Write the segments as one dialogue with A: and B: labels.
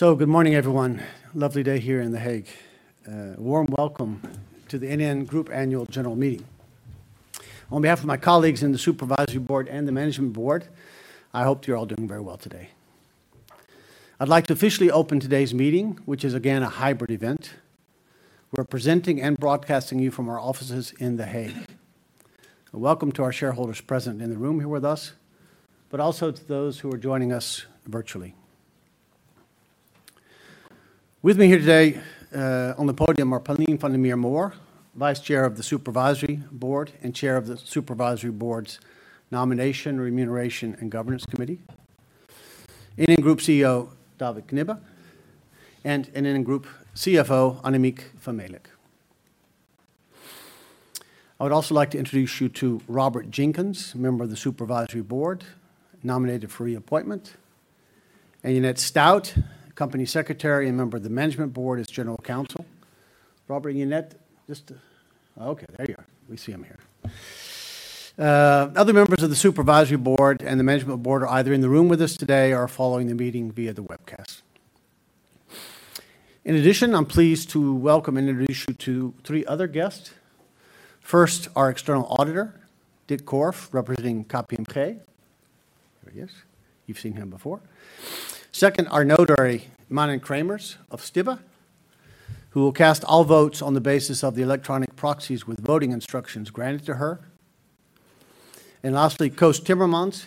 A: Good morning, everyone. Lovely day here in The Hague. Warm welcome to the NN Group Annual General Meeting. On behalf of my colleagues in the Supervisory Board and the Management Board, I hope you're all doing very well today. I'd like to officially open today's meeting, which is, again, a hybrid event. We're presenting and broadcasting you from our offices in The Hague. Welcome to our shareholders present in the room here with us, but also to those who are joining us virtually. With me here today, on the podium are Pauline van der Meer Mohr, Vice Chair of the Supervisory Board and Chair of the Supervisory Board's Nomination, Remuneration, and Governance Committee; NN Group CEO, David Knibbe; and NN Group CFO, Annemiek van Melick. I would also like to introduce you to Robert Jenkins, member of the Supervisory Board, nominated for reappointment, and Janet Stuijt, Company Secretary and member of the Management Board as General Counsel. Robert and Janet, just... Okay, there you are. We see them here. Other members of the Supervisory Board and the Management Board are either in the room with us today or are following the meeting via the webcast. In addition, I'm pleased to welcome and introduce you to three other guests. First, our external auditor, Dick Korf, representing KPMG. There he is. You've seen him before. Second, our notary, Manon Cremers of Stibbe, who will cast all votes on the basis of the electronic proxies with voting instructions granted to her. And lastly, Koos Timmermans,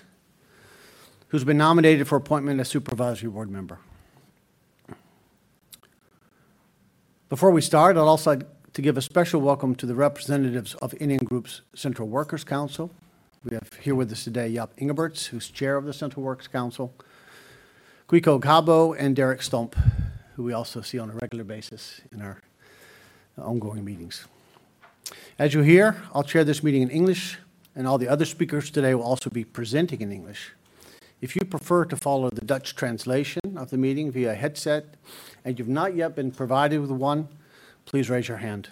A: who's been nominated for appointment as Supervisory Board member. Before we start, I'd also like to give a special welcome to the representatives of NN Group's Central Works Council. We have here with us today Jaap Engberts, who's Chair of the Central Works Council, Geke Gabbert, and Dirk Stump, who we also see on a regular basis in our ongoing meetings. As you hear, I'll chair this meeting in English, and all the other speakers today will also be presenting in English. If you prefer to follow the Dutch translation of the meeting via headset, and you've not yet been provided with one, please raise your hand.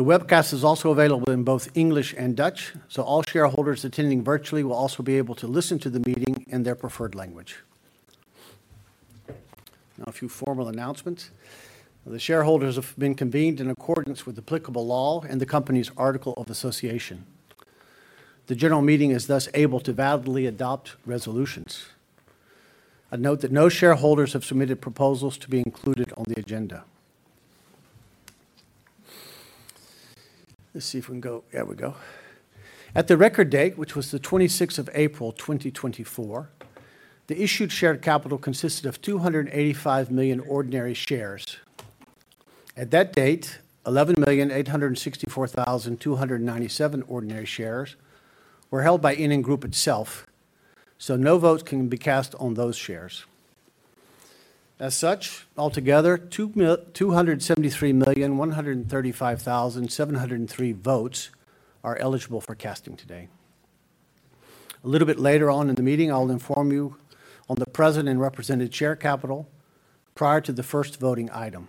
A: The webcast is also available in both English and Dutch, so all shareholders attending virtually will also be able to listen to the meeting in their preferred language. Now, a few formal announcements. The shareholders have been convened in accordance with applicable law and the company's Articles of Association. The general meeting is thus able to validly adopt resolutions. I note that no shareholders have submitted proposals to be included on the agenda. Let's see if we can go... There we go. At the record date, which was the twenty-sixth of April, 2024, the issued share capital consisted of 285 million ordinary shares. At that date, 11,864,297 ordinary shares were held by NN Group itself, so no votes can be cast on those shares. As such, altogether, 273,135,703 votes are eligible for casting today. A little bit later on in the meeting, I'll inform you on the present and represented share capital prior to the first voting item.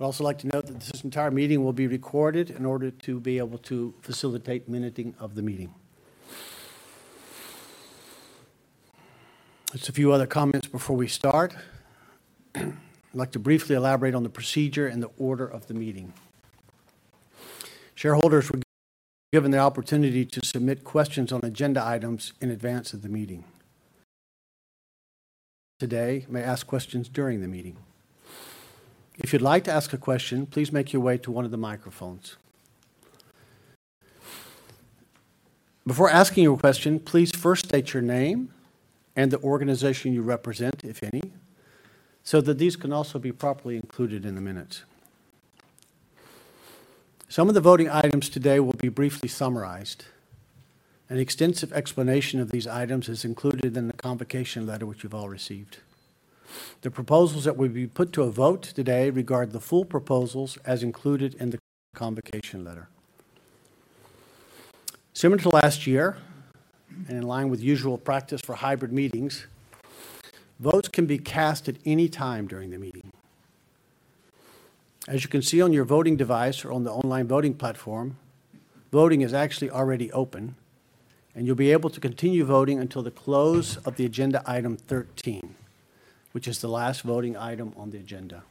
A: I'd also like to note that this entire meeting will be recorded in order to be able to facilitate minuting of the meeting. Just a few other comments before we start. I'd like to briefly elaborate on the procedure and the order of the meeting. Shareholders were given the opportunity to submit questions on agenda items in advance of the meeting. Today, you may ask questions during the meeting. If you'd like to ask a question, please make your way to one of the microphones. Before asking your question, please first state your name and the organization you represent, if any, so that these can also be properly included in the minutes. Some of the voting items today will be briefly summarized. An extensive explanation of these items is included in the convocation letter, which you've all received. The proposals that will be put to a vote today regard the full proposals as included in the convocation letter. Similar to last year, and in line with usual practice for hybrid meetings, votes can be cast at any time during the meeting. As you can see on your voting device or on the online voting platform, voting is actually already open, and you'll be able to continue voting until the close of the agenda item 13, which is the last voting item on the agenda.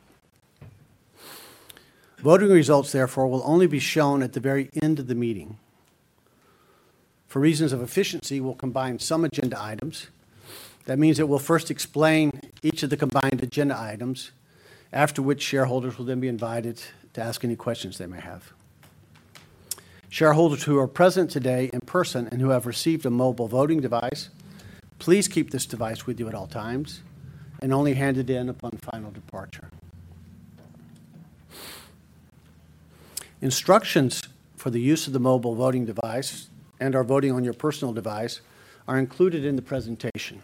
A: Voting results, therefore, will only be shown at the very end of the meeting. For reasons of efficiency, we'll combine some agenda items. That means that we'll first explain each of the combined agenda items, after which shareholders will then be invited to ask any questions they may have. Shareholders who are present today in person and who have received a mobile voting device, please keep this device with you at all times and only hand it in upon final departure. Instructions for the use of the mobile voting device and/or voting on your personal device are included in the presentation.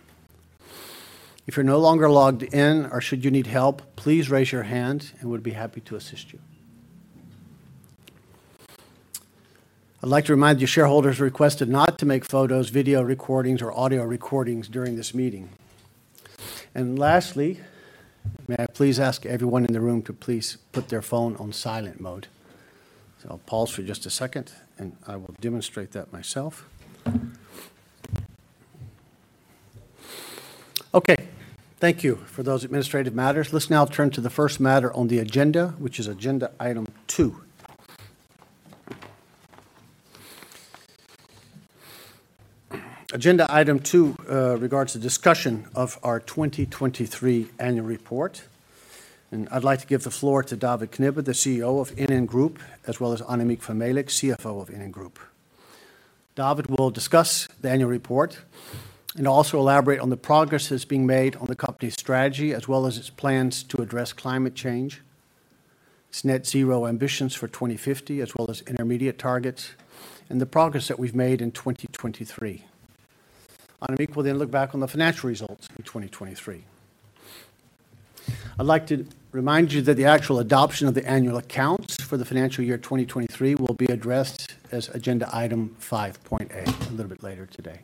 A: If you're no longer logged in or should you need help, please raise your hand, and we'd be happy to assist you. I'd like to remind you, shareholders are requested not to make photos, video recordings, or audio recordings during this meeting. And lastly, may I please ask everyone in the room to please put their phone on silent mode? So I'll pause for just a second, and I will demonstrate that myself. Okay, thank you for those administrative matters. Let's now turn to the first matter on the agenda, which is agenda item two. Agenda item two regards the discussion of our 2023 annual report, and I'd like to give the floor to David Knibbe, the CEO of NN Group, as well as Annemiek van Melick, CFO of NN Group. David will discuss the annual report and also elaborate on the progress that's being made on the company's strategy, as well as its plans to address climate change, its Net Zero ambitions for 2050, as well as intermediate targets, and the progress that we've made in 2023. Annemiek will then look back on the financial results in 2023. I'd like to remind you that the actual adoption of the annual accounts for the financial year 2023 will be addressed as agenda item 5.a, a little bit later today.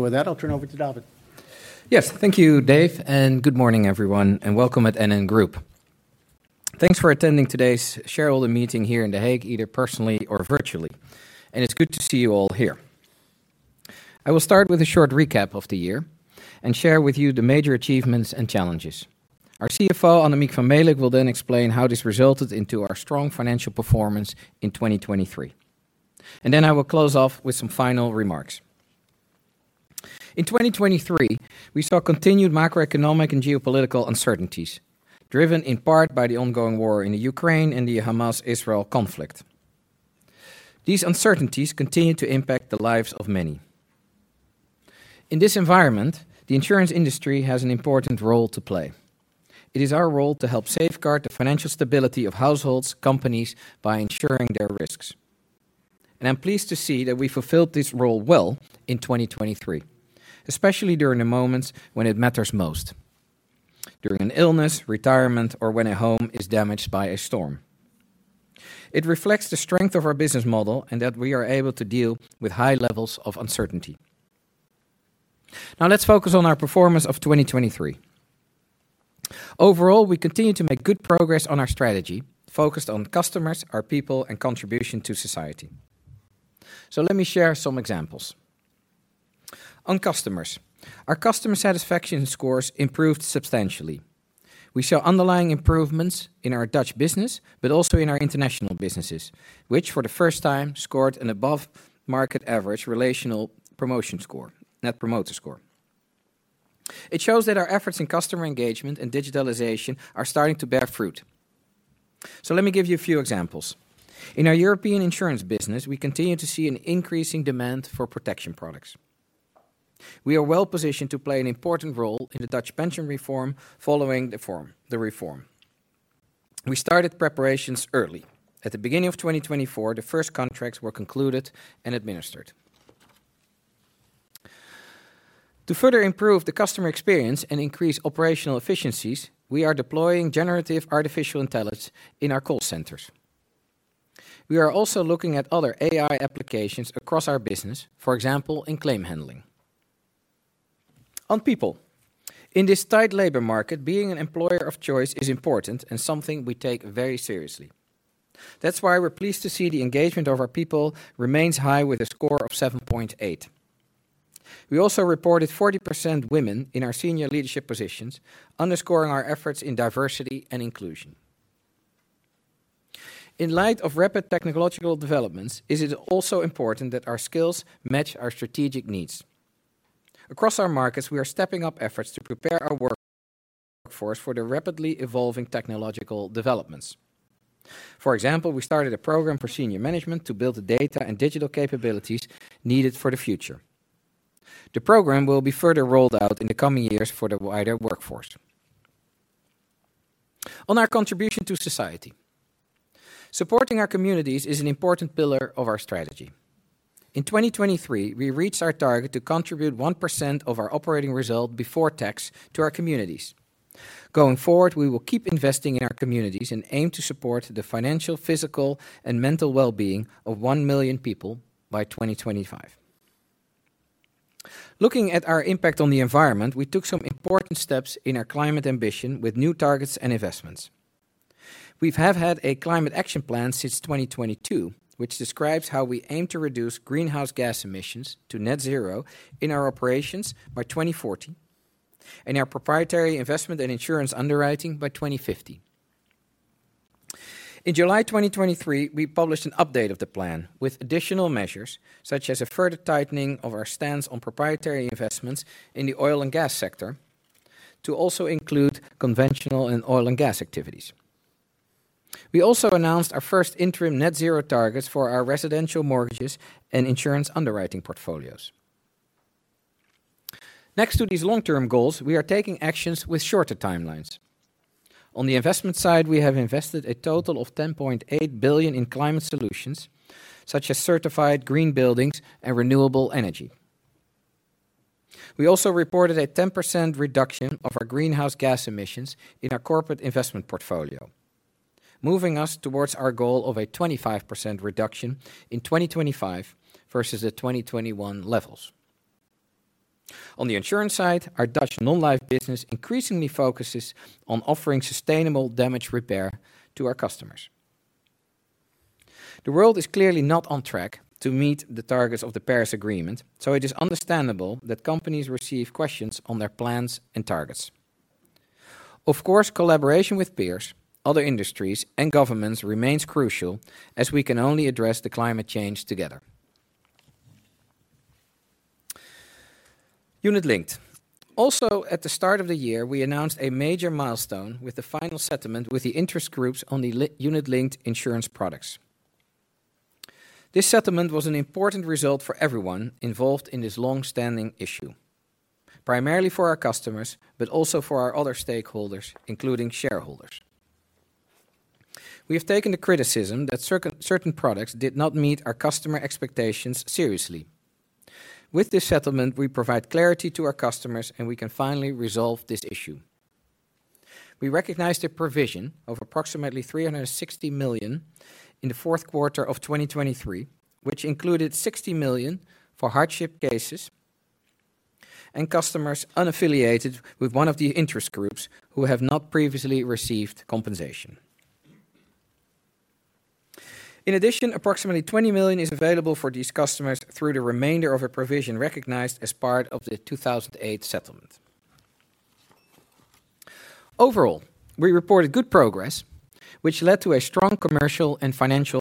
A: With that, I'll turn over to David.
B: Yes. Thank you, Dave, and good morning, everyone, and welcome at NN Group. Thanks for attending today's shareholder meeting here in The Hague, either personally or virtually, and it's good to see you all here. I will start with a short recap of the year and share with you the major achievements and challenges. Our CFO, Annemiek van Melick, will then explain how this resulted into our strong financial performance in 2023, and then I will close off with some final remarks. In 2023, we saw continued macroeconomic and geopolitical uncertainties, driven in part by the ongoing war in Ukraine and the Hamas-Israel conflict. These uncertainties continue to impact the lives of many. In this environment, the insurance industry has an important role to play. It is our role to help safeguard the financial stability of households, companies by ensuring their risks. I'm pleased to see that we fulfilled this role well in 2023, especially during the moments when it matters most: during an illness, retirement, or when a home is damaged by a storm. It reflects the strength of our business model and that we are able to deal with high levels of uncertainty. Now, let's focus on our performance of 2023. Overall, we continue to make good progress on our strategy, focused on customers, our people, and contribution to society. So let me share some examples. On customers, our customer satisfaction scores improved substantially. We saw underlying improvements in our Dutch business, but also in our international businesses, which for the first time scored an above-market average relational promotion score, Net Promoter Score. It shows that our efforts in customer engagement and digitalization are starting to bear fruit. So let me give you a few examples. In our European insurance business, we continue to see an increasing demand for protection products. We are well-positioned to play an important role in the Dutch pension reform following the reform. We started preparations early. At the beginning of 2024, the first contracts were concluded and administered. To further improve the customer experience and increase operational efficiencies, we are deploying generative artificial intelligence in our call centers. We are also looking at other AI applications across our business, for example, in claim handling. On people, in this tight labor market, being an employer of choice is important and something we take very seriously. That's why we're pleased to see the engagement of our people remains high, with a score of 7.8. We also reported 40% women in our senior leadership positions, underscoring our efforts in diversity and inclusion. In light of rapid technological developments, it is also important that our skills match our strategic needs. Across our markets, we are stepping up efforts to prepare our workforce for the rapidly evolving technological developments. For example, we started a program for senior management to build the data and digital capabilities needed for the future. The program will be further rolled out in the coming years for the wider workforce. On our contribution to society, supporting our communities is an important pillar of our strategy. In 2023, we reached our target to contribute 1% of our operating result before tax to our communities. Going forward, we will keep investing in our communities and aim to support the financial, physical, and mental well-being of 1 million people by 2025. Looking at our impact on the environment, we took some important steps in our climate ambition with new targets and investments. We have had a climate action plan since 2022, which describes how we aim to reduce greenhouse gas emissions to net zero in our operations by 2040, and our proprietary investment and insurance underwriting by 2050. In July 2023, we published an update of the plan with additional measures, such as a further tightening of our stance on proprietary investments in the oil and gas sector, to also include conventional and oil and gas activities. We also announced our first interim net zero targets for our residential mortgages and insurance underwriting portfolios. Next to these long-term goals, we are taking actions with shorter timelines. On the investment side, we have invested a total of 10.8 billion in climate solutions, such as certified green buildings and renewable energy. We also reported a 10% reduction of our greenhouse gas emissions in our corporate investment portfolio, moving us towards our goal of a 25% reduction in 2025 versus the 2021 levels. On the insurance side, our Dutch non-life business increasingly focuses on offering sustainable damage repair to our customers. The world is clearly not on track to meet the targets of the Paris Agreement, so it is understandable that companies receive questions on their plans and targets. Of course, collaboration with peers, other industries, and governments remains crucial, as we can only address the climate change together. Unit linked. Also, at the start of the year, we announced a major milestone with the final settlement with the interest groups on the unit-linked insurance products. This settlement was an important result for everyone involved in this long-standing issue, primarily for our customers, but also for our other stakeholders, including shareholders. We have taken the criticism that certain products did not meet our customer expectations seriously. With this settlement, we provide clarity to our customers, and we can finally resolve this issue. We recognized a provision of approximately 360 million in the fourth quarter of 2023, which included 60 million for hardship cases and customers unaffiliated with one of the interest groups who have not previously received compensation. In addition, approximately 20 million is available for these customers through the remainder of a provision recognized as part of the 2008 settlement. Overall, we reported good progress, which led to a strong commercial and financial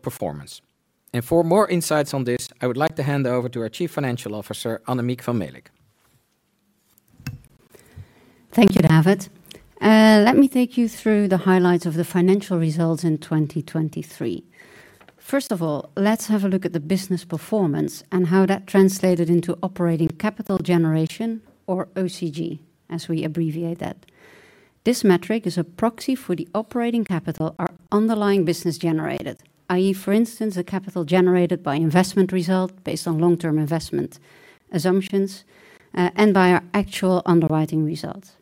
B: performance. For more insights on this, I would like to hand over to our Chief Financial Officer, Annemiek van Melick.
C: Thank you, David. Let me take you through the highlights of the financial results in 2023. First of all, let's have a look at the business performance and how that translated into operating capital generation, or OCG, as we abbreviate that. This metric is a proxy for the operating capital our underlying business generated, i.e., for instance, the capital generated by investment result based on long-term investment assumptions, and by our actual underwriting results.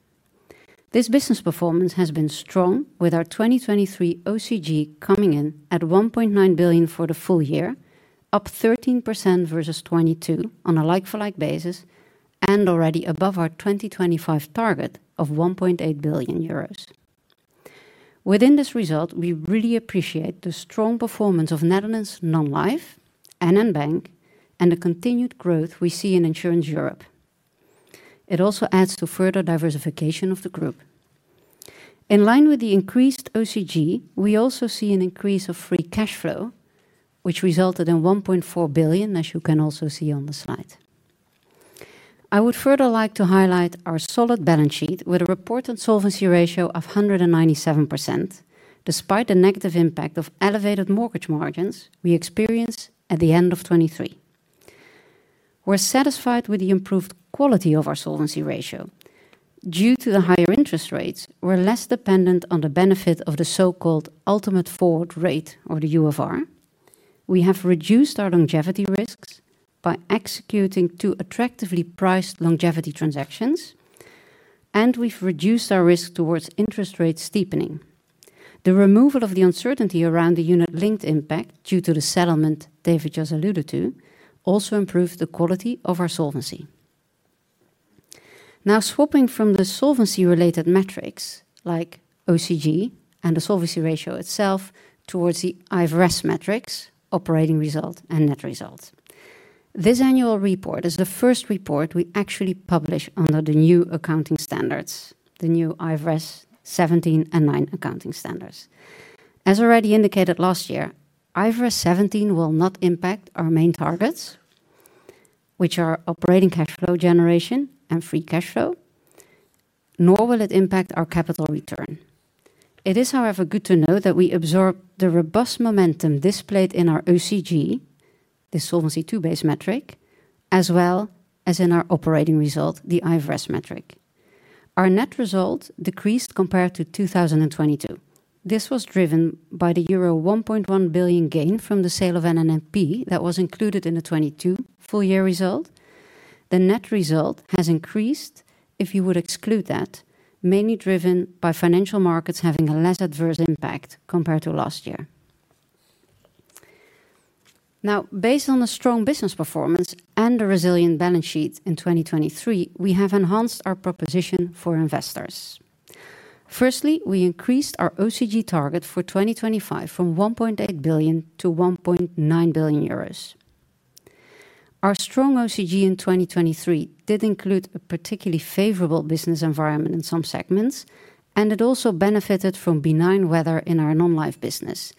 C: This business performance has been strong, with our 2023 OCG coming in at 1.9 billion for the full year, up 13% versus 2022 on a like-for-like basis, and already above our 2025 target of 1.8 billion euros. Within this result, we really appreciate the strong performance of Netherlands Non-Life, NN Bank, and the continued growth we see in Insurance Europe. It also adds to further diversification of the group. In line with the increased OCG, we also see an increase of free cash flow, which resulted in 1.4 billion, as you can also see on the slide. I would further like to highlight our solid balance sheet with a reported solvency ratio of 197%, despite the negative impact of elevated mortgage margins we experienced at the end of 2023. We're satisfied with the improved quality of our solvency ratio. Due to the higher interest rates, we're less dependent on the benefit of the so-called ultimate forward rate or the UFR. We have reduced our longevity risks by executing two attractively priced longevity transactions, and we've reduced our risk towards interest rate steepening. The removal of the uncertainty around the unit-linked impact due to the settlement David just alluded to also improved the quality of our solvency. Now, swapping from the solvency-related metrics, like OCG and the solvency ratio itself, towards the IFRS metrics, operating result, and net results. This annual report is the first report we actually publish under the new accounting standards, the new IFRS 17 and 9 accounting standards. As already indicated last year, IFRS 17 will not impact our main targets, which are operating cash flow generation and free cash flow, nor will it impact our capital return. It is, however, good to know that we absorb the robust momentum displayed in our OCG, the Solvency II base metric, as well as in our operating result, the IFRS metric. Our net result decreased compared to 2022. This was driven by the euro 1.1 billion gain from the sale of NNIP that was included in the 2022 full year result. The net result has increased if you would exclude that, mainly driven by financial markets having a less adverse impact compared to last year. Now, based on the strong business performance and the resilient balance sheet in 2023, we have enhanced our proposition for investors. Firstly, we increased our OCG target for 2025 from 1.8 billion to 1.9 billion euros. Our strong OCG in 2023 did include a particularly favorable business environment in some segments, and it also benefited from benign weather in our non-life business.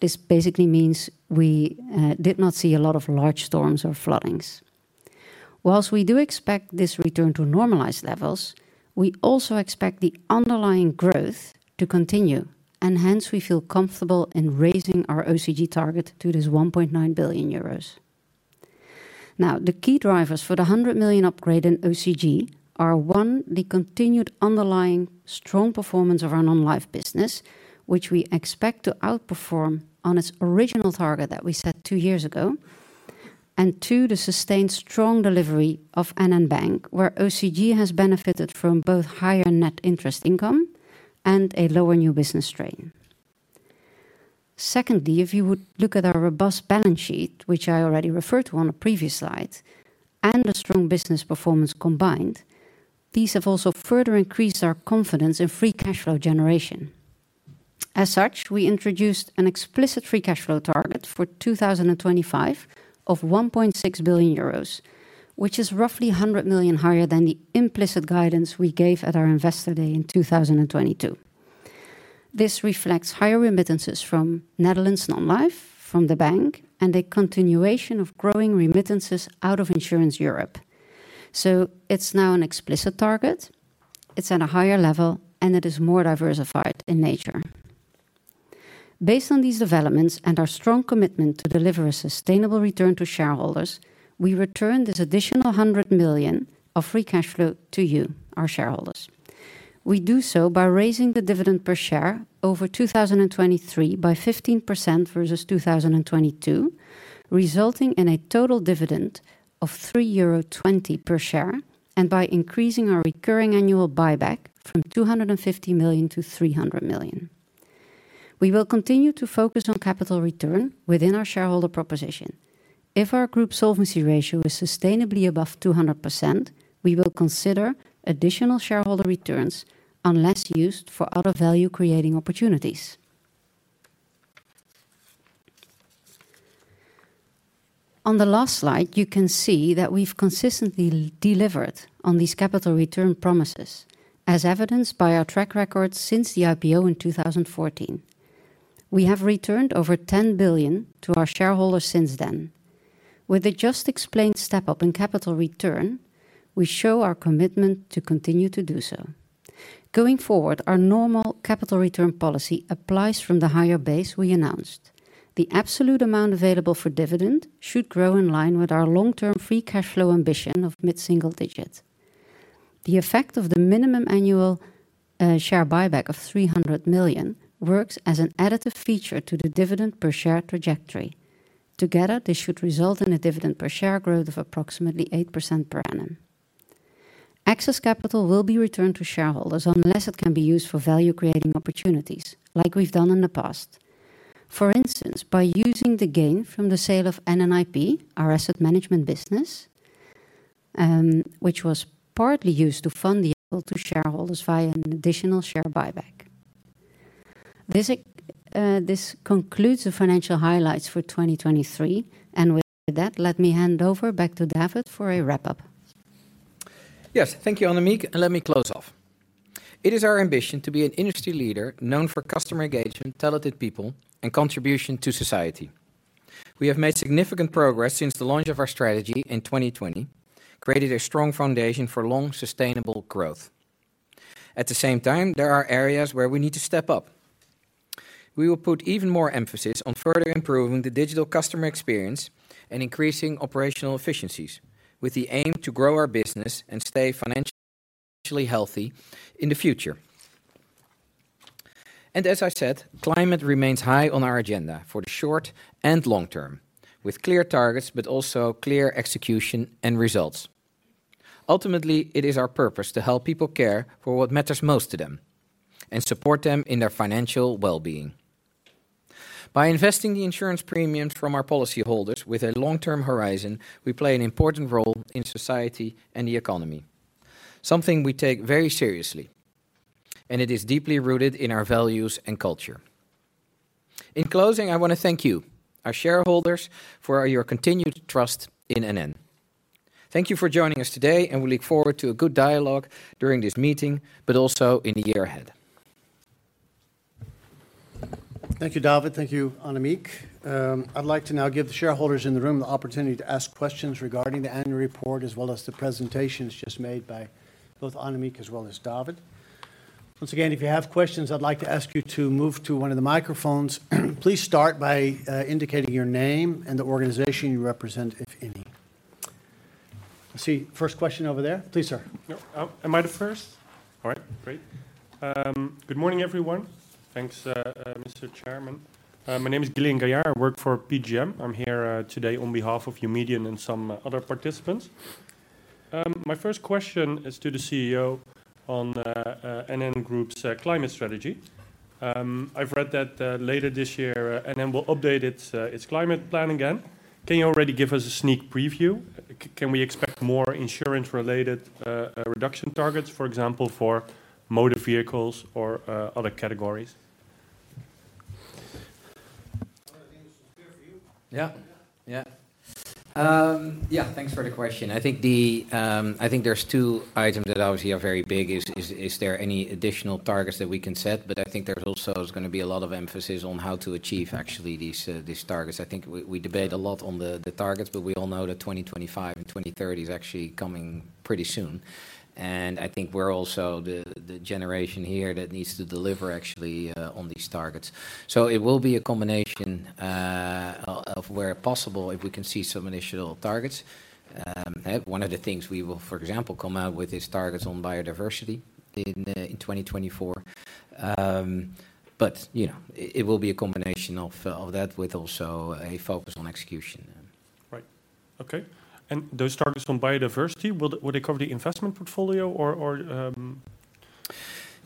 C: This basically means we did not see a lot of large storms or floodings. While we do expect this return to normalized levels, we also expect the underlying growth to continue, and hence we feel comfortable in raising our OCG target to 1.9 billion euros. Now, the key drivers for the 100 million upgrade in OCG are, one, the continued underlying strong performance of our non-life business, which we expect to outperform on its original target that we set two years ago... and two, the sustained strong delivery of NN Bank, where OCG has benefited from both higher net interest income and a lower new business strain. Secondly, if you would look at our robust balance sheet, which I already referred to on a previous slide, and a strong business performance combined, these have also further increased our confidence in free cash flow generation. As such, we introduced an explicit free cash flow target for 2025 of 1.6 billion euros, which is roughly 100 million higher than the implicit guidance we gave at our Investor Day in 2022. This reflects higher remittances from Netherlands Non-Life, from the bank, and a continuation of growing remittances out of Insurance Europe. So it's now an explicit target, it's at a higher level, and it is more diversified in nature. Based on these developments and our strong commitment to deliver a sustainable return to shareholders, we return this additional 100 million of free cash flow to you, our shareholders. We do so by raising the dividend per share over 2023 by 15% versus 2022, resulting in a total dividend of 3.20 euro per share, and by increasing our recurring annual buyback from 250 million to 300 million. We will continue to focus on capital return within our shareholder proposition. If our group solvency ratio is sustainably above 200%, we will consider additional shareholder returns unless used for other value-creating opportunities. On the last slide, you can see that we've consistently delivered on these capital return promises, as evidenced by our track record since the IPO in 2014. We have returned over 10 billion to our shareholders since then. With the just explained step-up in capital return, we show our commitment to continue to do so. Going forward, our normal capital return policy applies from the higher base we announced. The absolute amount available for dividend should grow in line with our long-term free cash flow ambition of mid-single digits. The effect of the minimum annual share buyback of 300 million works as an additive feature to the dividend per share trajectory. Together, this should result in a dividend per share growth of approximately 8% per annum. Excess capital will be returned to shareholders unless it can be used for value-creating opportunities, like we've done in the past. For instance, by using the gain from the sale of NNIP, our asset management business, which was partly used to fund the yield to shareholders via an additional share buyback. This concludes the financial highlights for 2023, and with that, let me hand over back to David for a wrap-up.
B: Yes. Thank you, Annemiek, and let me close off. It is our ambition to be an industry leader known for customer engagement, talented people, and contribution to society. We have made significant progress since the launch of our strategy in 2020, created a strong foundation for long, sustainable growth. At the same time, there are areas where we need to step up. We will put even more emphasis on further improving the digital customer experience and increasing operational efficiencies, with the aim to grow our business and stay financially, financially healthy in the future. And as I said, climate remains high on our agenda for the short and long term, with clear targets, but also clear execution and results. Ultimately, it is our purpose to help people care for what matters most to them and support them in their financial well-being. By investing the insurance premiums from our policyholders with a long-term horizon, we play an important role in society and the economy, something we take very seriously, and it is deeply rooted in our values and culture. In closing, I wanna thank you, our shareholders, for your continued trust in NN. Thank you for joining us today, and we look forward to a good dialogue during this meeting, but also in the year ahead.
A: Thank you, David. Thank you, Annemiek. I'd like to now give the shareholders in the room the opportunity to ask questions regarding the annual report, as well as the presentations just made by both Annemiek as well as David. Once again, if you have questions, I'd like to ask you to move to one of the microphones. Please start by indicating your name and the organization you represent, if any. I see first question over there. Please, sir.
D: Yep. Am I the first? All right, great. Good morning, everyone. Thanks, Mr. Chairman. My name is Jelena Gaillard. I work for PGGM. I'm here today on behalf of Eumedion and some other participants. My first question is to the CEO on the NN Group's climate strategy. I've read that later this year NN will update its climate plan again. Can you already give us a sneak preview? Can we expect more insurance-related reduction targets, for example, for motor vehicles or other categories?
B: Well, I think this is clear for you.
C: Yeah.
B: Yeah.
C: Yeah, thanks for the question. I think the... I think there's two items that obviously are very big: is there any additional targets that we can set? But I think there's also gonna be a lot of emphasis on how to achieve actually these targets. I think we debate a lot on the targets, but we all know that 2025 and 2030 is actually coming pretty soon, and I think we're also the generation here that needs to deliver actually on these targets. So it will be a combination of where possible, if we can see some initial targets. One of the things we will, for example, come out with is targets on biodiversity in 2024. But, you know, it will be a combination of that with also a focus on execution....
D: Right. Okay, and those targets on biodiversity, will they cover the investment portfolio or?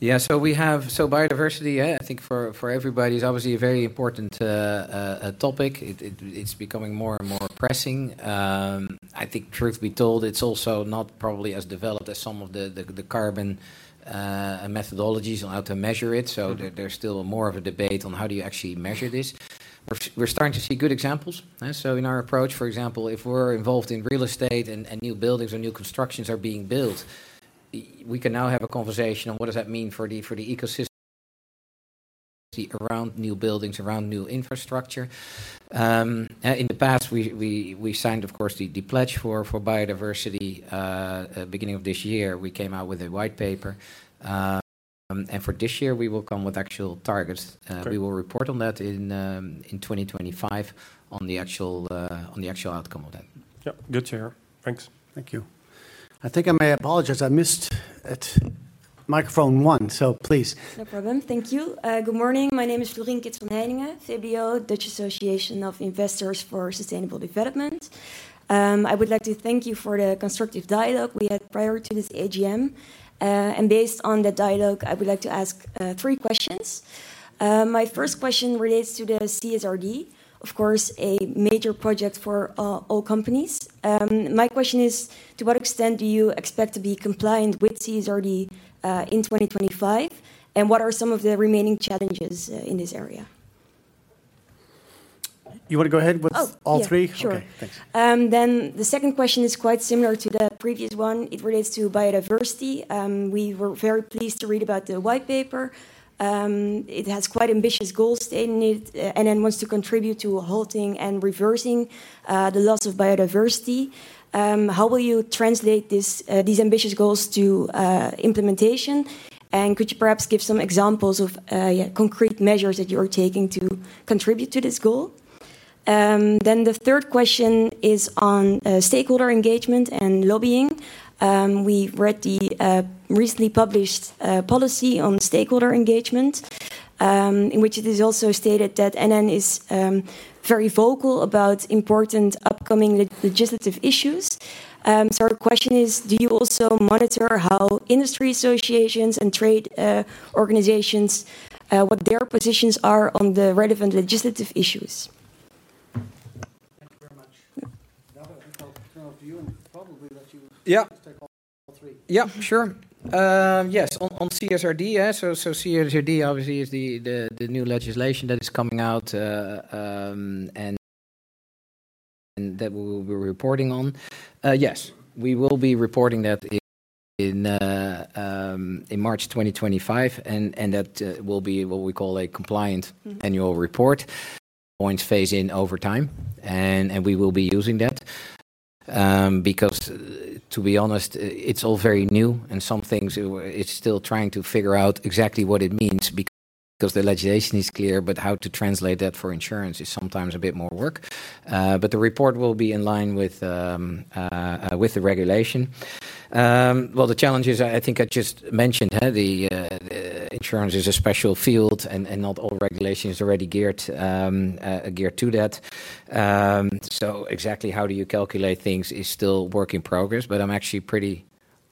B: Yeah, so we have, so biodiversity, yeah, I think for everybody is obviously a very important topic. It, it's becoming more and more pressing. I think truth be told, it's also not probably as developed as some of the carbon methodologies on how to measure it.
D: Mm-hmm.
B: There's still more of a debate on how do you actually measure this. We're starting to see good examples, eh? So in our approach, for example, if we're involved in real estate and new buildings or new constructions are being built, we can now have a conversation on what does that mean for the ecosystem around new buildings, around new infrastructure. In the past, we signed, of course, the pledge for biodiversity. At beginning of this year, we came out with a white paper, and for this year we will come with actual targets.
D: Okay.
B: We will report on that in 2025, on the actual outcome of that.
D: Yep, good to hear. Thanks.
A: Thank you. I think I may apologize. I missed at microphone one, so please.
E: No problem. Thank you. Good morning. My name is Florine Kist, VEB, Dutch Association of Investors for Sustainable Development. I would like to thank you for the constructive dialogue we had prior to this AGM. And based on the dialogue, I would like to ask three questions. My first question relates to the CSRD, of course, a major project for all companies. My question is: to what extent do you expect to be compliant with CSRD in 2025? And what are some of the remaining challenges in this area?
B: You want to go ahead with-
E: Oh, yeah...
B: all three?
E: Sure.
B: Okay, thanks.
E: Then the second question is quite similar to the previous one. It relates to biodiversity. We were very pleased to read about the white paper. It has quite ambitious goals in it, and then wants to contribute to halting and reversing the loss of biodiversity. How will you translate these ambitious goals to implementation? And could you perhaps give some examples of concrete measures that you are taking to contribute to this goal? Then the third question is on stakeholder engagement and lobbying. We read the recently published policy on stakeholder engagement, in which it is also stated that NN is very vocal about important upcoming legislative issues. So our question is: do you also monitor how industry associations and trade organizations, what their positions are on the relevant legislative issues?
A: Thank you very much.
B: Yeah.
A: Now, I think I'll turn over to you, and probably let you-
B: Yeah
A: -take all, all three.
B: Yeah, sure. Yes, on CSRD, yeah, so CSRD obviously is the new legislation that is coming out, and that we will be reporting on. Yes, we will be reporting that in March 2025, and that will be what we call a compliant-
E: Mm-hmm...
B: annual report. Points phase in over time, and we will be using that. Because to be honest, it's all very new, and some things, it's still trying to figure out exactly what it means because the legislation is clear, but how to translate that for insurance is sometimes a bit more work. But the report will be in line with the regulation. Well, the challenges, I think I just mentioned, the insurance is a special field, and not all regulation is already geared to that. So exactly how do you calculate things is still work in progress, but I'm actually pretty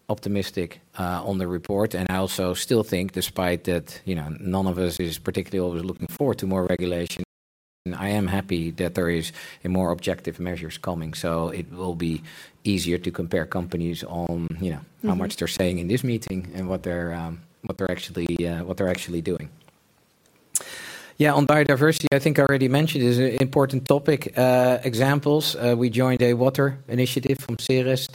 B: optimistic on the report. I also still think despite that, you know, none of us is particularly always looking forward to more regulation, I am happy that there is a more objective measures coming, so it will be easier to compare companies on, you know-
E: Mm-hmm...
B: how much they're saying in this meeting and what they're actually doing. Yeah, on biodiversity, I think I already mentioned, it is an important topic. Examples, we joined a water initiative from Ceres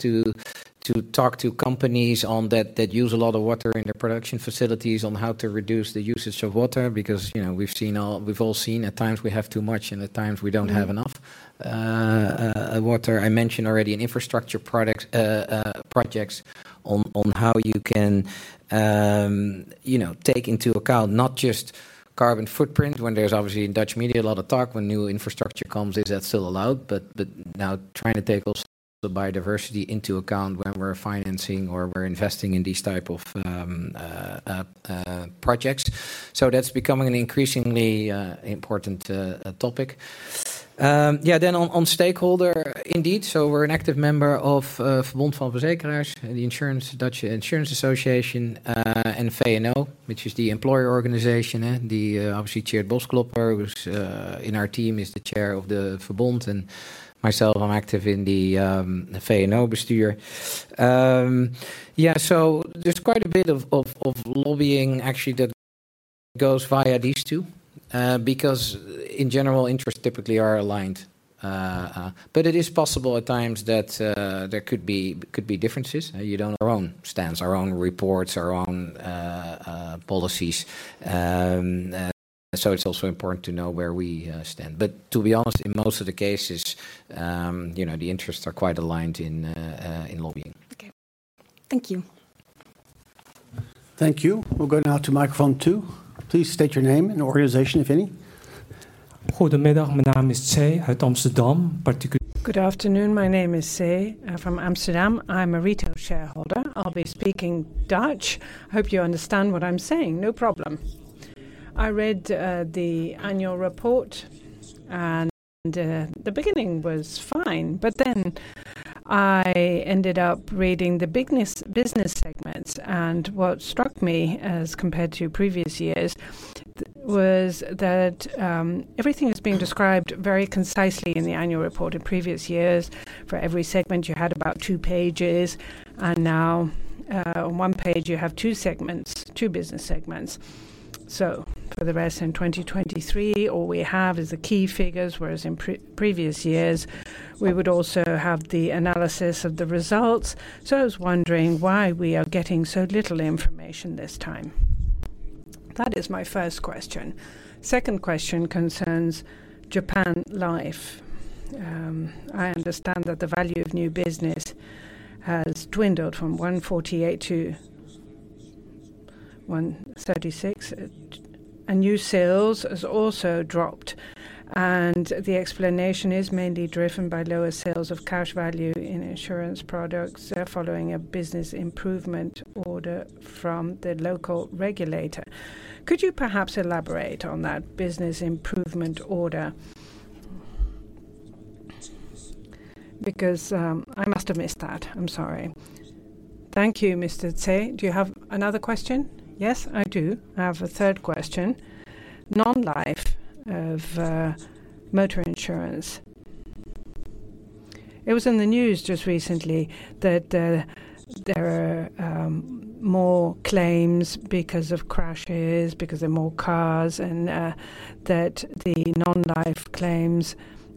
B: to talk to companies on that, that use a lot of water in their production facilities on how to reduce the usage of water. Because, you know, we've seen all... We've all seen at times we have too much, and at times we don't have enough.
E: Mm-hmm.
B: Water, I mentioned already in infrastructure products, projects on how you can, you know, take into account not just carbon footprint, when there's obviously in Dutch media, a lot of talk when new infrastructure comes, is that still allowed? But now trying to take also the biodiversity into account when we're financing or we're investing in these type of projects. So that's becoming an increasingly important topic. Yeah, then on stakeholder, indeed, so we're an active member of Verbond van Verzekeraars, the Insurance Dutch Insurance Association, and VNO, which is the employer organization. Obviously, Tjeerd Bosklopper, who's in our team, is the chair of the Verbond, and myself, I'm active in the VNO bestuur. Yeah, so there's quite a bit of lobbying, actually, that goes via these two, because in general, interests typically are aligned. But it is possible at times that there could be differences. You know, our own stance, our own reports, our own policies. So it's also important to know where we stand. But to be honest, in most of the cases, you know, the interests are quite aligned in lobbying.
E: Okay. Thank you.
A: Thank you. We'll go now to microphone two. Please state your name and organization, if any.
F: Good afternoon. My name is Kin Tse from Amsterdam. I'm a retail shareholder. I'll be speaking Dutch. Hope you understand what I'm saying. No problem? ... I read the annual report, and the beginning was fine, but then I ended up reading the business segments. And what struck me, as compared to previous years, was that everything is being described very concisely in the annual report. In previous years, for every segment, you had about two pages, and now on one page, you have two segments, two business segments. So for the rest, in 2023, all we have is the key figures, whereas in previous years, we would also have the analysis of the results. So I was wondering why we are getting so little information this time. That is my first question. Second question concerns Japan Life. I understand that the value of new business has dwindled from 148 to 136, and new sales has also dropped, and the explanation is mainly driven by lower sales of cash value in insurance products, following a Business Improvement Order from the local regulator. Could you perhaps elaborate on that Business Improvement Order? Because, I must have missed that. I'm sorry. Thank you, Mr. Tse. Do you have another question? Yes, I do. I have a third question. Non-life motor insurance. It was in the news just recently that there are more claims because of crashes, because there are more cars, and that the non-life claims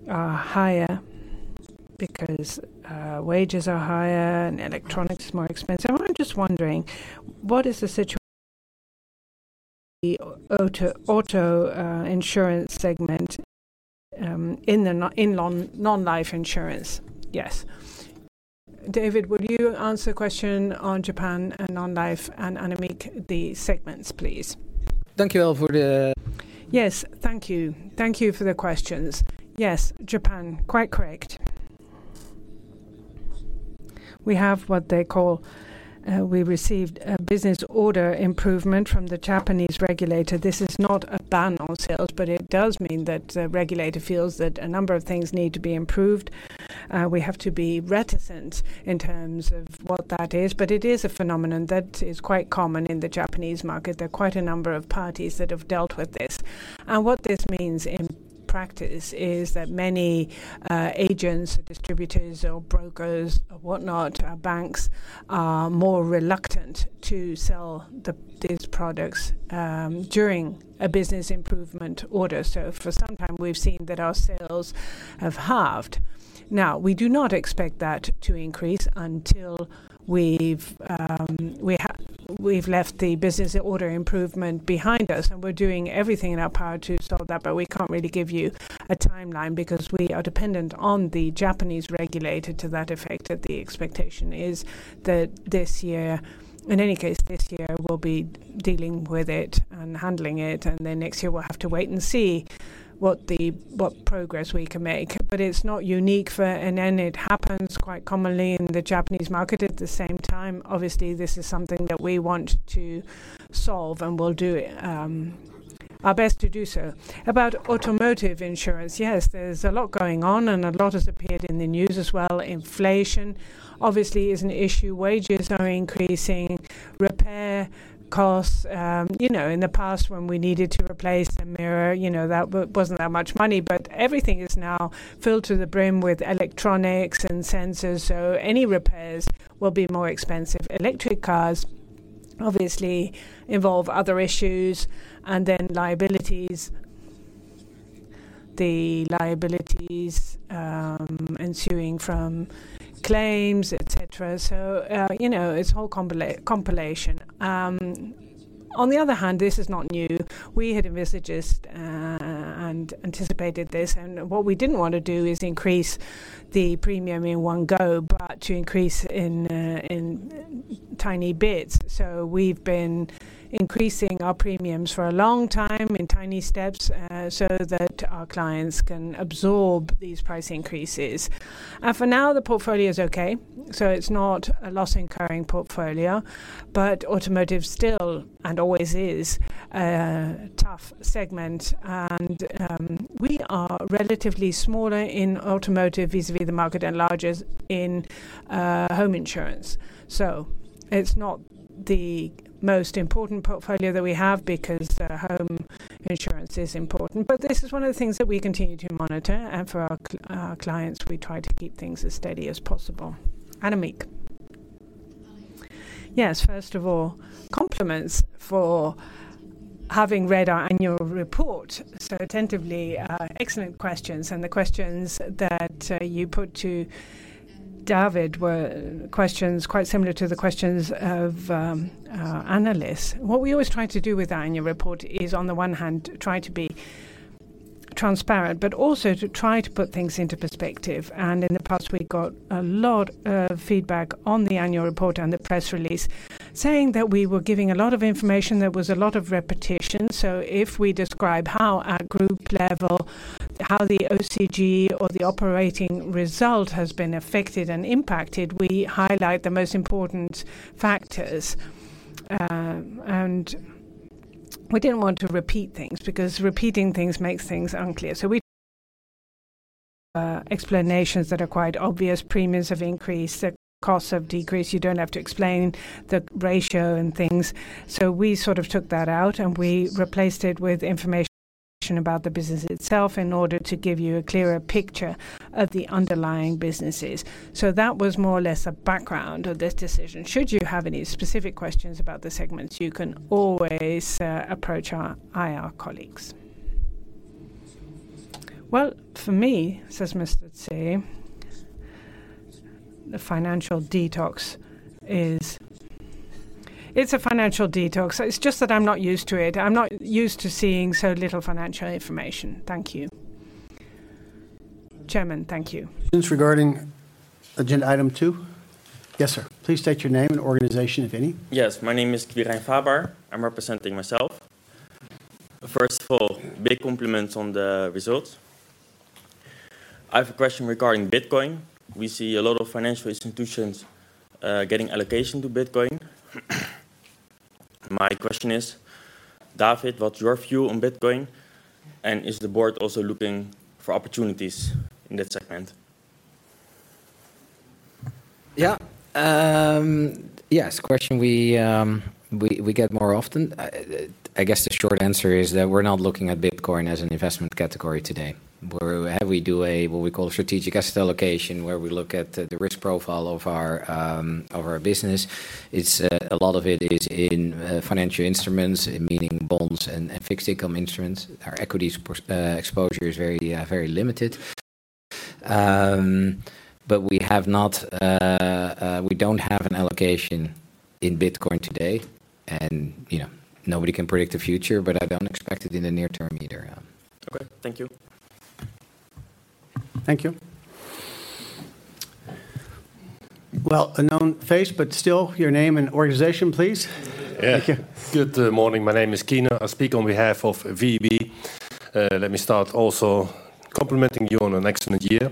F: are higher because wages are higher and electronics is more expensive. I'm just wondering, what is the situation in the auto insurance segment in non-life insurance? Yes. David, would you answer the question on Japan and non-life, and Annemiek, the segments, please?
B: Thank you for the-
F: Yes, thank you. Thank you for the questions. Yes, Japan, quite correct. We have what they call, we received a Business Improvement Order from the Japanese regulator. This is not a ban on sales, but it does mean that the regulator feels that a number of things need to be improved. We have to be reticent in terms of what that is, but it is a phenomenon that is quite common in the Japanese market. There are quite a number of parties that have dealt with this. And what this means in practice is that many, agents or distributors or brokers or whatnot, banks, are more reluctant to sell the, these products, during a Business Improvement Order. So for some time, we've seen that our sales have halved. Now, we do not expect that to increase until we've left the Business Improvement Order behind us, and we're doing everything in our power to solve that. But we can't really give you a timeline because we are dependent on the Japanese regulator to that effect, that the expectation is that this year. In any case, this year, we'll be dealing with it and handling it, and then next year we'll have to wait and see what progress we can make. But it's not unique for NN. It happens quite commonly in the Japanese market. At the same time, obviously, this is something that we want to solve, and we'll do our best to do so. About automotive insurance, yes, there's a lot going on, and a lot has appeared in the news as well. Inflation, obviously, is an issue. Wages are increasing. Repair costs, you know, in the past, when we needed to replace the mirror, you know, that wasn't that much money, but everything is now filled to the brim with electronics and sensors, so any repairs will be more expensive. Electric cars obviously involve other issues and then liabilities, the liabilities, ensuing from claims, et cetera. So, you know, it's whole compilation. On the other hand, this is not new. We had envisaged and anticipated this, and what we didn't want to do is increase the premium in one go, but to increase in tiny bits. So we've been increasing our premiums for a long time in tiny steps, so that our clients can absorb these price increases. And for now, the portfolio is okay, so it's not a loss-incurring portfolio. But automotive still, and always is, a tough segment, and, we are relatively smaller in automotive vis-à-vis the market and larger in, home insurance. So it's not the most important portfolio that we have because, home insurance is important, but this is one of the things that we continue to monitor. And for our our clients, we try to keep things as steady as possible. Annemiek? Yes. First of all, compliments for having read our annual report so attentively. Excellent questions, and the questions that, you put to David were questions quite similar to the questions of, analysts. What we always try to do with our annual report is, on the one hand, try to be transparent, but also to try to put things into perspective.
C: In the past, we got a lot of feedback on the annual report and the press release, saying that we were giving a lot of information, there was a lot of repetition. So if we describe how at group level, how the OCG or the operating result has been affected and impacted, we highlight the most important factors. We didn't want to repeat things, because repeating things makes things unclear. So explanations that are quite obvious. Premiums have increased, the costs have decreased. You don't have to explain the ratio and things. So we sort of took that out, and we replaced it with information about the business itself in order to give you a clearer picture of the underlying businesses. So that was more or less a background of this decision. Should you have any specific questions about the segments, you can always approach our IR colleagues. Well, for me, says Mr. Tse, the financial detox is... It's a financial detox. It's just that I'm not used to it. I'm not used to seeing so little financial information. Thank you. Chairman, thank you.
A: Questions regarding agenda item two? Yes, sir. Please state your name and organization, if any. Yes, my name is Brian Faber. I'm representing myself. First of all, big compliments on the results. I have a question regarding Bitcoin. We see a lot of financial institutions, getting allocation to Bitcoin. My question is, David, what's your view on Bitcoin, and is the board also looking for opportunities in that segment?
B: Yeah. Yes, a question we get more often. I guess the short answer is that we're not looking at Bitcoin as an investment category today. Where we do what we call a strategic asset allocation, where we look at the risk profile of our business. It's a lot of it is in financial instruments, meaning bonds and fixed income instruments. Our equities exposure is very limited. But we have not. We don't have an allocation in Bitcoin today, and you know, nobody can predict the future, but I don't expect it in the near term either. Okay. Thank you.
A: Thank you. Well, a known face, but still, your name and organization, please. Thank you.
G: Yeah. Good morning. My name is Keyner. I speak on behalf of VEB. Let me start also complimenting you on an excellent year.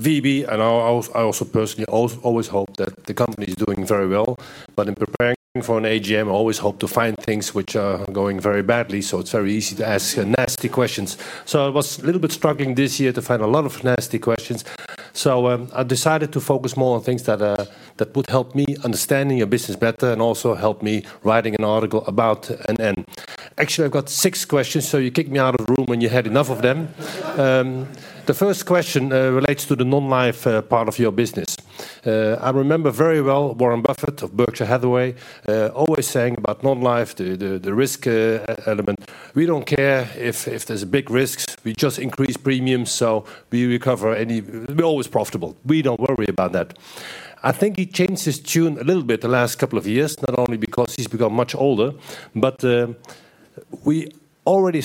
G: VEB and I, I also personally always hope that the company is doing very well. But in preparing for an AGM, I always hope to find things which are going very badly, so it's very easy to ask nasty questions. So I was a little bit struggling this year to find a lot of nasty questions. So I decided to focus more on things that would help me understanding your business better and also help me writing an article about it in the end. Actually, I've got six questions, so you kick me out of the room when you had enough of them. The first question relates to the non-life part of your business. I remember very well Warren Buffett of Berkshire Hathaway always saying about non-life, the risk element: "We don't care if there's big risks, we just increase premiums, so we recover any... We're always profitable. We don't worry about that." I think he changed his tune a little bit the last couple of years, not only because he's become much older, but we already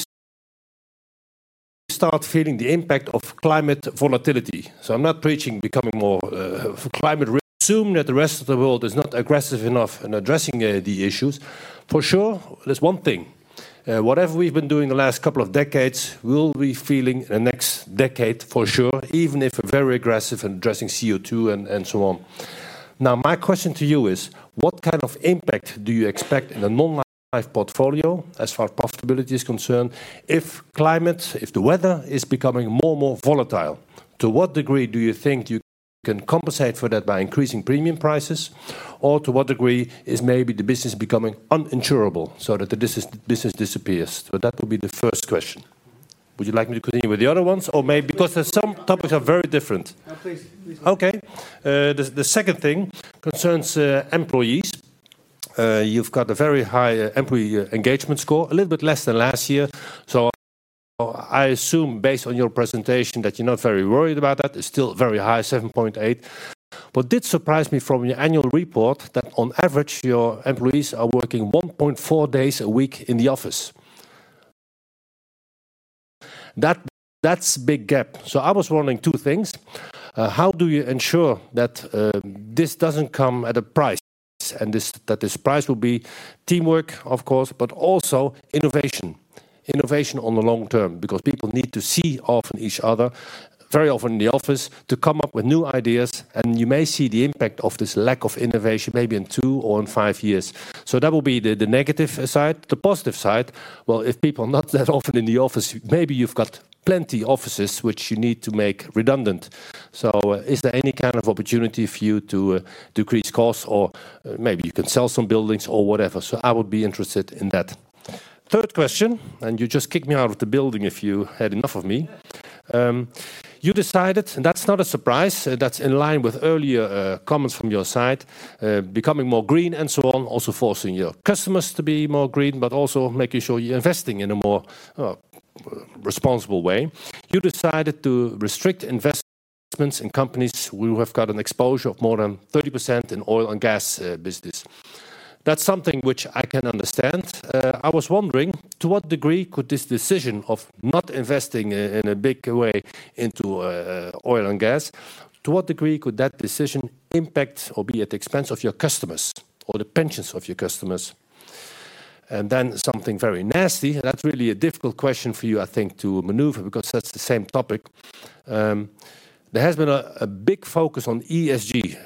G: start feeling the impact of climate volatility. So I'm not preaching becoming more for climate. I assume that the rest of the world is not aggressive enough in addressing the issues. For sure, there's one thing: Whatever we've been doing the last couple of decades, we'll be feeling in the next decade for sure, even if we're very aggressive in addressing CO2 and so on. Now, my question to you is: What kind of impact do you expect in the non-life portfolio as far as profitability is concerned, if climate, if the weather is becoming more and more volatile? To what degree do you think you can compensate for that by increasing premium prices, or to what degree is maybe the business becoming uninsurable so that the business, business disappears? So that would be the first question. Would you like me to continue with the other ones or maybe- because there's some topics are very different.
A: Please. Please.
G: Okay. The second thing concerns employees. You've got a very high employee engagement score, a little bit less than last year. So I assume, based on your presentation, that you're not very worried about that. It's still very high, 7.8. What did surprise me from your annual report, that on average, your employees are working 1.4 days a week in the office. That's a big gap. So I was wondering two things: How do you ensure that this doesn't come at a price, and that this price will be teamwork, of course, but also innovation, innovation on the long term? Because people need to see often each other, very often in the office, to come up with new ideas, and you may see the impact of this lack of innovation maybe in two or in five years. So that will be the negative side. The positive side, well, if people are not that often in the office, maybe you've got plenty offices which you need to make redundant. So is there any kind of opportunity for you to decrease costs, or maybe you can sell some buildings or whatever? So I would be interested in that. Third question, and you just kick me out of the building if you had enough of me. You decided, and that's not a surprise, that's in line with earlier comments from your side, becoming more green and so on, also forcing your customers to be more green, but also making sure you're investing in a more responsible way. You decided to restrict investments in companies who have got an exposure of more than 30% in oil and gas business. That's something which I can understand. I was wondering, to what degree could this decision of not investing in, in a big way into, oil and gas, to what degree could that decision impact or be at the expense of your customers or the pensions of your customers? And then something very nasty, that's really a difficult question for you, I think, to maneuver because that's the same topic. There has been a, a big focus on ESG,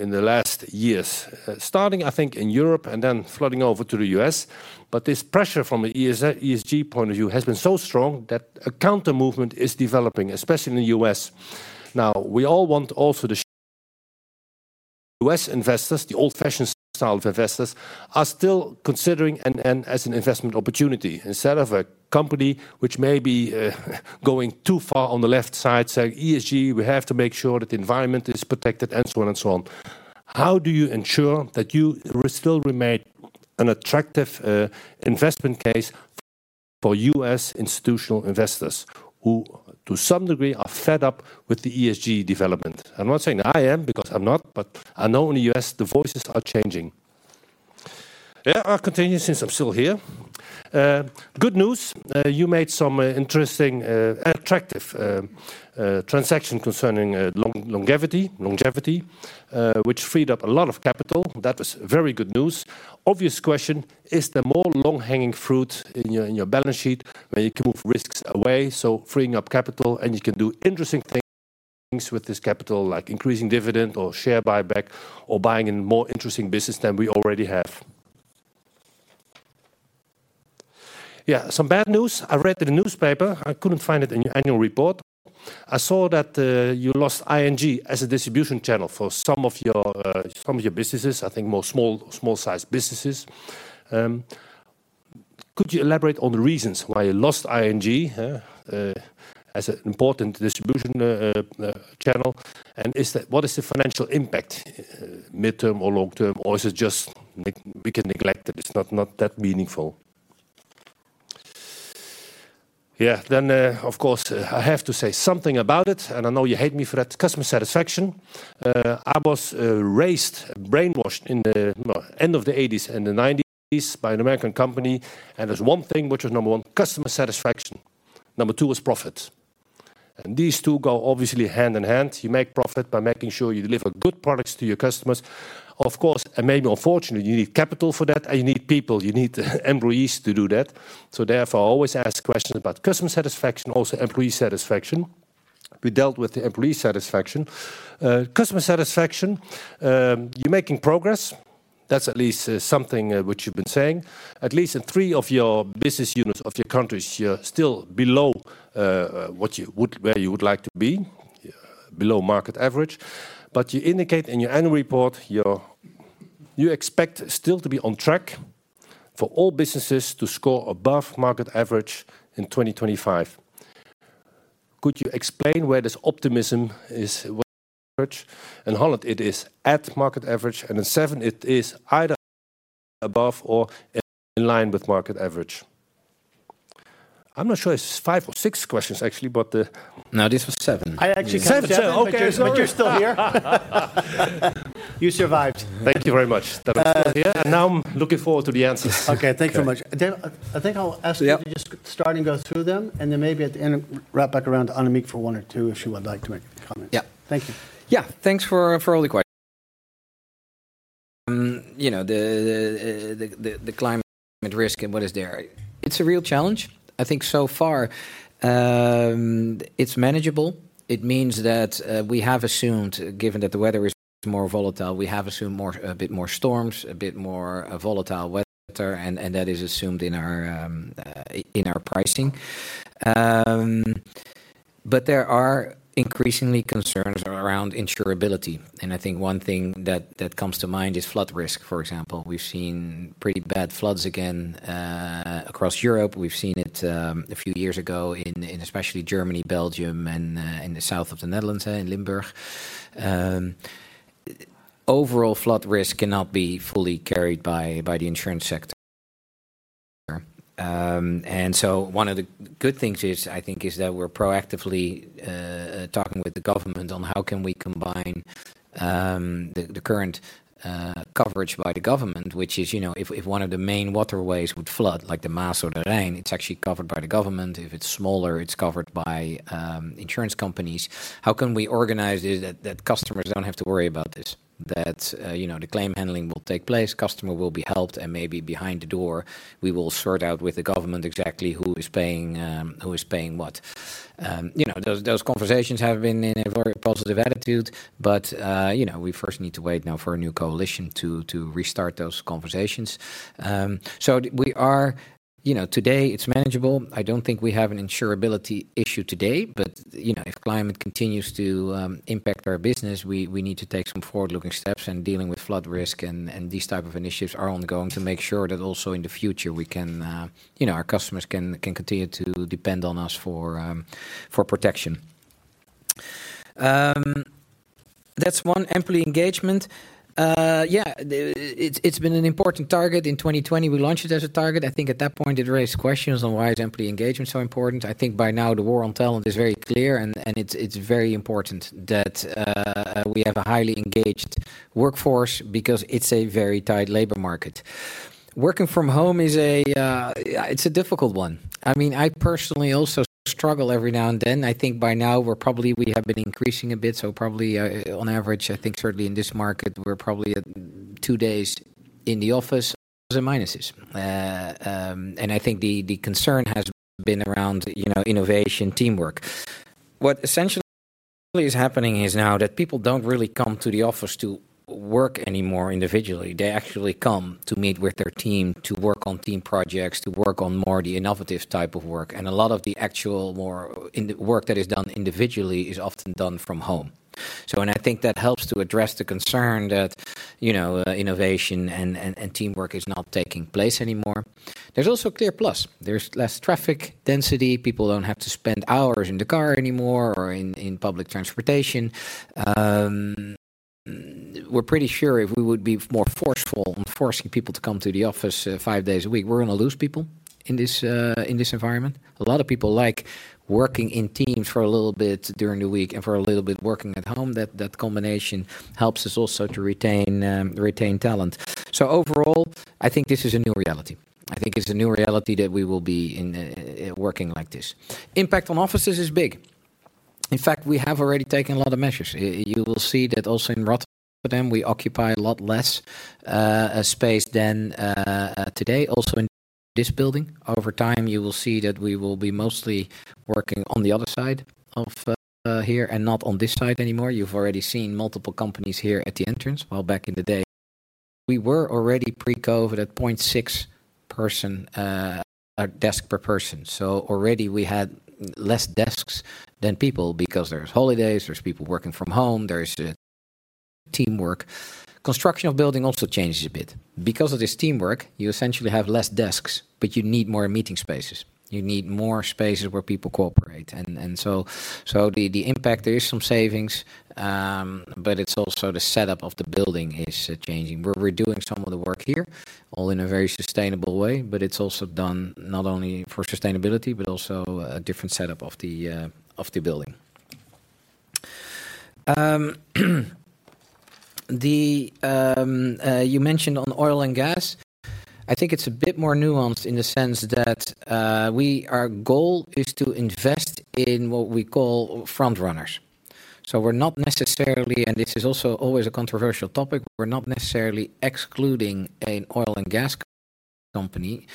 G: in the last years, starting, I think, in Europe and then flooding over to the US. But this pressure from the ESG point of view has been so strong that a counter movement is developing, especially in the US. Now, we all want also the U.S. investors, the old-fashioned style of investors, are still considering and, and as an investment opportunity, instead of a company which may be, going too far on the left side, saying: "ESG, we have to make sure that the environment is protected," and so on and so on. How do you ensure that you still remain an attractive, investment case for U.S. institutional investors, who, to some degree, are fed up with the ESG development? I'm not saying I am, because I'm not, but I know in the U.S., the voices are changing. Yeah, I'll continue since I'm still here. Good news, you made some interesting and attractive transaction concerning longevity, which freed up a lot of capital. That was very good news. Obvious question: Is there more low-hanging fruit in your balance sheet, where you can move risks away, so freeing up capital, and you can do interesting things with this capital, like increasing dividend or share buyback or buying in more interesting business than we already have? Yeah, some bad news. I read in the newspaper, I couldn't find it in your annual report. I saw that you lost ING as a distribution channel for some of your businesses, I think more small-sized businesses. Could you elaborate on the reasons why you lost ING as an important distribution channel? And is that—what is the financial impact midterm or long-term, or is it just we can neglect it, it's not that meaningful? Yeah. Then, of course, I have to say something about it, and I know you hate me for that: customer satisfaction. I was raised, brainwashed, in the, well, end of the '80s and the '90s by an American company, and there's one thing which was number one, customer satisfaction. Number two was profit. And these two go obviously hand in hand. You make profit by making sure you deliver good products to your customers. Of course, and maybe unfortunately, you need capital for that, and you need people, you need employees to do that. So therefore, I always ask questions about customer satisfaction, also employee satisfaction. We dealt with the employee satisfaction. Customer satisfaction, you're making progress. That's at least something which you've been saying. At least in three of your business units of your countries, you're still below where you would like to be, below market average. But you indicate in your annual report, you're you expect still to be on track for all businesses to score above market average in 2025. Could you explain where this optimism is, where average? In Holland, it is at market average, and in seven, it is either above or in line with market average. I'm not sure if this is five or six questions, actually, but.
B: No, this was 7.
G: Seven!
A: I actually counted seven.
G: Okay. Sorry.
A: But you're still here. You survived.
G: Thank you very much.
A: Uh-
G: Now I'm looking forward to the answers.
A: Okay, thank you very much. Then, I think I'll ask you-
B: Yep...
A: to just start and go through them, and then maybe at the end, wrap back around to Annemiek for one or two, if she would like to make comments.
B: Yeah.
A: Thank you. Yeah. Thanks for all the questions. You know, the climate risk and what is there. It's a real challenge. I think so far, it's manageable. It means that we have assumed, given that the weather is more volatile, we have assumed more, a bit more storms, a bit more volatile weather, and that is assumed in our pricing. But there are increasingly concerns around insurability, and I think one thing that comes to mind is flood risk, for example. We've seen pretty bad floods again across Europe. We've seen it a few years ago in especially Germany, Belgium, and in the south of the Netherlands, in Limburg. Overall flood risk cannot be fully carried by the insurance sector, and so one of the good things is, I think, that we're proactively talking with the government on how can we combine the current coverage by the government, which is, you know, if one of the main waterways would flood, like the Maas or the Rhine, it's actually covered by the government. If it's smaller, it's covered by insurance companies. How can we organize it that customers don't have to worry about this? That, you know, the claim handling will take place, customer will be helped, and maybe behind the door, we will sort out with the government exactly who is paying who is paying what. You know, those conversations have been in a very positive attitude, but, you know, we first need to wait now for a new coalition to restart those conversations. So we are—you know, today, it's manageable. I don't think we have an insurability issue today, but, you know, if climate continues to impact our business, we need to take some forward-looking steps in dealing with flood risk, and these type of initiatives are ongoing to make sure that also in the future, we can, you know, our customers can continue to depend on us for protection. That's one. Employee engagement. Yeah, it's been an important target. In 2020, we launched it as a target. I think at that point, it raised questions on why is employee engagement so important. I think by now the war on talent is very clear, and it's very important that we have a highly engaged workforce because it's a very tight labor market. Working from home is a difficult one. I mean, I personally also struggle every now and then. I think by now we're probably we have been increasing a bit, so probably on average, I think certainly in this market, we're probably at two days in the office; there are pluses and minuses. And I think the concern has more been around, you know, innovation, teamwork. What essentially is happening is now that people don't really come to the office to work anymore individually. They actually come to meet with their team, to work on team projects, to work on more of the innovative type of work, and a lot of the actual more in-work that is done individually is often done from home. So I think that helps to address the concern that, you know, innovation and teamwork is not taking place anymore. There's also a clear plus: there's less traffic density, people don't have to spend hours in the car anymore or in public transportation. We're pretty sure if we would be more forceful in forcing people to come to the office five days a week, we're gonna lose people in this environment. A lot of people like working in teams for a little bit during the week and for a little bit working at home. That, that combination helps us also to retain retain talent. So overall, I think this is a new reality. I think it's a new reality that we will be in, working like this. Impact on offices is big. In fact, we have already taken a lot of measures. You will see that also in Rotterdam, we occupy a lot less, space than, today. Also, in this building, over time, you will see that we will be mostly working on the other side of, here and not on this side anymore. You've already seen multiple companies here at the entrance. While back in the day, we were already pre-COVID at 0.6 person desk per person, so already we had less desks than people because there's holidays, there's people working from home, there's the teamwork. Construction of building also changes a bit. Because of this teamwork, you essentially have less desks, but you need more meeting spaces. You need more spaces where people cooperate, and so the impact, there is some savings, but it's also the setup of the building is changing. We're doing some of the work here, all in a very sustainable way, but it's also done not only for sustainability but also a different setup of the building. You mentioned on oil and gas. I think it's a bit more nuanced in the sense that, we our goal is to invest in what we call front runners. So we're not necessarily, and this is also always a controversial topic, we're not necessarily excluding an oil and gas company,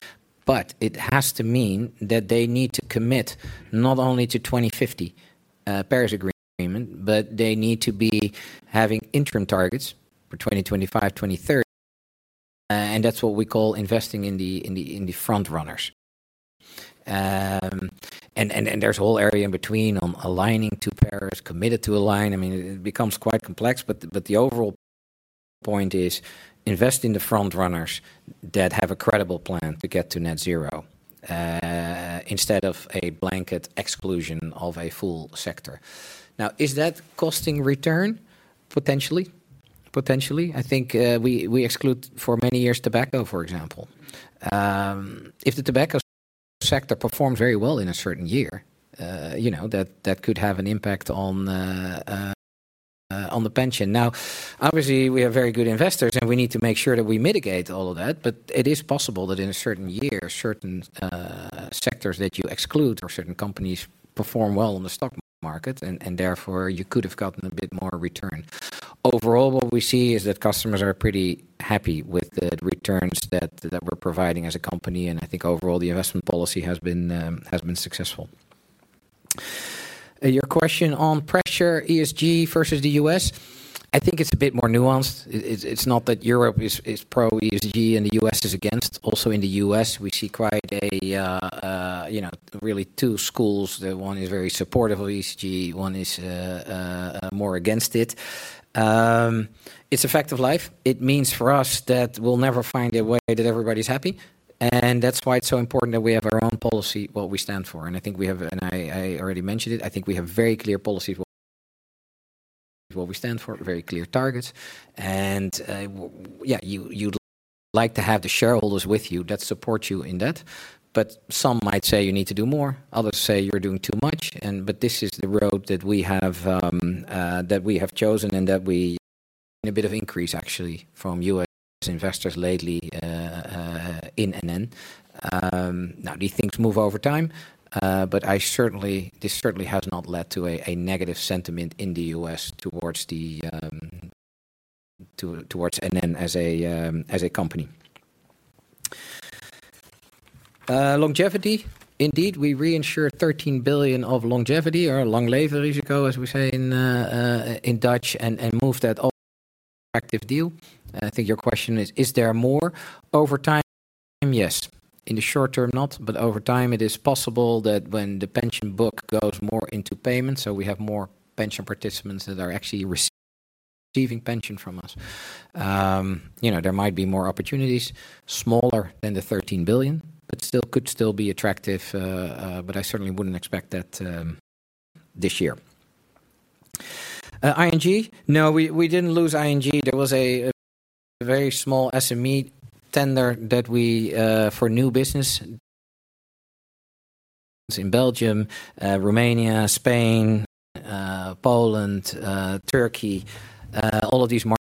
A: but it has to mean that they need to commit not only to 2050, Paris Agreement, but they need to be having interim targets for 2025, 2030, and that's what we call investing in the, in the, in the front runners. And, and there's a whole area in between on aligning to Paris, committed to align. I mean, it becomes quite complex, but the, but the overall point is invest in the front runners that have a credible plan to get to net zero, instead of a blanket exclusion of a full sector. Now, is that costing return? Potentially. Potentially. I think, we, we exclude for many years tobacco, for example. If the tobacco sector performs very well in a certain year, you know, that, that could have an impact on the pension. Now, obviously, we are very good investors, and we need to make sure that we mitigate all of that. But it is possible that in a certain year, certain sectors that you exclude or certain companies perform well in the stock market and, and therefore you could have gotten a bit more return. Overall, what we see is that customers are pretty happy with the returns that, that we're providing as a company, and I think overall, the investment policy has been successful. Your question on pressure ESG versus the US, I think it's a bit more nuanced. It, it's not that Europe is, is pro-ESG and the US is against. Also in the US, we see quite a, you know, really two schools. One is very supportive of ESG, one is more against it. It's a fact of life. It means for us that we'll never find a way that everybody's happy, and that's why it's so important that we have our own policy, what we stand for. And I think we have... and I, I already mentioned it, I think we have very clear policies, what we stand for, very clear targets, and, yeah, you, you'd like to have the shareholders with you that support you in that. But some might say you need to do more, others say you're doing too much, but this is the road that we have chosen and that we've a bit of increase actually from US investors lately in NN. Now, these things move over time, but I certainly this certainly has not led to a negative sentiment in the US towards towards NN as a company. Longevity. Indeed, we reinsure 13 billion of longevity or langlevenrisico, as we say in Dutch, and move that off balance sheet. I think your question is: Is there more? Over time, yes. In the short term, not, but over time, it is possible that when the pension book goes more into payments, so we have more pension participants that are actually receiving pension from us, you know, there might be more opportunities, smaller than the 13 billion, but still—could still be attractive, but I certainly wouldn't expect that, this year. ING? No, we, we didn't lose ING. There was a very small SME tender that we for new business in Belgium, Romania, Spain, Poland, Turkey. All of these markets,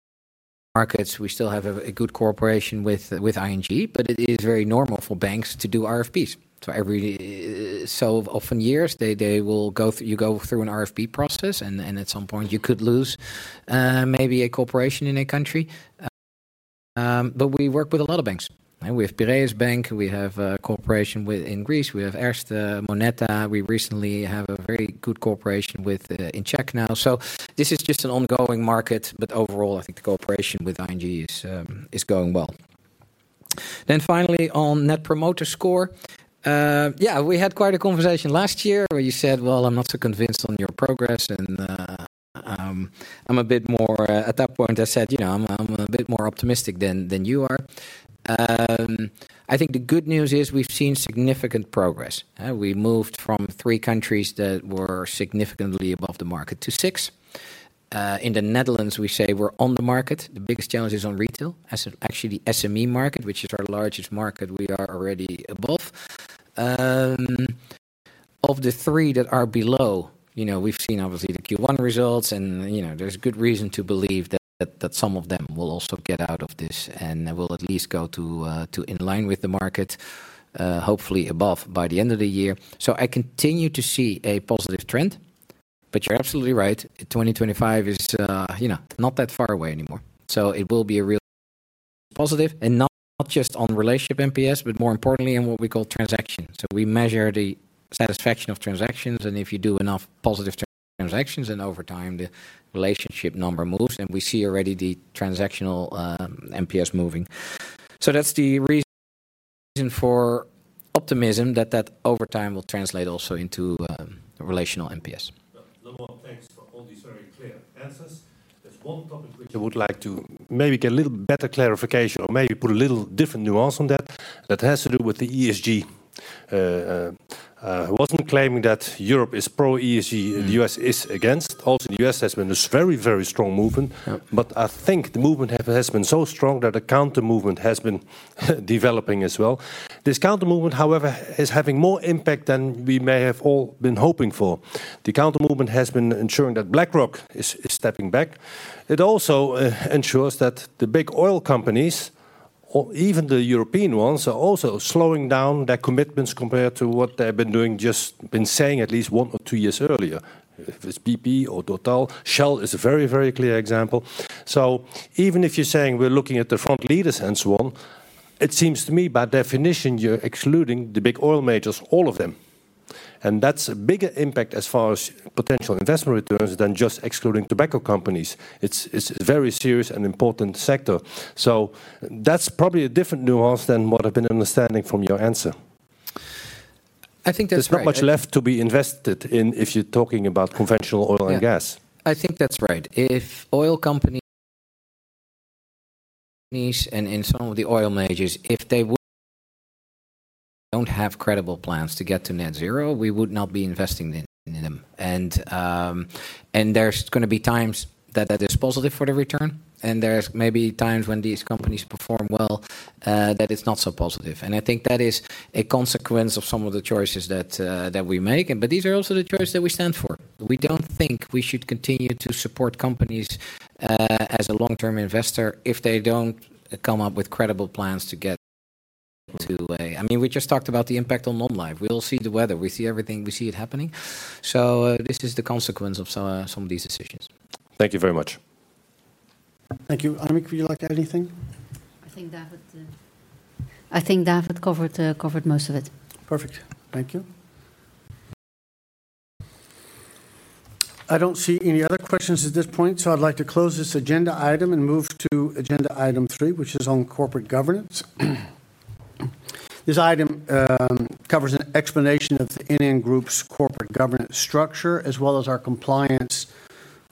A: we still have a good cooperation with ING, but it is very normal for banks to do RFPs. So every so often years, they will go through... You go through an RFP process, and, and at some point, you could lose, maybe a cooperation in a country, but we work with a lot of banks, and we have Piraeus Bank, we have, cooperation with in Greece, we have Erste, Moneta. We recently have a very good cooperation with, in Czech now. So this is just an ongoing market, but overall, I think the cooperation with ING is, is going well. Then finally, on Net Promoter Score, yeah, we had quite a conversation last year where you said: "Well, I'm not so convinced on your progress," and, I'm a bit more, at that point, I said, "You know, I'm, I'm a bit more optimistic than, than you are." I think the good news is we've seen significant progress. We moved from three countries that were significantly above the market to six. In the Netherlands, we say we're on the market. The biggest challenge is on retail. Actually, the SME market, which is our largest market, we are already above. Of the three that are below, you know, we've seen obviously the Q1 results, and, you know, there's good reason to believe that some of them will also get out of this, and will at least go to in line with the market, hopefully above by the end of the year. So I continue to see a positive trend, but you're absolutely right, 2025 is, you know, not that far away anymore. So it will be a real positive, and not just on relationship NPS, but more importantly, in what we call transactions. So we measure the satisfaction of transactions, and if you do enough positive transactions, then over time, the relationship number moves, and we see already the transactional NPS moving. So that's the reason for optimism that that over time will translate also into a relational NPS.
G: Well, number one, thanks for all these very clear answers. There's one topic which I would like to maybe get a little better clarification or maybe put a little different nuance on that. That has to do with the ESG. I wasn't claiming that Europe is pro-ESG- and the U.S. is against. Also, the U.S. has been this very, very strong movement.
B: Yeah.
G: I think the movement has been so strong that a counter movement has been developing as well. This counter movement, however, is having more impact than we may have all been hoping for. The counter movement has been ensuring that BlackRock is stepping back. It also ensures that the big oil companies or even the European ones are also slowing down their commitments compared to what they've been doing, just been saying at least one or two years earlier, if it's BP or Total. Shell is a very, very clear example. Even if you're saying we're looking at the front leaders and so on, it seems to me, by definition, you're excluding the big oil majors, all of them. And that's a bigger impact as far as potential investment returns than just excluding tobacco companies. It's a very serious and important sector. So that's probably a different nuance than what I've been understanding from your answer.
B: I think that's right-
G: There's not much left to be invested in if you're talking about conventional oil and gas.
B: Yeah. I think that's right. If oil companies, and some of the oil majors, if they would don't have credible plans to get to net zero, we would not be investing in them. And there's gonna be times that that is positive for the return, and there's maybe times when these companies perform well, that it's not so positive. And I think that is a consequence of some of the choices that we make, and but these are also the choices that we stand for. We don't think we should continue to support companies, as a long-term investor if they don't come up with credible plans to get to a... I mean, we just talked about the impact on non-life. We all see the weather, we see everything, we see it happening. So, this is the consequence of some of these decisions.
G: Thank you very much.
A: Thank you. Annemiek, would you like to add anything?
C: I think David covered most of it.
A: Perfect. Thank you. I don't see any other questions at this point, so I'd like to close this agenda item and move to agenda item three, which is on corporate governance. This item covers an explanation of the NN Group corporate governance structure, as well as our compliance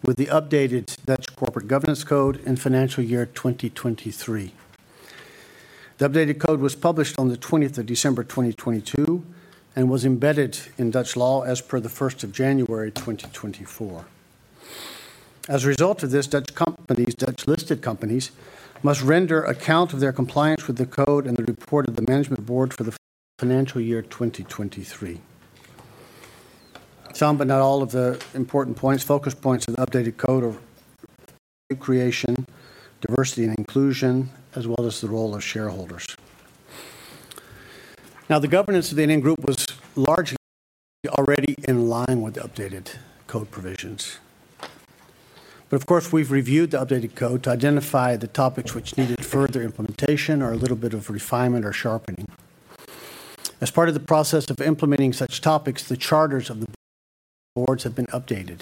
A: with the updated Dutch Corporate Governance Code in financial year 2023. The updated code was published on the 20th of December 2022, and was embedded in Dutch law as per the 1st of January 2024. As a result of this, Dutch companies, Dutch-listed companies, must render account of their compliance with the code and the report of the management board for the financial year 2023. Some, but not all, of the important points, focus points of the updated code are creation, diversity and inclusion, as well as the role of shareholders. Now, the governance of the NN Group was largely already in line with the updated code provisions. But of course, we've reviewed the updated code to identify the topics which needed further implementation or a little bit of refinement or sharpening. As part of the process of implementing such topics, the charters of the boards have been updated.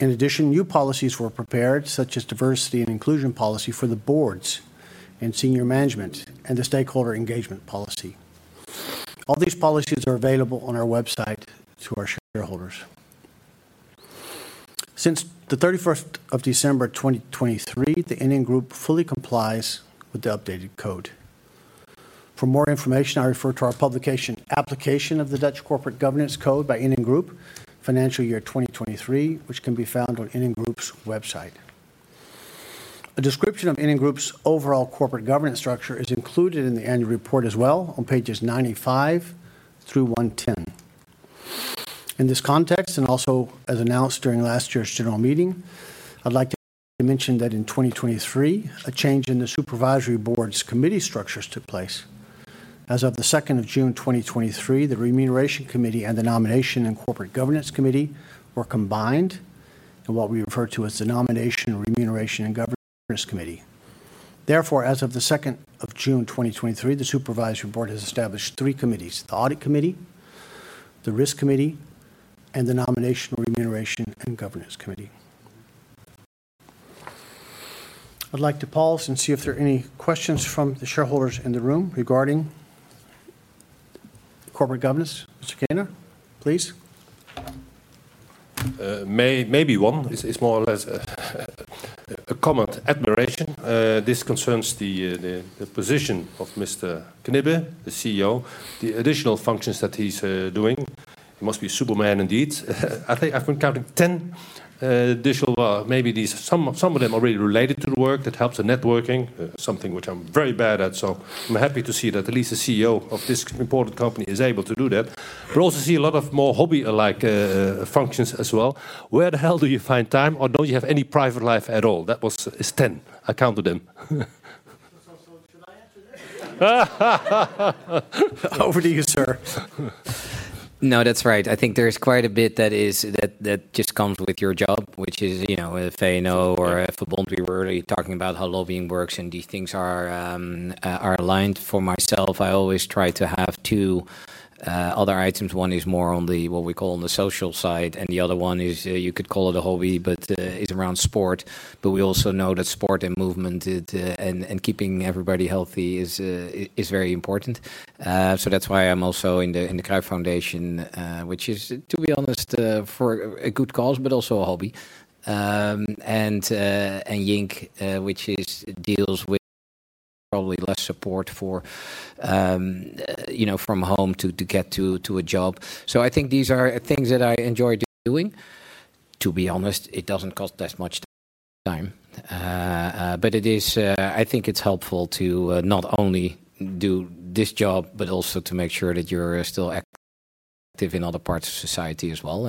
A: In addition, new policies were prepared, such as diversity and inclusion policy for the boards and senior management, and the stakeholder engagement policy. All these policies are available on our website to our shareholders. Since the 31st of December 2023, the NN Group fully complies with the updated code. For more information, I refer to our publication, Application of the Dutch Corporate Governance Code by NN Group, Financial Year 2023, which can be found on NN Group website. A description of NN Group overall corporate governance structure is included in the annual report as well, on pages 95 through 110. In this context, and also as announced during last year's General Meeting, I'd like to mention that in 2023, a change in the supervisory board's committee structures took place. As of June 2, 2023, the Remuneration Committee and the Nomination and Corporate Governance Committee were combined in what we refer to as the Nomination, Remuneration, and Governance Committee. Therefore, as of June 2, 2023, the Supervisory Board has established three committees: the Audit Committee, the Risk Committee, and the Nomination, Remuneration, and Governance Committee. I'd like to pause and see if there are any questions from the shareholders in the room regarding corporate governance. Mr. Keyner, please.
G: Maybe one. It's more or less a comment, admiration. This concerns the position of Mr. Knibbe, the CEO, the additional functions that he's doing. He must be Superman indeed. I think I've been counting 10 additional... Well, maybe some of them are really related to the work that helps the networking, something which I'm very bad at, so I'm happy to see that at least the CEO of this important company is able to do that. But I also see a lot of more hobby-alike functions as well. Where the hell do you find time, or don't you have any private life at all? That was... It's 10. I counted them.
B: So, should I answer that?
A: Over to you, sir.
B: No, that's right. I think there is quite a bit that just comes with your job, which is, you know, with VNO or if football, we were talking about how lobbying works, and these things are aligned. For myself, I always try to have two other items. One is more on the, what we call on the social side, and the other one is, you could call it a hobby, but is around sport. But we also know that sport and movement and keeping everybody healthy is very important. So that's why I'm also in the Cruyff Foundation, which is, to be honest, for a good cause, but also a hobby. And JINC, which is... deals with probably less support for, you know, from home to get to a job. So I think these are things that I enjoy doing. To be honest, it doesn't cost as much time. But it is. I think it's helpful to not only do this job, but also to make sure that you're still active in other parts of society as well.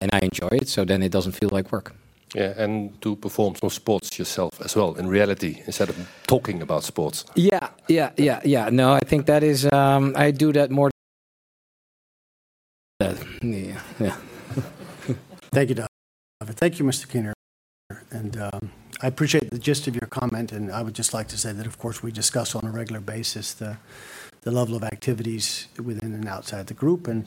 B: And I enjoy it, so then it doesn't feel like work.
G: Yeah, and to perform some sports yourself as well, in reality, instead of talking about sports.
B: Yeah, yeah, yeah, yeah. No, I think that is, I do that more. Yeah, yeah.
A: Thank you, David. Thank you, Mr. Keyner. And, I appreciate the gist of your comment, and I would just like to say that, of course, we discuss on a regular basis the level of activities within and outside the group, and,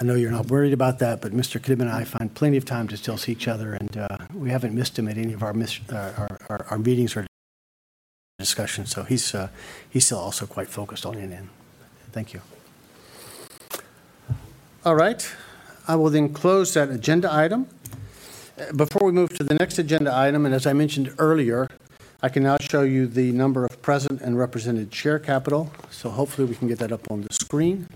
A: I know you're not worried about that, but Mr. Knibbe and I find plenty of time to still see each other, and, we haven't missed him at any of our meetings or discussions. So he's still also quite focused on NN. Thank you. All right, I will then close that agenda item. Before we move to the next agenda item, and as I mentioned earlier, I can now show you the number of present and represented share capital, so hopefully we can get that up on the screen.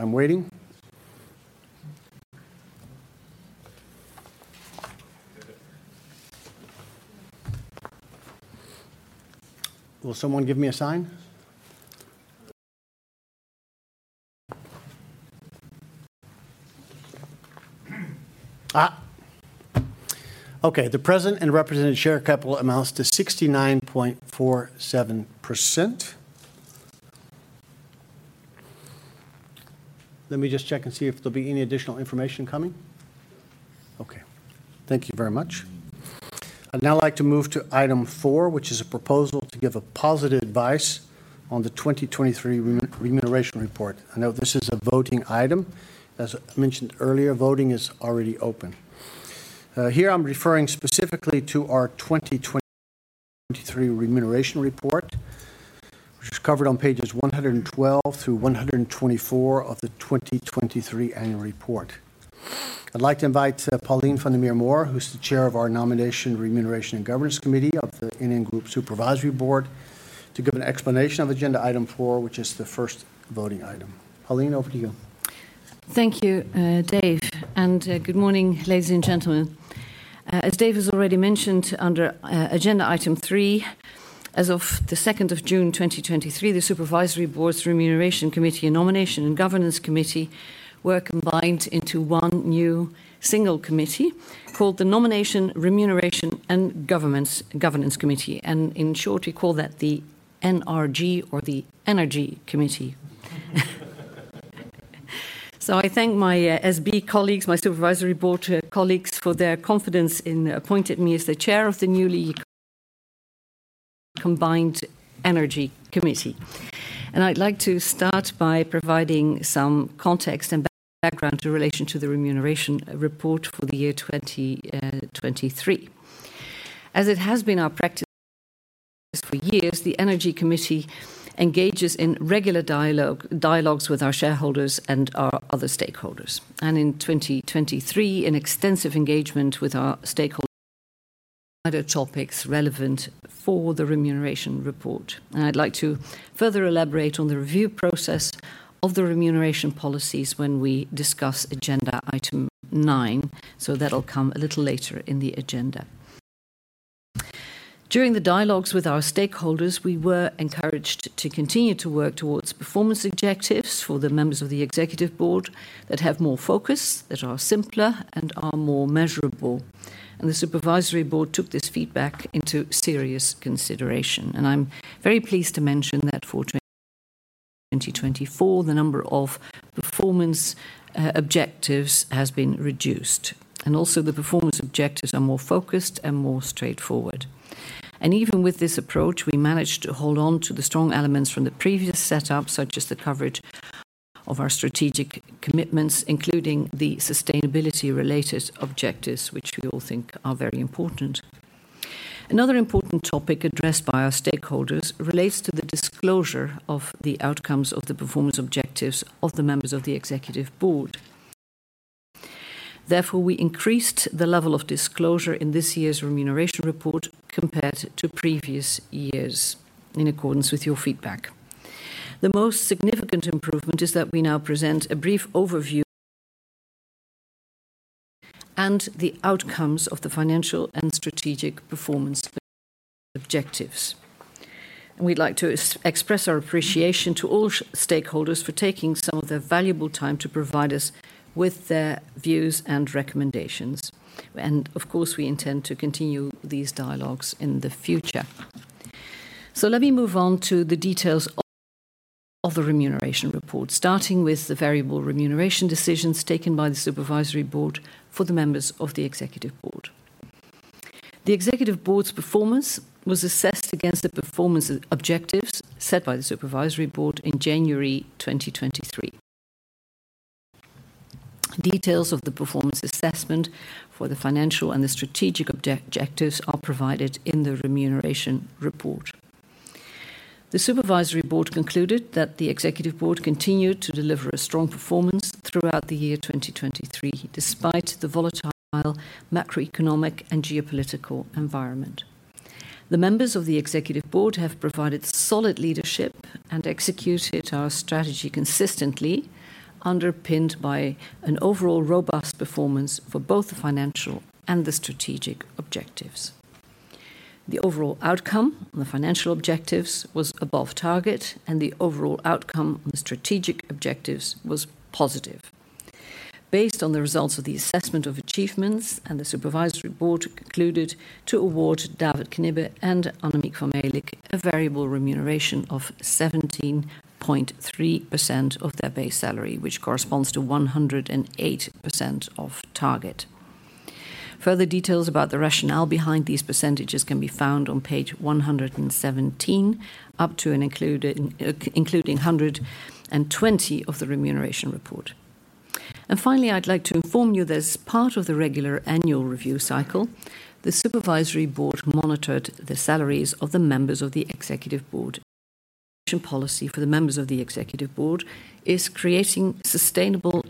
A: I'm waiting. Will someone give me a sign? Ah! Okay, the present and represented share capital amounts to 69.47%. Let me just check and see if there'll be any additional information coming. Okay, thank you very much. I'd now like to move to item 4, which is a proposal to give a positive advice on the 2023 Remuneration Report. I know this is a voting item. As I mentioned earlier, voting is already open. Here I'm referring specifically to our 2023 Remuneration Report, which is covered on pages 112 through 124 of the 2023 annual report. I'd like to invite Pauline van der Meer Mohr, who's the Chair of our Nomination, Remuneration, and Governance Committee of the NN Group Supervisory Board, to give an explanation of agenda item 4, which is the first voting item. Pauline, over to you.
H: Thank you, Dave, and good morning, ladies and gentlemen. As Dave has already mentioned, under agenda item 3, as of the second of June, 2023, the Supervisory Board's Remuneration Committee and Nomination and Governance Committee were combined into one new single committee called the Nomination, Remuneration, and Governance Committee. And in short, we call that the NRG or the Energy Committee. So I thank my SB colleagues, my Supervisory Board colleagues, for their confidence in appointing me as the chair of the newly combined NRG Committee. And I'd like to start by providing some context and background in relation to the Remuneration Report for the year 2023. As it has been our practice for years, the NRG Committee engages in regular dialogue, dialogues with our shareholders and our other stakeholders. In 2023, in extensive engagement with our stakeholders on topics relevant for the Remuneration Rreport. I'd like to further elaborate on the review process of the remuneration policies when we discuss agenda item nine, so that'll come a little later in the agenda.... During the dialogues with our stakeholders, we were encouraged to continue to work towards performance objectives for the members of the Executive Board that have more focus, that are simpler, and are more measurable. The Supervisory Board took this feedback into serious consideration. I'm very pleased to mention that for 2024, the number of performance objectives has been reduced, and also the performance objectives are more focused and more straightforward. And even with this approach, we managed to hold on to the strong elements from the previous setup, such as the coverage of our strategic commitments, including the sustainability-related objectives, which we all think are very important. Another important topic addressed by our stakeholders relates to the disclosure of the outcomes of the performance objectives of the members of the executive board. Therefore, we increased the level of disclosure in this year's Remuneration Report compared to previous years, in accordance with your feedback. The most significant improvement is that we now present a brief overview and the outcomes of the financial and strategic performance objectives. And we'd like to express our appreciation to all stakeholders for taking some of their valuable time to provide us with their views and recommendations. And of course, we intend to continue these dialogues in the future. So let me move on to the details of the Remuneration Report, starting with the variable remuneration decisions taken by the Supervisory Board for the members of the Executive Board. The Executive Board's performance was assessed against the performance objectives set by the Supervisory Board in January 2023. Details of the performance assessment for the financial and the strategic objectives are provided in the Remuneration Report. The Supervisory Board concluded that the Executive Board continued to deliver a strong performance throughout the year 2023, despite the volatile macroeconomic and geopolitical environment. The members of the Executive Board have provided solid leadership and executed our strategy consistently, underpinned by an overall robust performance for both the financial and the strategic objectives. The overall outcome on the financial objectives was above target, and the overall outcome on the strategic objectives was positive. Based on the results of the assessment of achievements and the Supervisory Board concluded to award David Knibbe and Annemiek van Melick a variable remuneration of 17.3% of their base salary, which corresponds to 108% of target. Further details about the rationale behind these percentages can be found on page 117 up to and including 120 of the Remuneration Report. Finally, I'd like to inform you that as part of the regular annual review cycle, the Supervisory Board monitored the salaries of the members of the Executive Board. Policy for the members of the Executive Board is creating sustainable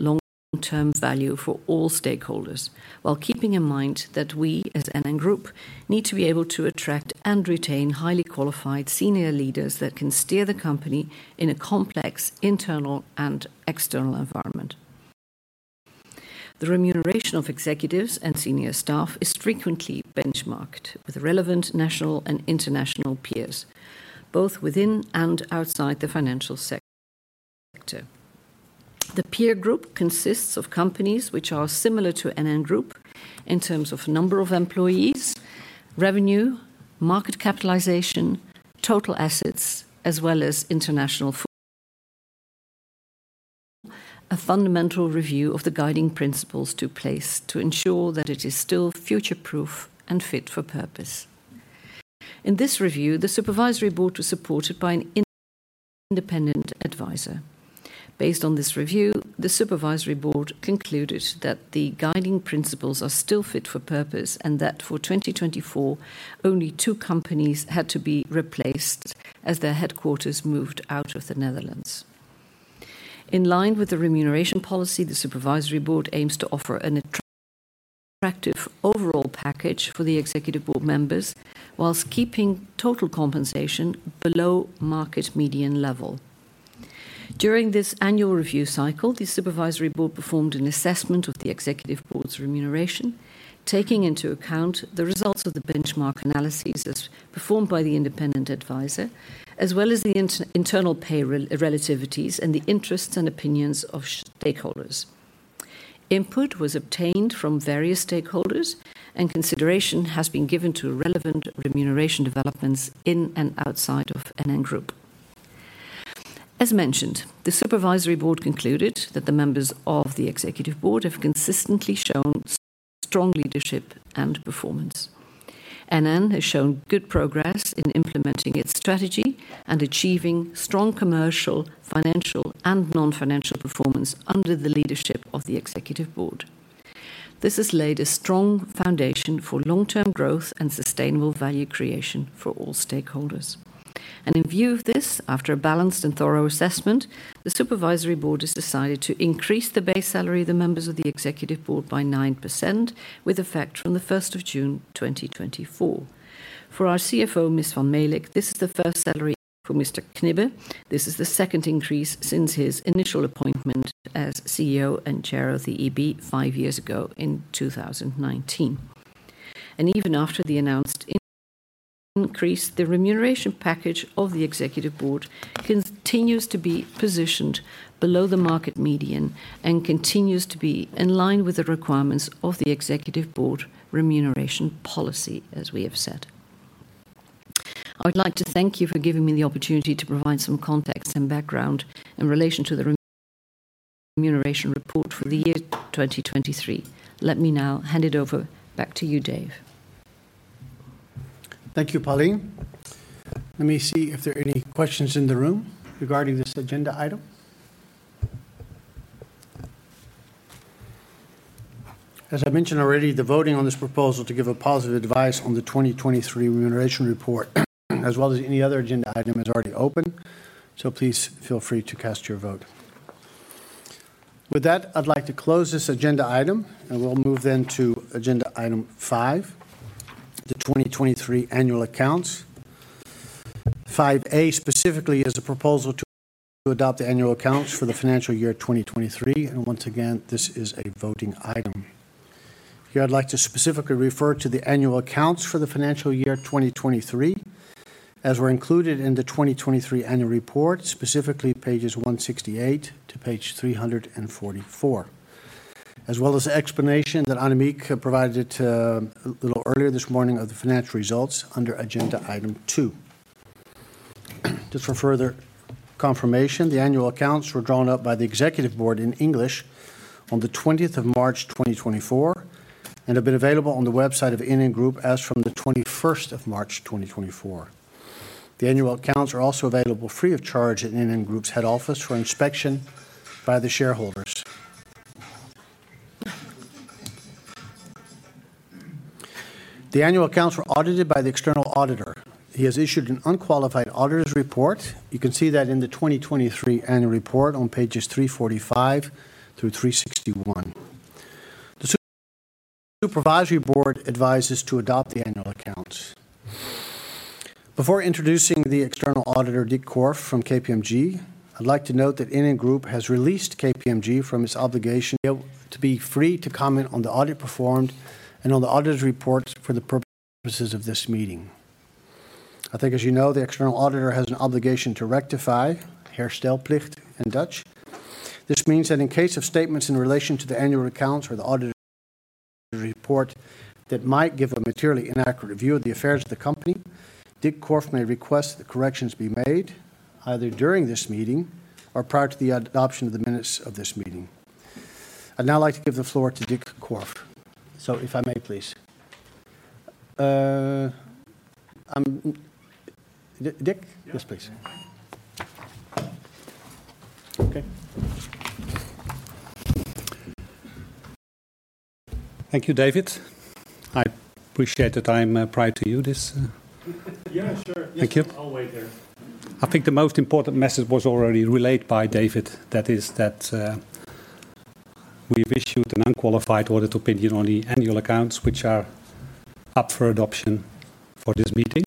H: long-term value for all stakeholders, while keeping in mind that we, as NN Group, need to be able to attract and retain highly qualified senior leaders that can steer the company in a complex internal and external environment. The remuneration of executives and senior staff is frequently benchmarked with relevant national and international peers, both within and outside the financial sector. The peer group consists of companies which are similar to NN Group in terms of number of employees, revenue, market capitalization, total assets, as well as international footprint. A fundamental review of the guiding principles in place to ensure that it is still future-proof and fit for purpose. In this review, the Supervisory Board was supported by an independent advisor. Based on this review, the Supervisory Board concluded that the guiding principles are still fit for purpose, and that for 2024, only two companies had to be replaced as their headquarters moved out of the Netherlands. In line with the remuneration policy, the Supervisory Board aims to offer an attractive overall package for the Executive Board members while keeping total compensation below market median level. During this annual review cycle, the Supervisory Board performed an assessment of the Executive Board's remuneration, taking into account the results of the benchmark analyses as performed by the independent advisor, as well as the internal pay relativities and the interests and opinions of stakeholders. Input was obtained from various stakeholders, and consideration has been given to relevant remuneration developments in and outside of NN Group. As mentioned, the supervisory board concluded that the members of the executive board have consistently shown strong leadership and performance. NN has shown good progress in implementing its strategy and achieving strong commercial, financial, and non-financial performance under the leadership of the executive board. This has laid a strong foundation for long-term growth and sustainable value creation for all stakeholders. In view of this, after a balanced and thorough assessment, the supervisory board has decided to increase the base salary of the members of the executive board by 9%, with effect from June 1, 2024. For our CFO, Ms. van Melick, this is the first salary. For Mr. Knibbe, this is the second increase since his initial appointment as CEO and chair of the EB 5 years ago in 2019. Even after the announced increase-... increase, the remuneration package of the Executive Board continues to be positioned below the market median and continues to be in line with the requirements of the Executive Board remuneration policy, as we have said. I would like to thank you for giving me the opportunity to provide some context and background in relation to the Remuneration Report for the year 2023. Let me now hand it over back to you, Dave. Thank you, Pauline. Let me see if there are any questions in the room regarding this agenda item. As I mentioned already, the voting on this proposal to give a positive advice on the 2023 Remuneration Report, as well as any other agenda item, is already open, so please feel free to cast your vote. With that, I'd like to close this agenda item, and we'll move then to agenda item 5, the 2023 annual accounts. Five A specifically is a proposal to adopt the annual accounts for the financial year 2023, and once again, this is a voting item. Here I'd like to specifically refer to the annual accounts for the financial year 2023, as were included in the 2023 annual report, specifically pages 168-344.
A: As well as the explanation that Annemiek provided to, a little earlier this morning, of the financial results under agenda item 2. Just for further confirmation, the annual accounts were drawn up by the Executive Board in English on the 20th of March, 2024, and have been available on the website of NN Group as from the 21st of March, 2024. The annual accounts are also available free of charge at NN Group's head office for inspection by the shareholders. The annual accounts were audited by the external auditor. He has issued an unqualified auditor's report. You can see that in the 2023 annual report on pages 345 through 361. The Supervisory Board advises to adopt the annual accounts. Before introducing the external auditor, Dick Korf from KPMG, I'd like to note that NN Group has released KPMG from its obligation to be free to comment on the audit performed and on the auditor's report for the purposes of this meeting. I think, as you know, the external auditor has an obligation to rectify, herstelplicht in Dutch. This means that in case of statements in relation to the annual accounts or the audit report that might give a materially inaccurate view of the affairs of the company, Dick Korf may request that corrections be made either during this meeting or prior to the adoption of the minutes of this meeting. I'd now like to give the floor to Dick Korf. So if I may, please. I'm Dick?
I: Yeah.
A: Yes, please. Okay.
I: Thank you, David. I appreciate the time, prior to you this,
A: Yeah, sure.
I: Thank you.
A: I'll wait there.
I: I think the most important message was already relayed by David, that is that we've issued an unqualified audit opinion on the annual accounts, which are up for adoption for this meeting.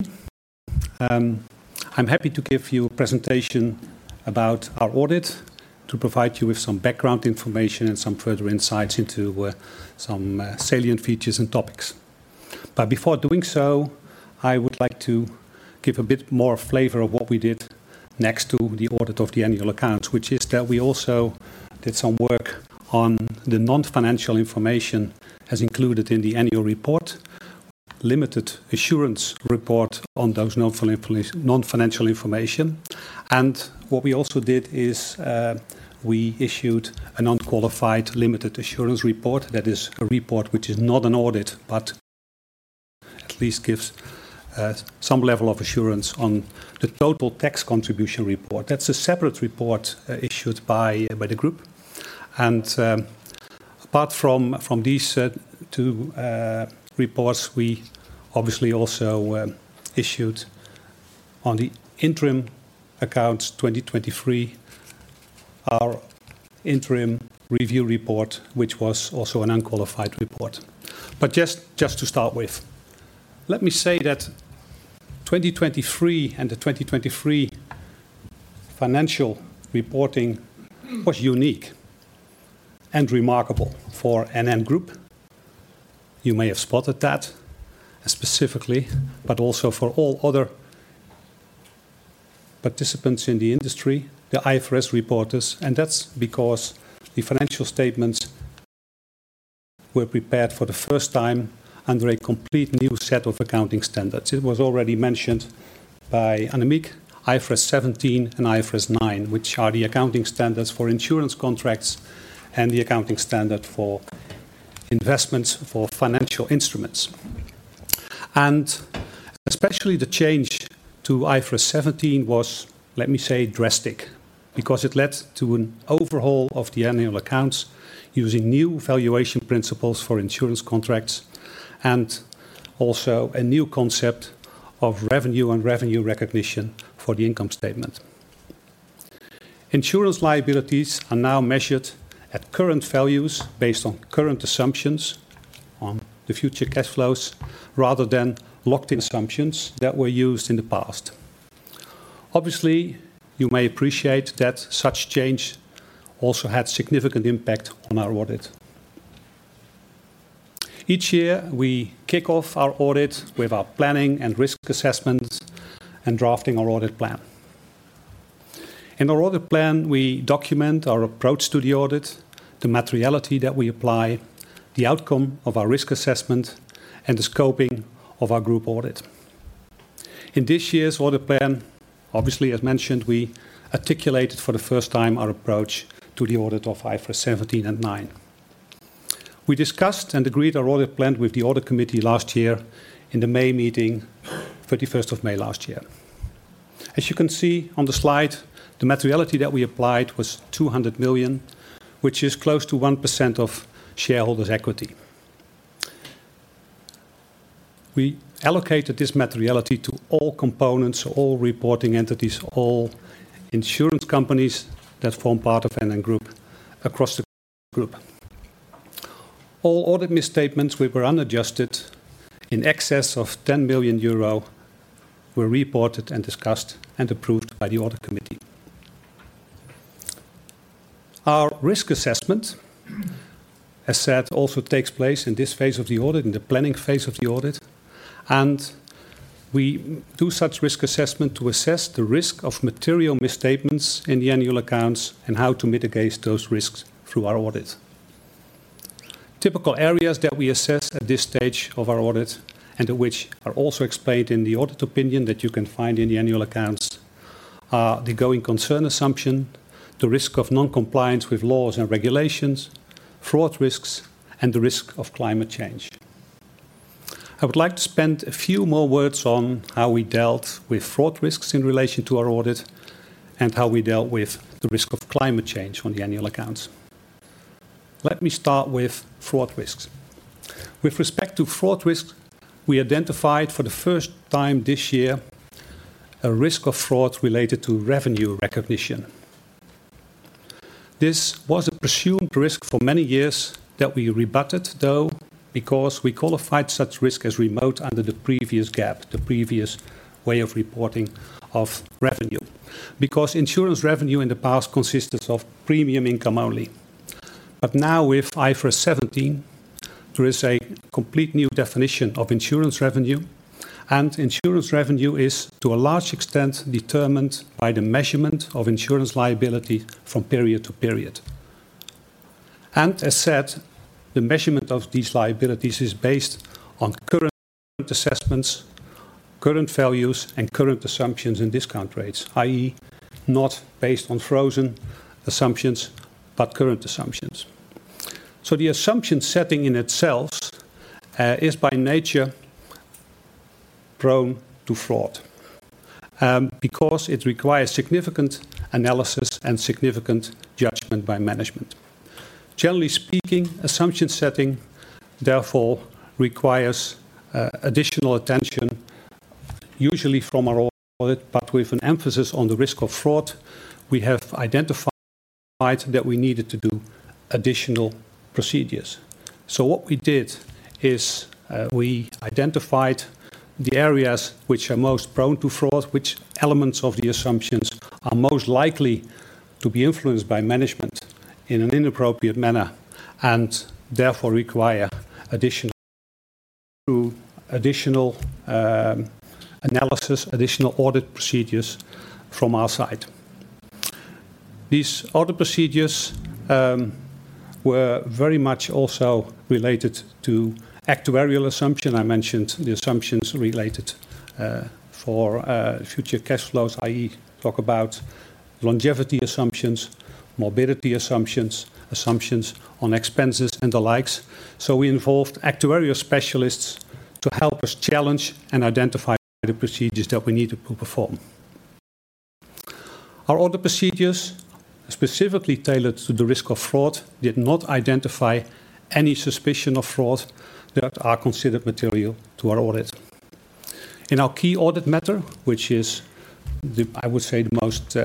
I: I'm happy to give you a presentation about our audit to provide you with some background information and some further insights into some salient features and topics. But before doing so, I would like to give a bit more flavor of what we did next to the audit of the annual accounts, which is that we also did some work on the non-financial information as included in the annual report, limited assurance report on those non-financial information. And what we also did is we issued an unqualified limited assurance report. That is a report which is not an audit, but at least gives some level of assurance on the Total Tax Contribution Report. That's a separate report issued by the group. And apart from these two reports, we obviously also issued on the interim accounts 2023, our interim review report, which was also an unqualified report. But just to start with, let me say that 2023 and the 2023 financial reporting was unique and remarkable for NN Group. You may have spotted that specifically, but also for all other participants in the industry, the IFRS reporters, and that's because the financial statements were prepared for the first time under a complete new set of accounting standards. It was already mentioned by Annemiek, IFRS 17 and IFRS 9, which are the accounting standards for insurance contracts and the accounting standard for investments for financial instruments. And especially the change to IFRS 17 was, let me say, drastic, because it led to an overhaul of the annual accounts using new valuation principles for insurance contracts, and also a new concept of revenue and revenue recognition for the income statement. Insurance liabilities are now measured at current values based on current assumptions on the future cash flows, rather than locked-in assumptions that were used in the past. Obviously, you may appreciate that such change also had significant impact on our audit. Each year, we kick off our audit with our planning and risk assessments, and drafting our audit plan. In our audit plan, we document our approach to the audit, the materiality that we apply, the outcome of our risk assessment, and the scoping of our group audit. In this year's audit plan, obviously, as mentioned, we articulated for the first time our approach to the audit of IFRS 17 and 9. We discussed and agreed our audit plan with the Audit Committee last year in the May meeting, 31st of May last year. As you can see on the slide, the materiality that we applied was 200 million, which is close to 1% of shareholders' equity. We allocated this materiality to all components, all reporting entities, all insurance companies that form part of NN Group across the group. All audit misstatements, which were unadjusted in excess of 10 million euro, were reported and discussed, and approved by the Audit Committee. Our risk assessment, as said, also takes place in this phase of the audit, in the planning phase of the audit, and we do such risk assessment to assess the risk of material misstatements in the annual accounts and how to mitigate those risks through our audit. Typical areas that we assess at this stage of our audit, and which are also explained in the audit opinion that you can find in the annual accounts, are: the going concern assumption, the risk of non-compliance with laws and regulations, fraud risks, and the risk of climate change. I would like to spend a few more words on how we dealt with fraud risks in relation to our audit, and how we dealt with the risk of climate change on the annual accounts. Let me start with fraud risks. With respect to fraud risk, we identified for the first time this year, a risk of fraud related to revenue recognition. This was a presumed risk for many years that we rebutted, though, because we qualified such risk as remote under the previous GAAP, the previous way of reporting of revenue. Because insurance revenue in the past consisted of premium income only. But now, with IFRS 17, there is a complete new definition of insurance revenue, and insurance revenue is, to a large extent, determined by the measurement of insurance liability from period to period. And as said, the measurement of these liabilities is based on current assessments, current values, and current assumptions and discount rates, i.e., not based on frozen assumptions, but current assumptions. So the assumption setting in itself, is by nature prone to fraud, because it requires significant analysis and significant judgment by management. Generally speaking, assumption setting, therefore, requires additional attention, usually from our audit, but with an emphasis on the risk of fraud, we have identified that we needed to do additional procedures. So what we did is, we identified the areas which are most prone to fraud, which elements of the assumptions are most likely to be influenced by management in an inappropriate manner, and therefore require additional analysis, additional audit procedures from our side. These audit procedures were very much also related to actuarial assumption. I mentioned the assumptions related for future cash flows, i.e., talk about longevity assumptions, morbidity assumptions, assumptions on expenses, and the likes. So we involved actuarial specialists to help us challenge and identify the procedures that we need to perform. Our audit procedures, specifically tailored to the risk of fraud, did not identify any suspicion of fraud that are considered material to our audit. In our key audit matter, which is the, I would say, the most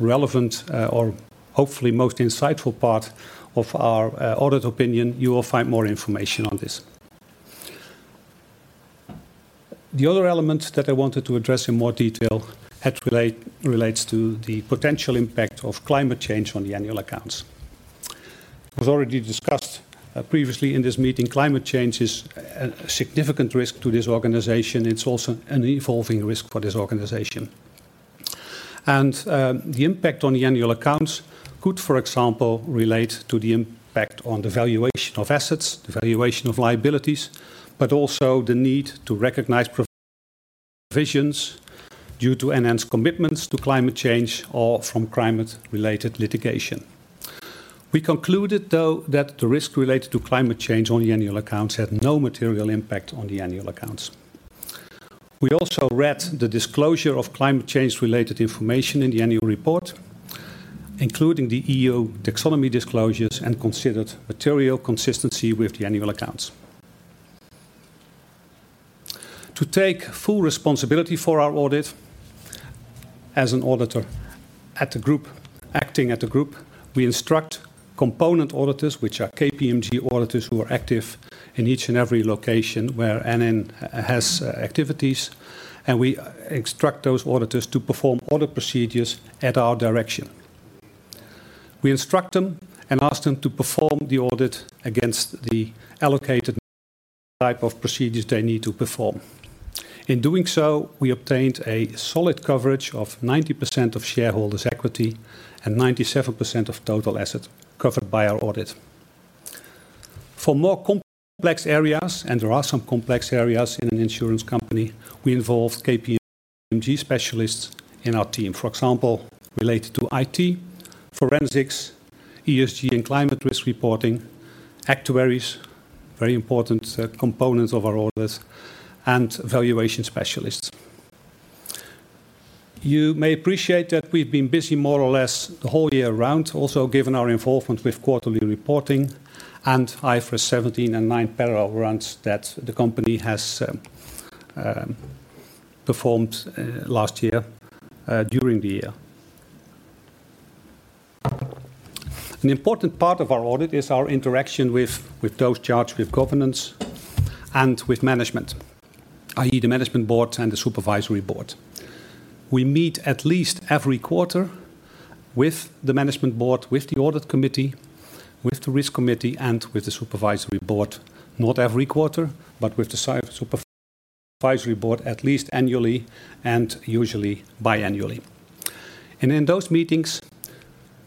I: relevant or hopefully most insightful part of our audit opinion, you will find more information on this. The other element that I wanted to address in more detail relates to the potential impact of climate change on the annual accounts. It was already discussed previously in this meeting. Climate change is a significant risk to this organization. It's also an evolving risk for this organization. The impact on the annual accounts could, for example, relate to the impact on the valuation of assets, the valuation of liabilities, but also the need to recognize provisions due to enhanced commitments to climate change or from climate-related litigation. We concluded, though, that the risk related to climate change on the annual accounts had no material impact on the annual accounts. We also read the disclosure of climate change-related information in the annual report, including the EU taxonomy disclosures, and considered material consistency with the annual accounts. To take full responsibility for our audit, as an auditor at the group, acting at the group, we instruct component auditors, which are KPMG auditors, who are active in each and every location where NN has activities, and we instruct those auditors to perform audit procedures at our direction. We instruct them and ask them to perform the audit against the allocated type of procedures they need to perform. In doing so, we obtained a solid coverage of 90% of shareholders' equity and 97% of total assets covered by our audit. For more complex areas, and there are some complex areas in an insurance company, we involved KPMG specialists in our team. For example, related to IT, forensics, ESG and climate risk reporting, actuaries, very important, components of our audits, and valuation specialists. You may appreciate that we've been busy more or less the whole year round, also given our involvement with quarterly reporting and IFRS 17 and 9 parallel runs that the company has performed last year, during the year. An important part of our audit is our interaction with those charged with governance and with management, i.e., the management board and the supervisory board. We meet at least every quarter with the management board, with the Audit Committee, with the Risk Committee, and with the supervisory board. Not every quarter, but with the supervisory board at least annually and usually biannually. And in those meetings,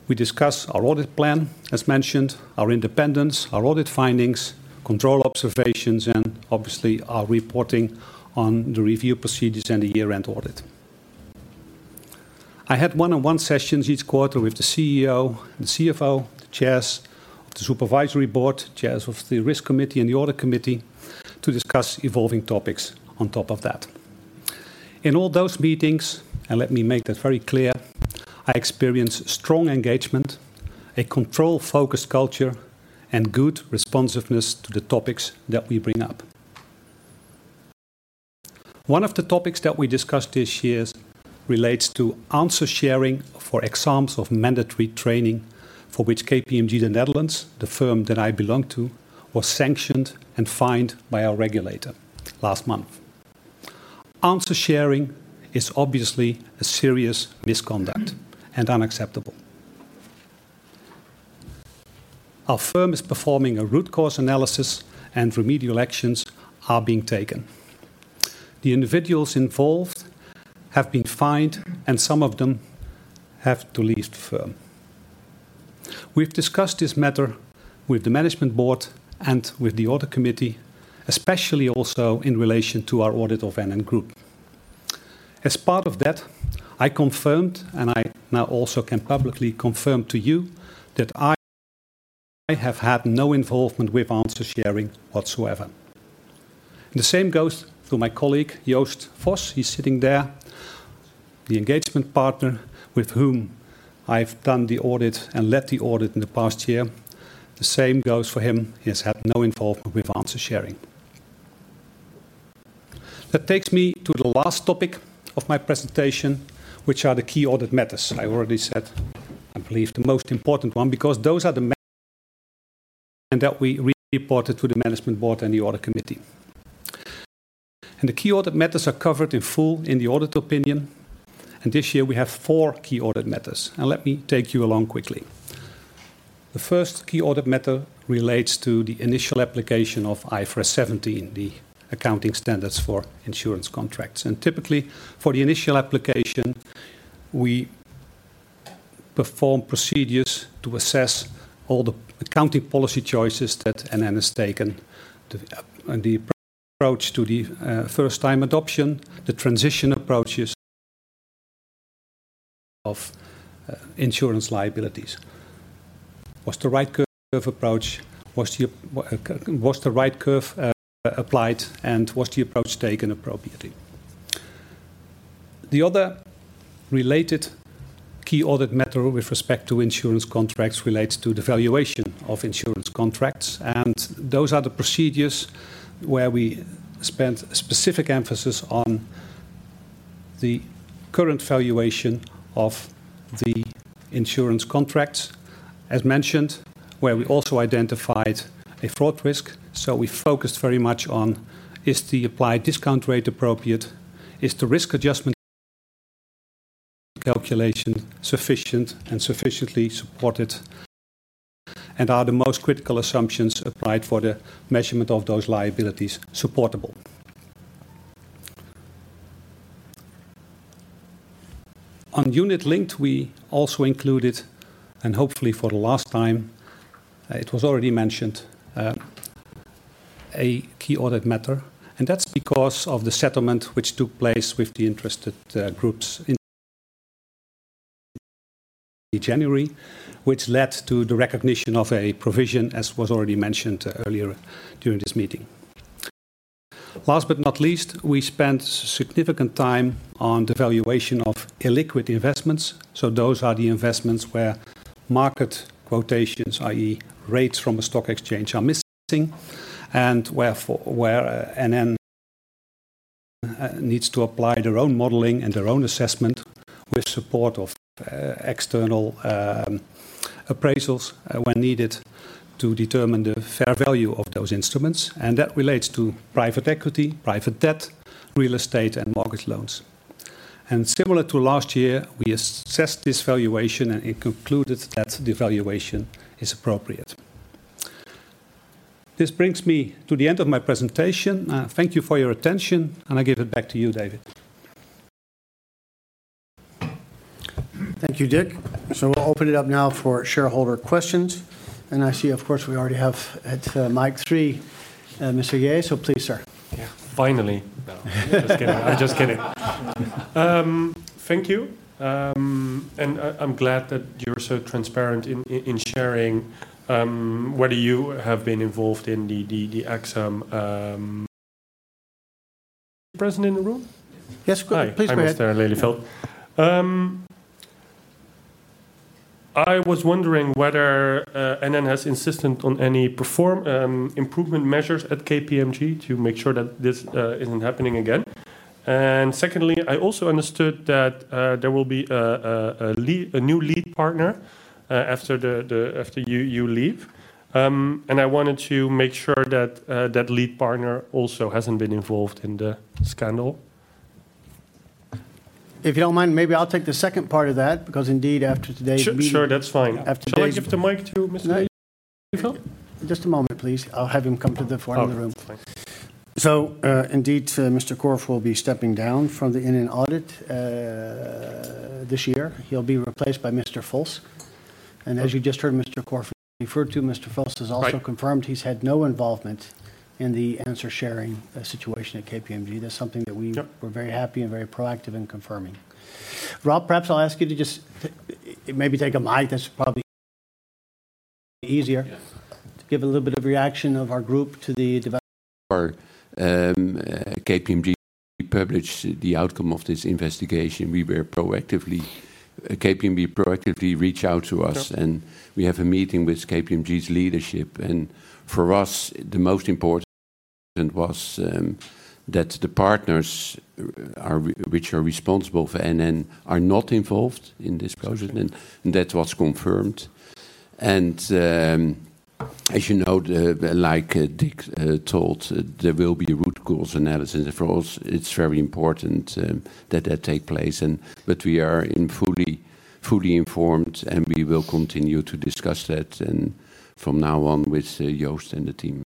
I: we discuss our audit plan, as mentioned, our independence, our audit findings, control observations, and obviously our reporting on the review procedures and the year-end audit. I have one-on-one sessions each quarter with the CEO, the CFO, the chairs of the supervisory board, chairs of the Risk Committee and the Audit Committee, to discuss evolving topics on top of that. In all those meetings, and let me make that very clear, I experience strong engagement, a control-focused culture, and good responsiveness to the topics that we bring up. One of the topics that we discussed this year relates to answer sharing for exams of mandatory training, for which KPMG, the Netherlands, the firm that I belong to, was sanctioned and fined by our regulator last month. Answer sharing is obviously a serious misconduct and unacceptable. Our firm is performing a root cause analysis and remedial actions are being taken. The individuals involved have been fined, and some of them have to leave the firm. We've discussed this matter with the management board and with the Audit Committee, especially also in relation to our audit of NN Group. As part of that, I confirmed, and I now also can publicly confirm to you, that I, I have had no involvement with answer sharing whatsoever. The same goes to my colleague, Joost Vos. He's sitting there, the engagement partner with whom I've done the audit and led the audit in the past year. The same goes for him. He has had no involvement with answer sharing. That takes me to the last topic of my presentation, which are the key audit matters. I already said, I believe, the most important one, because those are the matters that we reported to the management board and the Audit Committee. The key audit matters are covered in full in the audit opinion, and this year we have four key audit matters, and let me take you along quickly. The first key audit matter relates to the initial application of IFRS 17, the accounting standards for insurance contracts. Typically, for the initial application, we perform procedures to assess all the accounting policy choices that NN has taken, and the approach to the first-time adoption, the transition approaches of insurance liabilities. Was the right curve approach... Was the right curve applied, and was the approach taken appropriately? The other related key audit matter with respect to insurance contracts relates to the valuation of insurance contracts, and those are the procedures where we spent specific emphasis on the current valuation of the insurance contracts. As mentioned, where we also identified a fraud risk, so we focused very much on: is the applied discount rate appropriate? Is the risk adjustment calculation sufficient and sufficiently supported? Are the most critical assumptions applied for the measurement of those liabilities supportable? On unit linked, we also included, and hopefully for the last time, it was already mentioned, a key audit matter, and that's because of the settlement which took place with the interested groups in January, which led to the recognition of a provision, as was already mentioned earlier during this meeting. Last but not least, we spent significant time on the valuation of illiquid investments. So those are the investments where market quotations, i.e., rates from a stock exchange, are missing, and where NN needs to apply their own modeling and their own assessment with support of external appraisals when needed to determine the fair value of those instruments, and that relates to private equity, private debt, real estate, and mortgage loans. And similar to last year, we assessed this valuation, and it concluded that the valuation is appropriate. This brings me to the end of my presentation. Thank you for your attention, and I give it back to you, David.
A: Thank you, Dick. So we'll open it up now for shareholder questions. And I see, of course, we already have at mic three, Mr. Lelieveld. So please, sir.
D: Yeah, finally. No, I'm just kidding. I'm just kidding. Thank you, and I, I'm glad that you're so transparent in sharing whether you have been involved in the exams present in the room?
A: Yes, go ahead. Please go ahead.
D: Hi, I'm Mr. Lelieveld. I was wondering whether NN has insisted on any performance improvement measures at KPMG to make sure that this isn't happening again. And secondly, I also understood that there will be a new lead partner after you leave. And I wanted to make sure that lead partner also hasn't been involved in the scandal.
A: If you don't mind, maybe I'll take the second part of that, because indeed, after today's meeting-
D: Sure, that's fine.
A: After today's-
D: Shall I give the mic to Mr. Lelieveld?
A: Just a moment, please. I'll have him come to the front of the room.
D: Oh, thanks.
A: So, indeed, Mr. Korf will be stepping down from the NN audit this year. He'll be replaced by Mr. Vos. And as you just heard Mr. Korf refer to, Mr. Vos has also-
D: Right...
A: confirmed he's had no involvement in the answer sharing situation at KPMG. That's something that we-
D: Yep...
A: we're very happy and very proactive in confirming. Rob, perhaps I'll ask you to just maybe take a mic. That's probably easier.
B: Yes.
A: To give a little bit of reaction of our group to the development.
B: KPMG published the outcome of this investigation. We were proactively... KPMG proactively reach out to us-
A: Yep
B: - and we have a meeting with KPMG's leadership. For us, the most important was that the partners which are responsible for NN are not involved in this process, and that was confirmed. As you know, like Dick told, there will be root cause analysis. For us, it's very important that that take place, and but we are in fully, fully informed, and we will continue to discuss that, and from now on, with Joost and the team.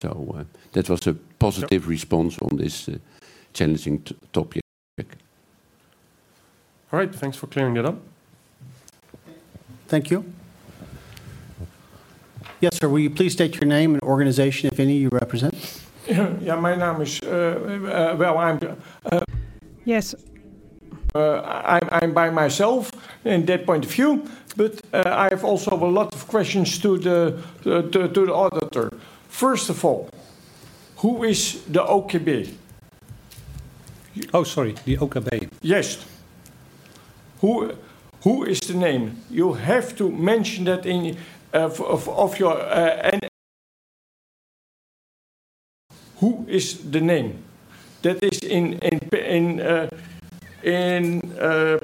B: So, that was a positive response-
D: Yep...
B: on this, challenging topic.
D: All right. Thanks for clearing it up.
A: Thank you. Yes, sir, will you please state your name and organization, if any, you represent? Yeah, my name is, well, I'm-
I: Yes. I'm by myself in that point of view, but I have also a lot of questions to the auditor. First of all, who is the OKB? Oh, sorry, the OKB. Yes. Who is the name? You have to mention that in, of, of your, and... Who is the name? That is in, in pa, in,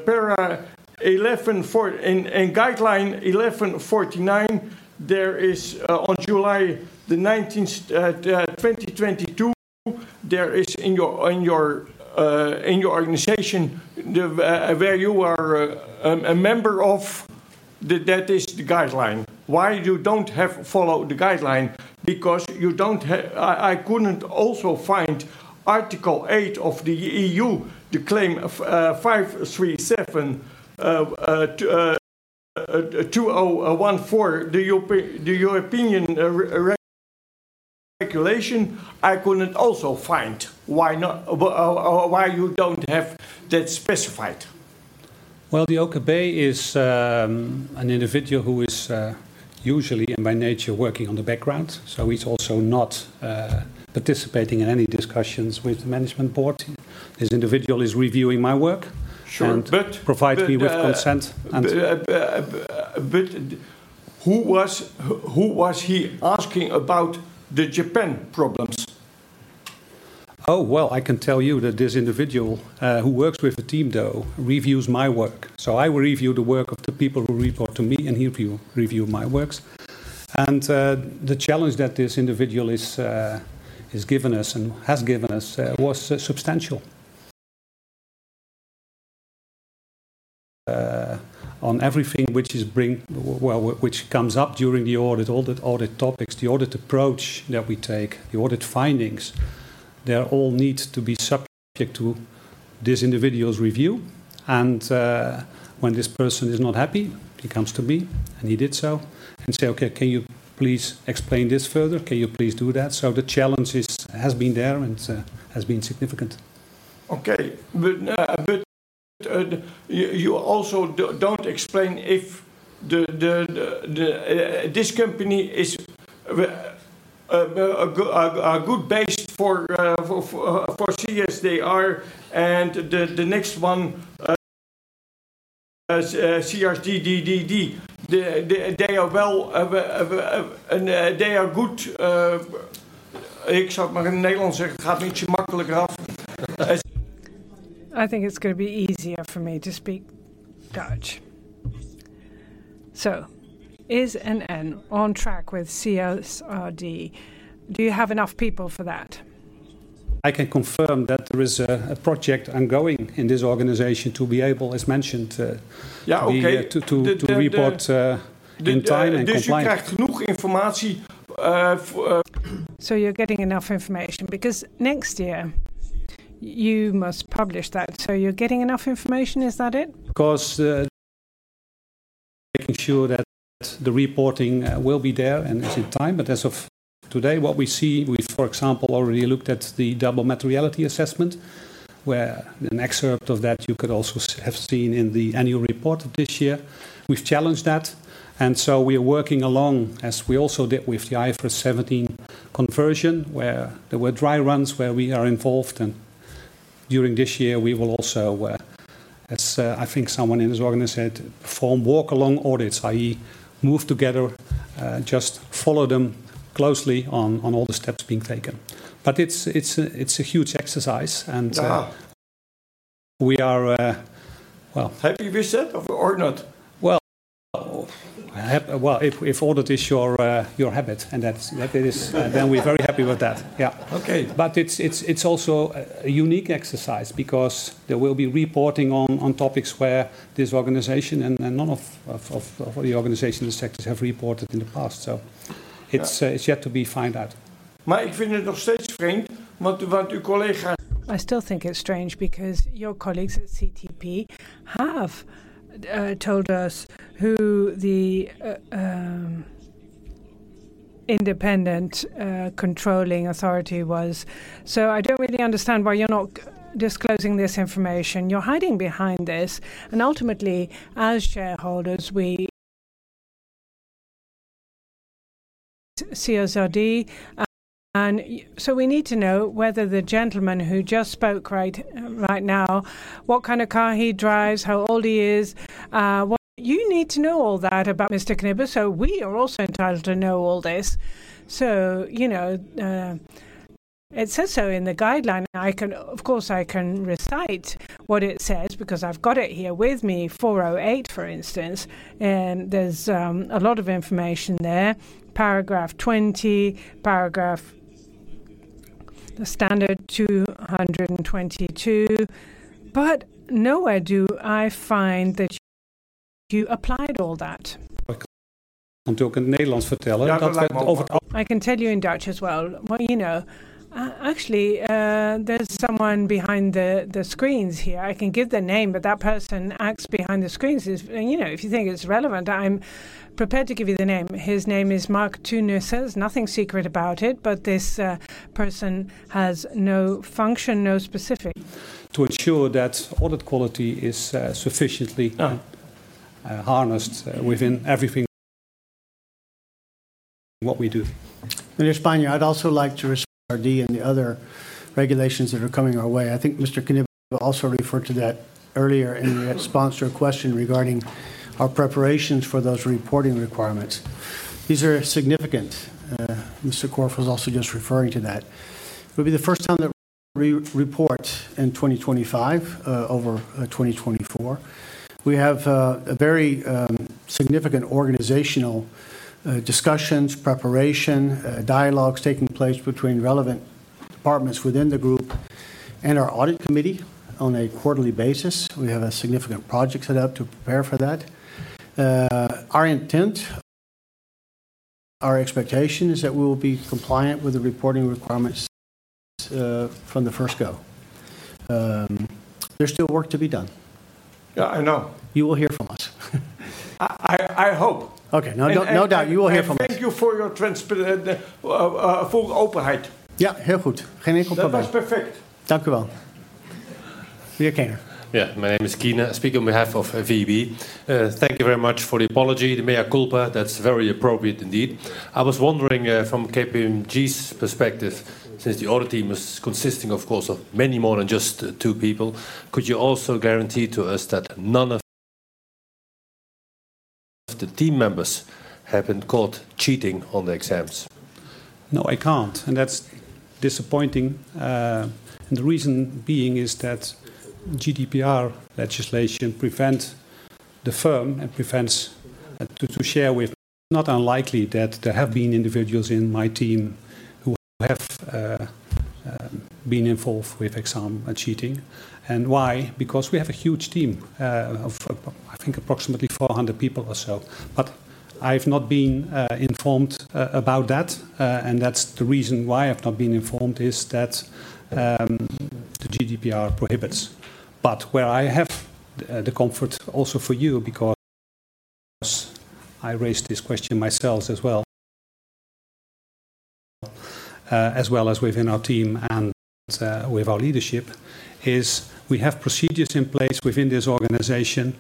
I: para 114. In guideline 1149, there is on July the nineteenth, 2022, there is in your, in your, in your organization, the, where you are a member of the, that is the guideline. Why you don't have follow the guideline? Because you don't ha-- I couldn't also find Article 8 of the EU, the claim of 537/2014. The opi- the opinion regulation, I couldn't also find. Why not? Why you don't have that specified? Well, the OKB is an individual who is usually and by nature working on the background. So he's also not participating in any discussions with the Management Board. This individual is reviewing my work. Sure, but- and provides me with consent and Who was, who was he asking about the Japan problems? Oh, well, I can tell you that this individual who works with the team, though, reviews my work. So I review the work of the people who report to me, and he reviews my work. The challenge that this individual has given us was substantial. On everything which comes up during the audit, all the audit topics, the audit approach that we take, the audit findings, they all need to be subject to this individual's review. When this person is not happy, he comes to me, and he did so, and says: "Okay, can you please explain this further? Can you please do that?" So the challenge has been there and has been significant. Okay, but, but, you also don't explain if the, the, the, this company is, a good base for, for, for CSR, and the, the next one, CSRD. The, they are well, they are good... I shall make a Netherlands......
F: I think it's gonna be easier for me to speak Dutch. So is NN on track with CSRD? Do you have enough people for that?
I: I can confirm that there is a project ongoing in this organization to be able, as mentioned, to- Yeah, okay. - to report in time and compliant. Dus je krijgt genoeg informatie.
F: So you're getting enough information? Because next year, you must publish that. So you're getting enough information, is that it?
I: Of course, making sure that the reporting will be there and it's in time. But as of today, what we see, we've, for example, already looked at the double materiality assessment, where an excerpt of that you could also have seen in the annual report this year. We've challenged that, and so we are working along, as we also did with the IFRS 17 conversion, where there were dry runs, where we are involved, and during this year we will also, as I think someone in this organization said, perform walk along audits, i.e., move together, just follow them closely on all the steps being taken. But it's, it's a, it's a huge exercise, and, Yeah. We are, well- Happy we said or not? Well, if audit is your habit, and that's, then we're very happy with that. Yeah. Okay. But it's also a unique exercise because there will be reporting on topics where this organization and none of the organizations in the sectors have reported in the past. So- Yeah... it's yet to be found out. Maar ik vind het nog steeds vreemd, want uw collega-
F: I still think it's strange because your colleagues at CTP have told us who the independent controlling authority was. So I don't really understand why you're not disclosing this information. You're hiding behind this, and ultimately, as shareholders, we... CSRD. So we need to know whether the gentleman who just spoke right now, what kind of car he drives, how old he is, what... You need to know all that about Mr. Knibbe, so we are also entitled to know all this. So, you know, it says so in the guideline. Of course, I can recite what it says because I've got it here with me, 408, for instance. And there's a lot of information there, paragraph 20, paragraph... the standard 222. But nowhere do I find that you applied all that.
I: Ik kan het ook in het Nederlands vertellen. Ja, dat lijkt me wel.
F: I can tell you in Dutch as well. Well, you know, actually, there's someone behind the screens here. I can give the name, but that person acts behind the screens. He's, you know, if you think it's relevant, I'm prepared to give you the name. His name is Marc Teunissen. Nothing secret about it, but this person has no function, no specific.
I: To ensure that audit quality is sufficiently- Uh... harnessed within everything what we do.
A: Mr. Spier, I'd also like to respond, and the other regulations that are coming our way. I think Mr. Knibbe also referred to that earlier in response to a question regarding our preparations for those reporting requirements. These are significant. Mr. Korf was also just referring to that. It will be the first time that we report in 2025, over, 2024. We have, a very, significant organizational, discussions, preparation, dialogues taking place between relevant departments within the group and our Audit Committee on a quarterly basis. We have a significant project set up to prepare for that. Our intent, our expectation is that we will be compliant with the reporting requirements, from the first go. There's still work to be done. Yeah, I know. You will hear from us. I hope. Okay. No, no doubt you will hear from us. Thank you for your full openheid.
I: Ja, heel goed. Geen enkel probleem. That's perfect. Dank u wel. Dear King.
G: Yeah, my name is Marcel Keyner. I speak on behalf of VEB. Thank you very much for the apology, the mea culpa. That's very appropriate indeed. I was wondering, from KPMG's perspective, since the audit team is consisting, of course, of many more than just two people, could you also guarantee to us that none of the team members have been caught cheating on the exams?
I: No, I can't, and that's disappointing. And the reason being is that GDPR legislation prevents the firm and prevents to share with. It's not unlikely that there have been individuals in my team who have been involved with exam cheating. And why? Because we have a huge team of I think approximately 400 people or so. But I've not been informed about that, and that's the reason why I've not been informed, is that the GDPR prohibits. But where I have the comfort also for you, because I raised this question myself as well as within our team and with our leadership, is we have procedures in place within this organization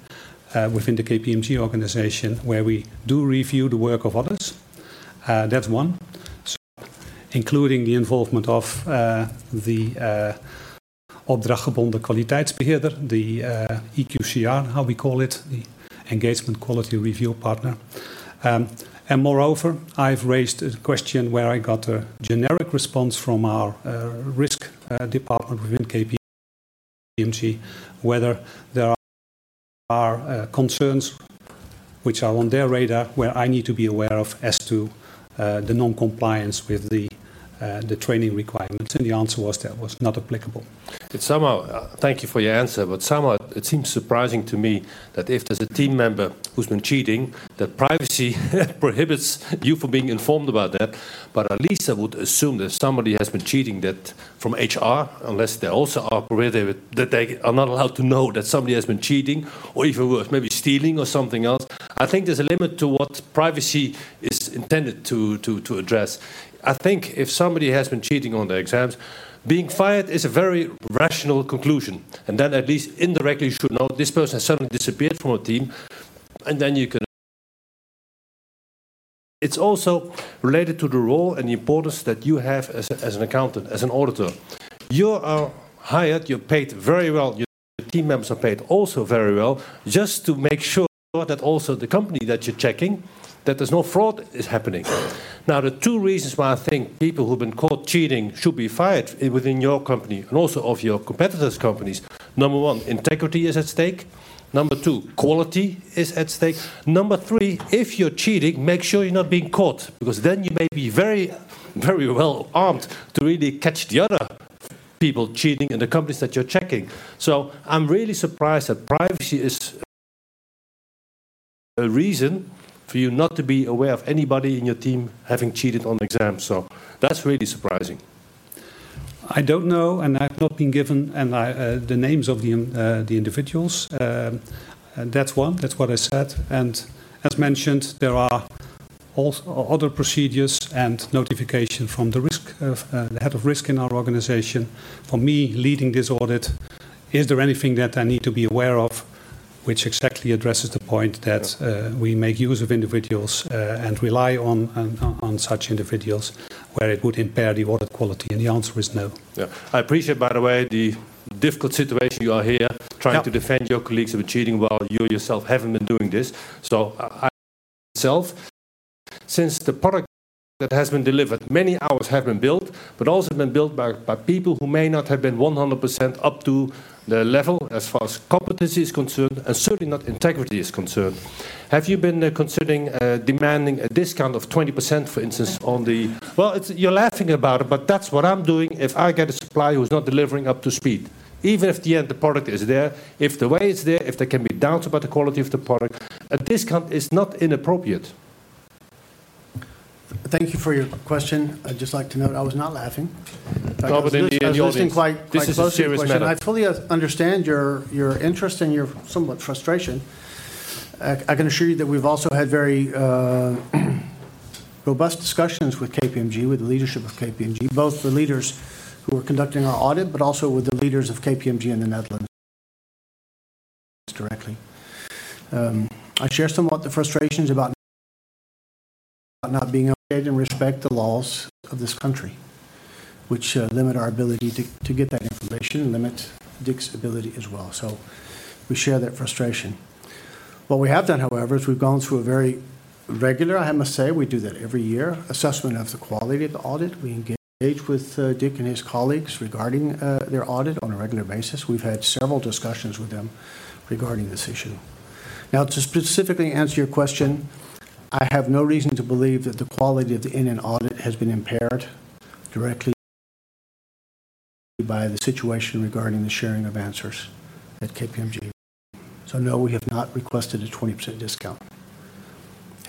I: within the KPMG organization, where we do review the work of others. That's one. So including the involvement of, the, opdrachtgever en de kwaliteit beheerder, the, EQCR, how we call it, the engagement quality review partner. And moreover, I've raised a question where I got a generic response from our, risk, department within KPMG-... KPMG, whether there are, are, concerns which are on their radar, where I need to be aware of as to, the non-compliance with the, the training requirements, and the answer was that was not applicable.
G: It somehow... thank you for your answer, but somehow it seems surprising to me that if there's a team member who's been cheating, that privacy prohibits you from being informed about that. But at least I would assume that if somebody has been cheating, that from HR, unless they also operate with—that they are not allowed to know that somebody has been cheating or even worse, maybe stealing or something else. I think there's a limit to what privacy is intended to address. I think if somebody has been cheating on the exams, being fired is a very rational conclusion, and then at least indirectly, you should know this person has suddenly disappeared from a team, and then you can... It's also related to the role and the importance that you have as an accountant, as an auditor. You are hired, you're paid very well. Your team members are paid also very well, just to make sure that also the company that you're checking, that there's no fraud is happening. Now, there are 2 reasons why I think people who've been caught cheating should be fired within your company and also of your competitors' companies. Number 1, integrity is at stake. Number 2, quality is at stake. Number 3, if you're cheating, make sure you're not being caught, because then you may be very, very well armed to really catch the other people cheating in the companies that you're checking. So I'm really surprised that privacy is a reason for you not to be aware of anybody in your team having cheated on exams. So that's really surprising.
I: I don't know, and I've not been given, and I the names of the individuals. That's one. That's what I said, and as mentioned, there are also other procedures and notification from the head of risk in our organization. For me, leading this audit, is there anything that I need to be aware of which exactly addresses the point that-
G: Yeah.
I: We make use of individuals and rely on such individuals where it would impair the audit quality? And the answer is no.
G: Yeah. I appreciate, by the way, the difficult situation you are here-
I: Yeah.
G: Trying to defend your colleagues who are cheating while you yourself haven't been doing this. So I myself. Since the product that has been delivered, many hours have been built, but also been built by, by people who may not have been 100% up to the level as far as competency is concerned, and certainly not integrity is concerned. Have you been considering demanding a discount of 20%, for instance, on the. Well, it's. You're laughing about it, but that's what I'm doing if I get a supplier who's not delivering up to speed. Even if at the end, the product is there, if the way it's there, if there can be doubts about the quality of the product, a discount is not inappropriate.
A: Thank you for your question. I'd just like to note I was not laughing.
G: No, but in the audience-
A: I was listening quite, quite closely-
G: This is a serious matter.
A: I fully understand your, your interest and your somewhat frustration. I can assure you that we've also had very robust discussions with KPMG, with the leadership of KPMG, both the leaders who are conducting our audit, but also with the leaders of KPMG in the Netherlands directly. I share somewhat the frustrations about not being able to respect the laws of this country, which limit our ability to, to get that information and limit Dick's ability as well. So we share that frustration. What we have done, however, is we've gone through a very regular, I must say, we do that every year, assessment of the quality of the audit. We engage with Dick and his colleagues regarding their audit on a regular basis. We've had several discussions with them regarding this issue. Now, to specifically answer your question, I have no reason to believe that the quality of the internal audit has been impaired directly by the situation regarding the sharing of answers at KPMG. So no, we have not requested a 20% discount.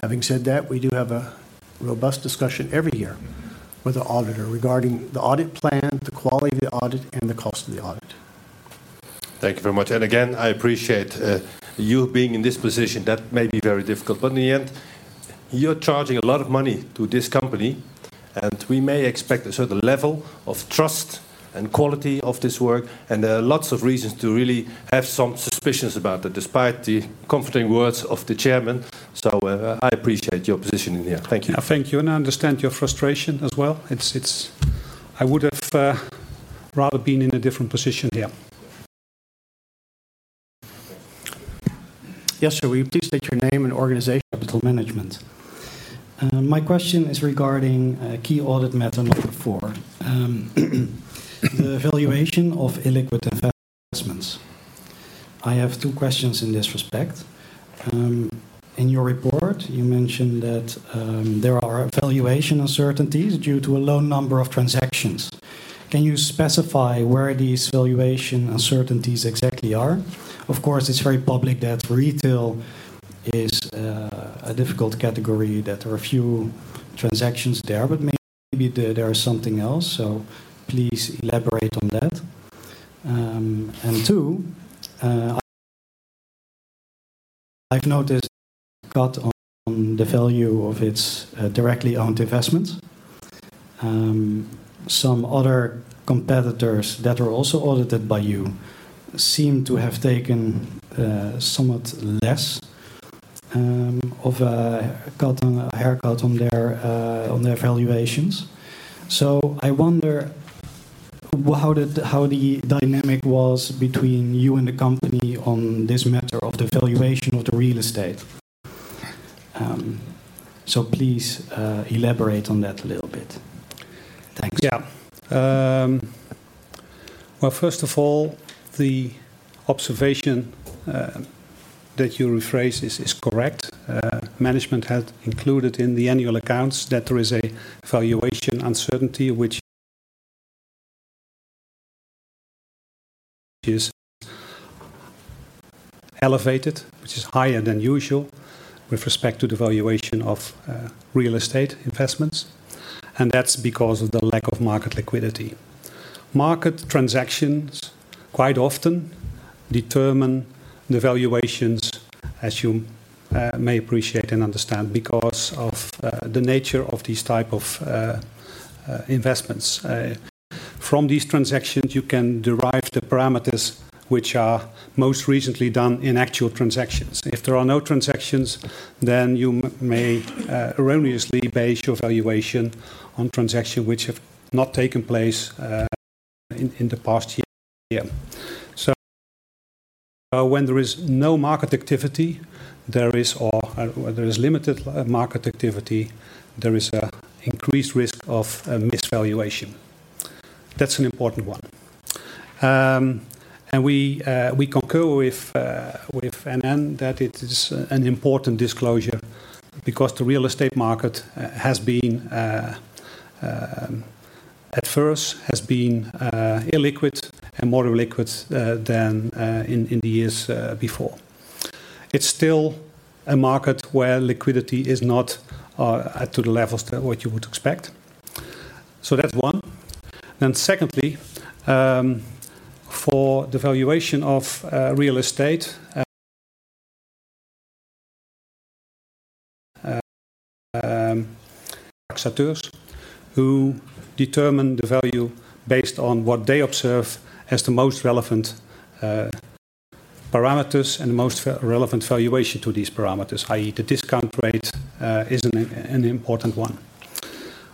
A: Having said that, we do have a robust discussion every year with the auditor regarding the audit plan, the quality of the audit, and the cost of the audit.
G: Thank you very much. And again, I appreciate you being in this position. That may be very difficult, but in the end, you're charging a lot of money to this company, and we may expect a certain level of trust and quality of this work, and there are lots of reasons to really have some suspicions about that, despite the comforting words of the chairman. So, I appreciate your position in here. Thank you.
I: Yeah. Thank you, and I understand your frustration as well. It's... I would have rather been in a different position here.
J: Yes, sir. Will you please state your name and organization? Capital Management. My question is regarding key audit matter number four, the valuation of illiquid investments. I have two questions in this respect. In your report, you mentioned that there are valuation uncertainties due to a low number of transactions. Can you specify where these valuation uncertainties exactly are? Of course, it's very public that retail is a difficult category, that there are few transactions there, but maybe there is something else. So please elaborate on that. And two, I've noticed cut on the value of its directly owned investments. Some other competitors that are also audited by you seem to have taken somewhat less of a cut on, a haircut on their on their valuations. So I wonder how the dynamic was between you and the company on this matter of the valuation of the real estate?...
A: So please elaborate on that a little bit. Thanks.
I: Yeah. Well, first of all, the observation that you rephrase is correct. Management had included in the annual accounts that there is a valuation uncertainty which is elevated, which is higher than usual with respect to the valuation of real estate investments, and that's because of the lack of market liquidity. Market transactions quite often determine the valuations, as you may appreciate and understand, because of the nature of these type of investments. From these transactions, you can derive the parameters which are most recently done in actual transactions. If there are no transactions, then you may erroneously base your valuation on transaction which have not taken place in the past year, year. So when there is no market activity, or when there is limited market activity, there is an increased risk of misvaluation. That's an important one. And we concur with NN that it is an important disclosure because the real estate market has been illiquid and more illiquid than in the years before. It's still a market where liquidity is not up to the levels that what you would expect. So that's one. And secondly, for the valuation of real estate, who determine the value based on what they observe as the most relevant parameters and most relevant valuation to these parameters, i.e., the discount rate, is an important one.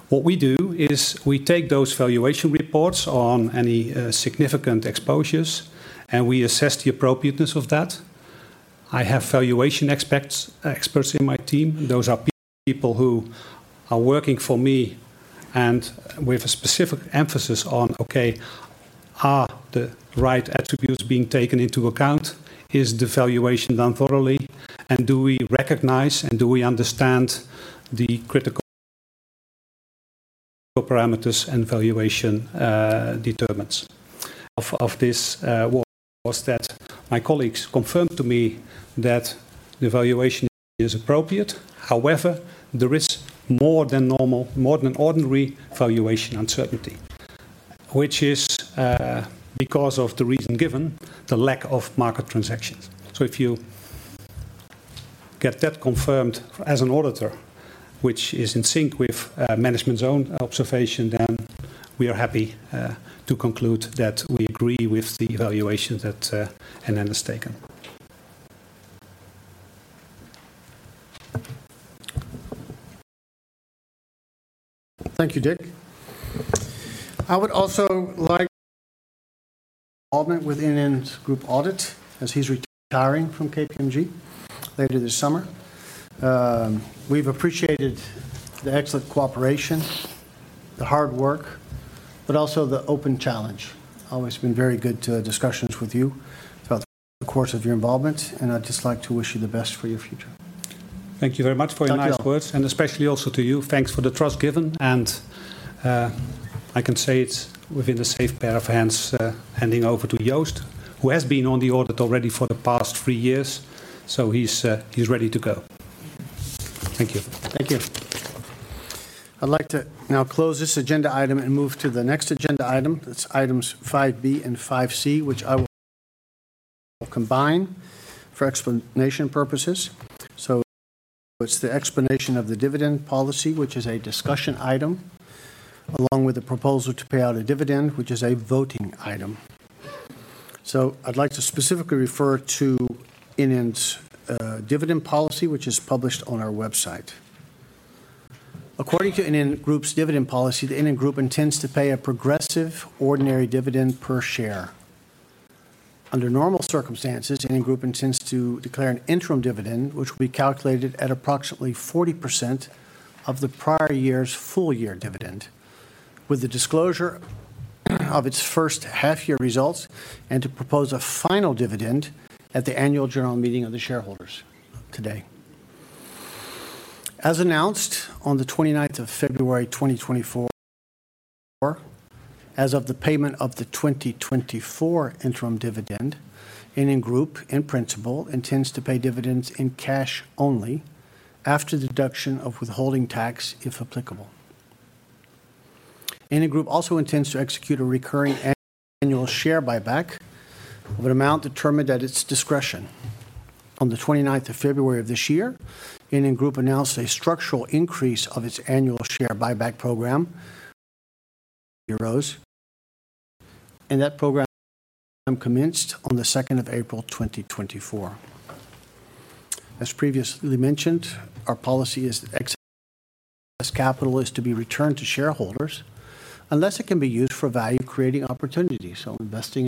I: What we do is we take those valuation reports on any, significant exposures, and we assess the appropriateness of that. I have valuation experts in my team. Those are people who are working for me, and with a specific emphasis on, okay, are the right attributes being taken into account? Is the valuation done thoroughly? And do we recognize, and do we understand the critical parameters and valuation, determines? Of, of this, was, was that my colleagues confirmed to me that the valuation is appropriate. However, there is more than normal, more than ordinary valuation uncertainty, which is, because of the reason given, the lack of market transactions. So if you get that confirmed as an auditor, which is in sync with, management's own observation, then we are happy, to conclude that we agree with the valuation that, NN has taken.
A: Thank you, Dick. I would also like involvement with NN's group audit, as he's retiring from KPMG later this summer. We've appreciated the excellent cooperation, the hard work, but also the open challenge. Always been very good discussions with you throughout the course of your involvement, and I'd just like to wish you the best for your future.
I: Thank you very much for your nice words-
A: Thank you.
I: especially also to you. Thanks for the trust given, and I can say it's within the safe pair of hands, handing over to Joost, who has been on the audit already for the past three years, so he's ready to go. Thank you.
A: Thank you. I'd like to now close this agenda item and move to the next agenda item. It's items 5B and 5C, which I will combine for explanation purposes. It's the explanation of the dividend policy, which is a discussion item, along with the proposal to pay out a dividend, which is a voting item. I'd like to specifically refer to NN's dividend policy, which is published on our website. According to NN Group's dividend policy, the NN Group intends to pay a progressive ordinary dividend per share. Under normal circumstances, NN Group intends to declare an interim dividend, which will be calculated at approximately 40% of the prior year's full year dividend, with the disclosure of its first half year results, and to propose a final dividend at the annual General Meeting of the shareholders today. As announced on the twenty-ninth of February 2024, as of the payment of the 2024 interim dividend, NN Group, in principle, intends to pay dividends in cash only after deduction of withholding tax, if applicable. NN Group also intends to execute a recurring annual share buyback of an amount determined at its discretion. On the twenty-ninth of February of this year, NN Group announced a structural increase of its annual share buyback program euros, and that program commenced on the second of April 2024. As previously mentioned, our policy is excess capital is to be returned to shareholders, unless it can be used for value-creating opportunities. A buyback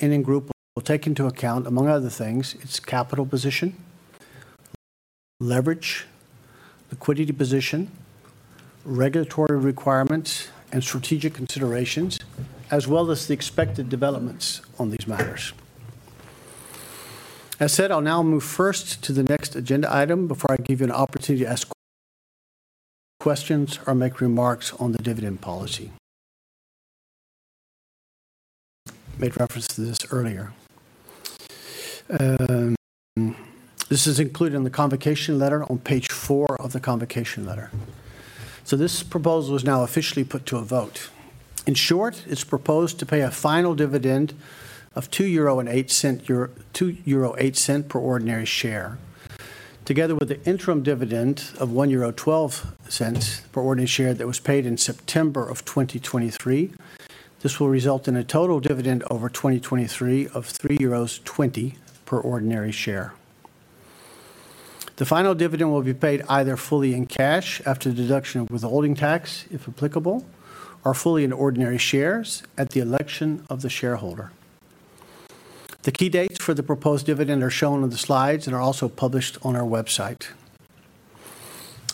A: in NN Group will take into account, among other things, its capital position, leverage, liquidity position, regulatory requirements, and strategic considerations, as well as the expected developments on these matters. As said, I'll now move first to the next agenda item before I give you an opportunity to ask questions or make remarks on the dividend policy. I made reference to this earlier. This is included in the convocation letter on page 4 of the convocation letter. So this proposal is now officially put to a vote. In short, it's proposed to pay a final dividend of 2.08 euro per ordinary share. Together with the interim dividend of 1.12 euro per ordinary share that was paid in September 2023, this will result in a total dividend over 2023 of 3.20 euros per ordinary share. The final dividend will be paid either fully in cash after the deduction of withholding tax, if applicable, or fully in ordinary shares at the election of the shareholder. The key dates for the proposed dividend are shown on the slides and are also published on our website.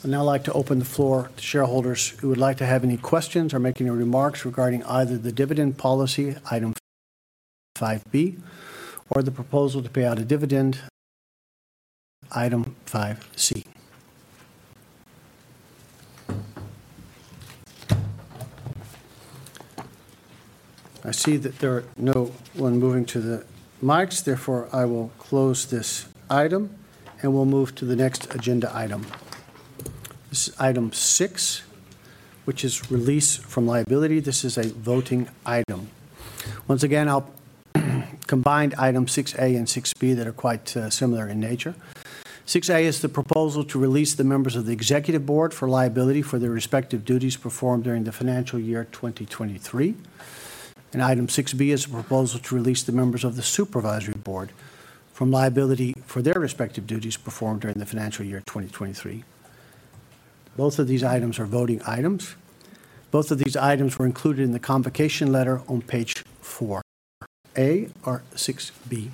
A: I'd now like to open the floor to shareholders who would like to have any questions or making any remarks regarding either the dividend policy, item 5B, or the proposal to pay out a dividend, item 5C. I see that there are no one moving to the mics, therefore, I will close this item, and we'll move to the next agenda item. This is item 6, which is release from liability. This is a voting item. Once again, I'll combine item 6A and 6B that are quite, similar in nature. 6A is the proposal to release the members of the Executive Board for liability for their respective duties performed during the financial year 2023. Item 6B is a proposal to release the members of the Supervisory Board from liability for their respective duties performed during the financial year 2023. Both of these items are voting items. Both of these items were included in the convocation letter on page 4. 6A or 6B?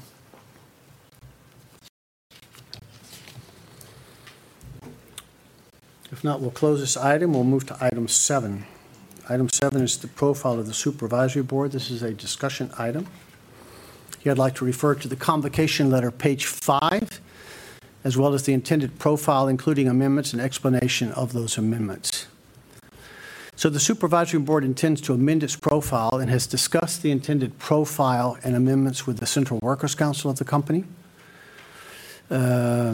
A: If not, we'll close this item. We'll move to item 7. Item 7 is the profile of the Supervisory Board. This is a discussion item. Here I'd like to refer to the convocation letter, page 5, as well as the intended profile, including amendments and explanation of those amendments. So the Supervisory Board intends to amend its profile and has discussed the intended profile and amendments with the Central Works Council of the company. Prior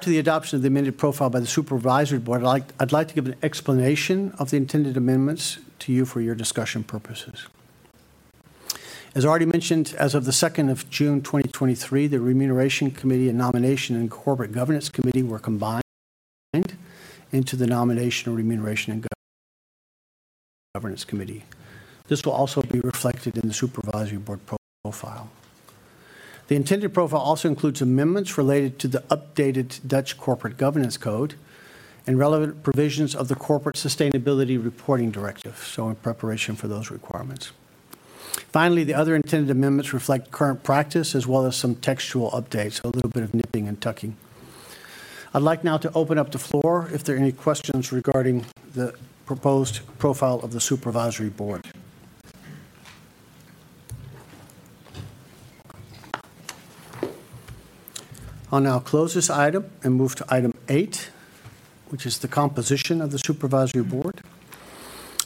A: to the adoption of the amended profile by the supervisory board, I'd like, I'd like to give an explanation of the intended amendments to you for your discussion purposes. As already mentioned, as of the second of June twenty twenty-three, the Remuneration Committee and Nomination and Corporate Governance Committee were combined into the Nomination or Remuneration and Governance, Governance Committee. This will also be reflected in the supervisory board profile. The intended profile also includes amendments related to the updated Dutch Corporate Governance Code and relevant provisions of the Corporate Sustainability Reporting Directive, so in preparation for those requirements. Finally, the other intended amendments reflect current practice as well as some textual updates, a little bit of nipping and tucking. I'd like now to open up the floor if there are any questions regarding the proposed profile of the supervisory board. I'll now close this item and move to item 8, which is the composition of the Supervisory Board.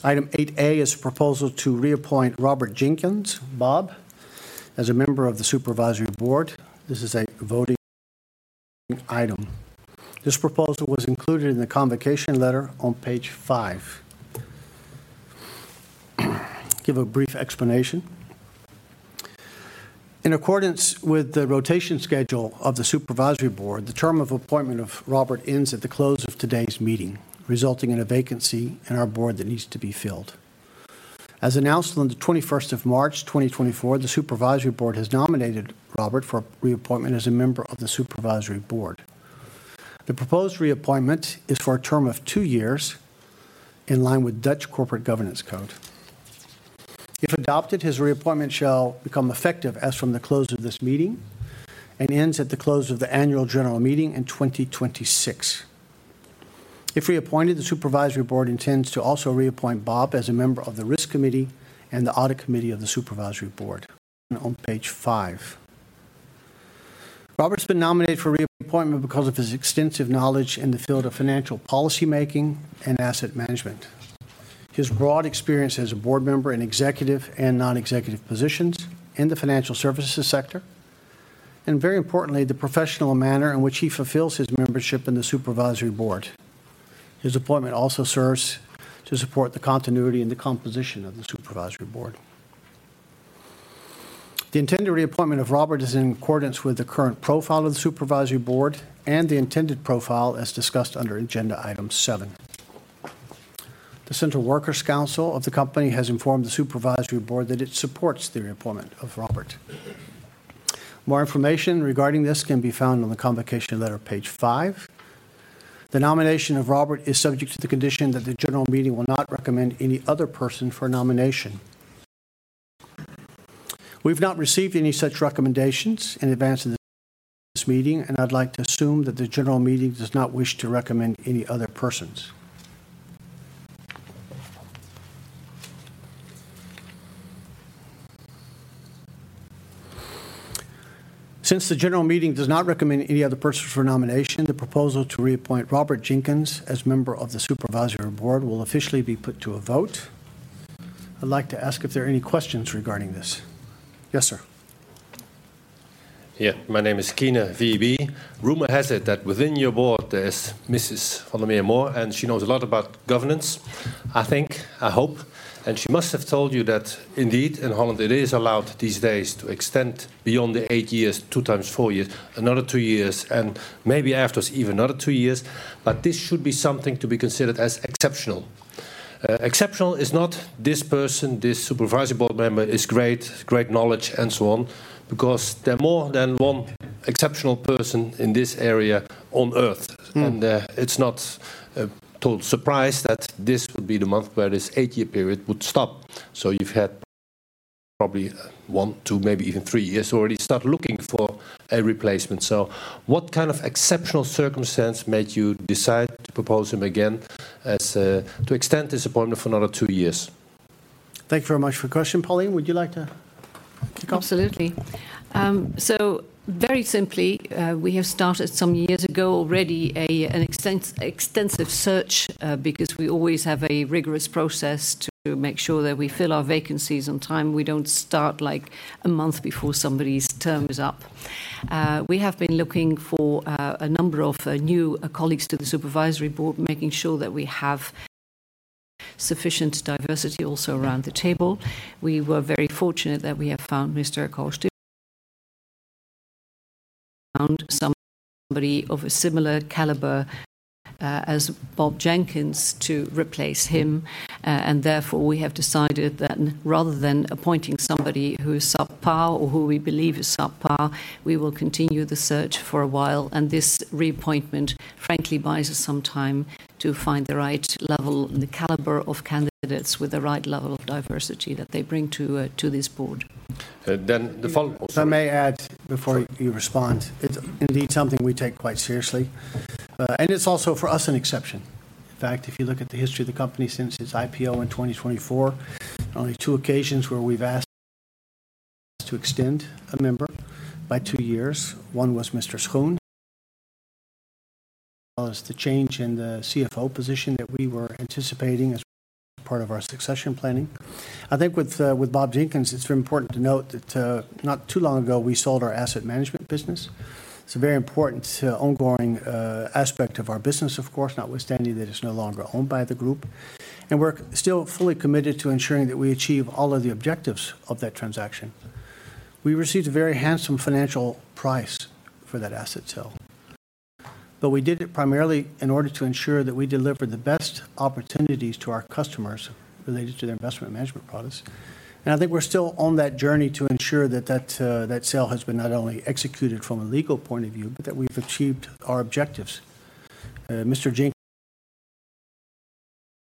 A: Item 8A is a proposal to reappoint Robert Jenkins, Bob, as a member of the Supervisory Board. This is a voting item. This proposal was included in the convocation letter on page 5. I'll give a brief explanation. In accordance with the rotation schedule of the Supervisory Board, the term of appointment of Robert ends at the close of today's meeting, resulting in a vacancy in our board that needs to be filled. As announced on the 21st of March, 2024, the Supervisory Board has nominated Robert for reappointment as a member of the Supervisory Board. The proposed reappointment is for a term of two years, in line with Dutch Corporate Governance Code. If adopted, his reappointment shall become effective as from the close of this meeting and ends at the close of the Annual General Meeting in 2026. If reappointed, the Supervisory Board intends to also reappoint Bob as a member of the Risk Committee and the Audit Committee of the Supervisory Board. On page five. Robert's been nominated for reappointment because of his extensive knowledge in the field of financial policymaking and asset management, his broad experience as a board member in executive and non-executive positions in the financial services sector, and very importantly, the professional manner in which he fulfills his membership in the Supervisory Board. His appointment also serves to support the continuity and the composition of the Supervisory Board. The intended reappointment of Robert is in accordance with the current profile of the Supervisory Board and the intended profile as discussed under agenda item seven. The Central Works Council of the company has informed the Supervisory Board that it supports the reappointment of Robert. More information regarding this can be found on the convocation letter, page five. The nomination of Robert is subject to the condition that the General Meeting will not recommend any other person for nomination. We've not received any such recommendations in advance of this meeting, and I'd like to assume that the General Meeting does not wish to recommend any other persons. Since the General Meeting does not recommend any other persons for nomination, the proposal to reappoint Robert Jenkins as member of the Supervisory Board will officially be put to a vote. I'd like to ask if there are any questions regarding this? Yes, sir.
G: Yeah, my name is Marcel Keyner, VEB. Rumor has it that within your board, there is Mrs. van der Meer Mohr, and she knows a lot about governance, I think, I hope. And she must have told you that indeed, in Holland, it is allowed these days to extend beyond the 8 years, two times 4 years, another 2 years, and maybe afterwards, even another 2 years. But this should be something to be considered as exceptional. Exceptional is not this person, this Supervisory Board member is great, great knowledge, and so on, because there are more than 1 exceptional person in this area on Earth.
A: Mm.
G: It's not a total surprise that this would be the month where this eight-year period would stop. So you've had probably one, two, maybe even three years already, start looking for a replacement. So what kind of exceptional circumstance made you decide to propose him again as, to extend his appointment for another two years?
A: Thank you very much for your question. Pauline, would you like to go?
H: Absolutely. So very simply, we have started some years ago already, an extensive search, because we always have a rigorous process to make sure that we fill our vacancies on time. We don't start, like, a month before somebody's term is up. We have been looking for a number of new colleagues to the Supervisory Board, making sure that we have sufficient diversity also around the table. We were very fortunate that we have found Mr. Akhorst. Found somebody of a similar caliber, as Bob Jenkins to replace him. And therefore, we have decided that rather than appointing somebody who is subpar or who we believe is subpar, we will continue the search for a while, and this reappointment, frankly, buys us some time to find the right level and the caliber of candidates with the right level of diversity that they bring to this board.
G: Then the follow-up... Oh, sorry.
A: If I may add before you respond.
G: Sorry.
A: It's indeed something we take quite seriously, and it's also, for us, an exception. In fact, if you look at the history of the company since its IPO in 2024, only two occasions where we've asked to extend a member by two years. One was Mr. Schoen, as the change in the CFO position that we were anticipating as part of our succession planning. I think with, with Bob Jenkins, it's important to note that, not too long ago, we sold our asset management business. It's a very important, ongoing, aspect of our business, of course, notwithstanding that it's no longer owned by the group, and we're still fully committed to ensuring that we achieve all of the objectives of that transaction. We received a very handsome financial price for that asset sale, but we did it primarily in order to ensure that we delivered the best opportunities to our customers related to their investment management products. And I think we're still on that journey to ensure that that, that sale has been not only executed from a legal point of view, but that we've achieved our objectives. Mr.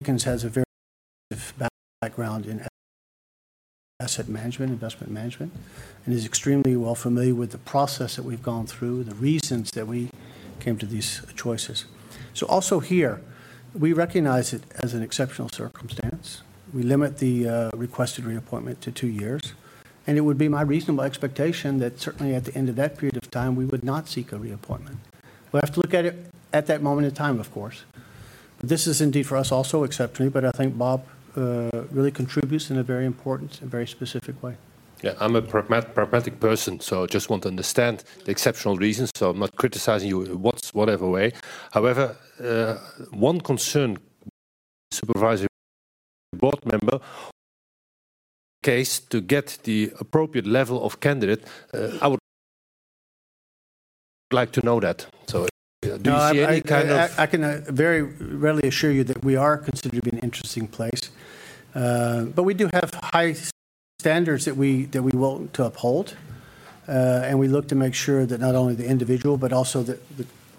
A: Jenkins has a very background in asset management, investment management, and is extremely well familiar with the process that we've gone through, the reasons that we came to these choices. So also here, we recognize it as an exceptional circumstance. We limit the, requested reappointment to two years, and it would be my reasonable expectation that certainly at the end of that period of time, we would not seek a reappointment. We'll have to look at it at that moment in time, of course. This is indeed for us, also exceptionally, but I think Bob really contributes in a very important and very specific way.
G: Yeah, I'm a pragmatic person, so I just want to understand the exceptional reasons. So I'm not criticizing you in whatever way. However, one concern, Supervisory Board member, case to get the appropriate level of candidate, I would like to know that. So do you see any kind of-
A: I can very rarely assure you that we are considered to be an interesting place. But we do have high standards that we want to uphold, and we look to make sure that not only the individual, but also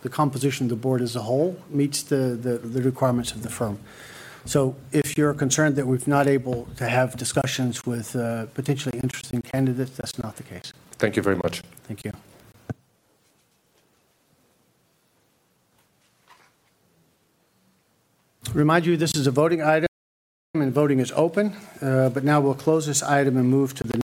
A: the composition of the board as a whole, meets the requirements of the firm. So if you're concerned that we've not able to have discussions with potentially interesting candidates, that's not the case.
G: Thank you very much.
A: Thank you. To remind you, this is a voting item, and voting is open, but now we'll close this item and move to the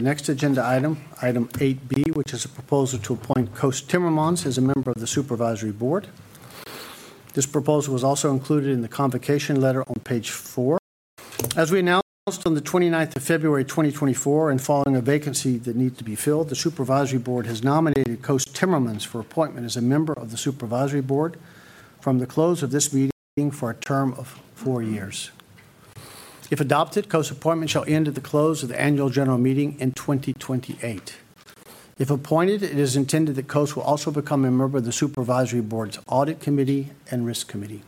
A: next agenda item, item 8-B, which is a proposal to appoint Koos Timmermans as a member of the Supervisory Board. This proposal was also included in the convocation letter on page 4. As we announced on the 29th of February 2024, and following a vacancy that needed to be filled, the Supervisory Board has nominated Koos Timmermans for appointment as a member of the Supervisory Board from the close of this meeting for a term of 4 years. If adopted, Koos' appointment shall end at the close of the annual General Meeting in 2028. If appointed, it is intended that Koos will also become a member of the Supervisory Board's Audit Committee and Risk Committee.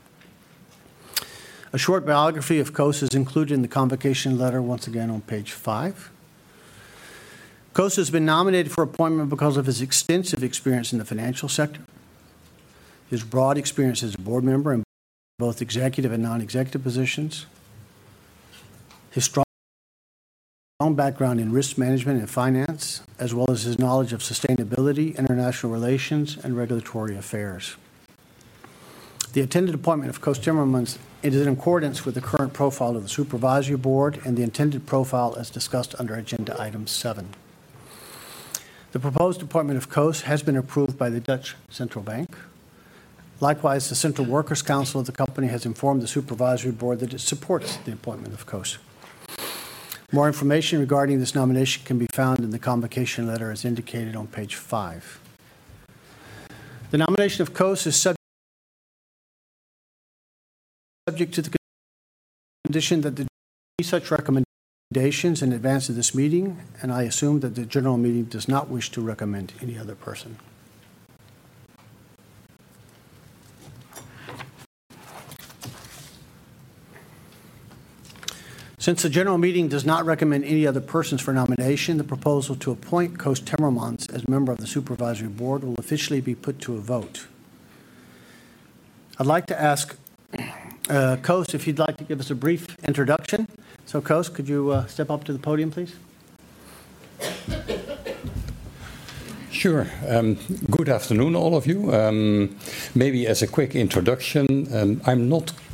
A: A short biography of Koos is included in the convocation letter, once again, on page 5. Koos has been nominated for appointment because of his extensive experience in the financial sector, his broad experience as a board member in both executive and non-executive positions, his strong, strong background in risk management and finance, as well as his knowledge of sustainability, international relations, and regulatory affairs. The intended appointment of Koos Timmermans is in accordance with the current profile of the Supervisory Board and the intended profile as discussed under agenda item 7. The proposed appointment of Koos has been approved by the Dutch Central Bank. Likewise, the Central Works Council of the company has informed the Supervisory Board that it supports the appointment of Koos. More information regarding this nomination can be found in the convocation letter, as indicated on page 5. The nomination of Koos is subject to the condition that the such recommendations in advance of this meeting, and I assume that the General Meeting does not wish to recommend any other person. Since the General Meeting does not recommend any other persons for nomination, the proposal to appoint Koos Timmermans as a member of the Supervisory Board will officially be put to a vote. I'd like to ask, Koos, if you'd like to give us a brief introduction. So, Koos, could you step up to the podium, please?
K: Sure. Good afternoon, all of you. Maybe as a quick introduction, I'm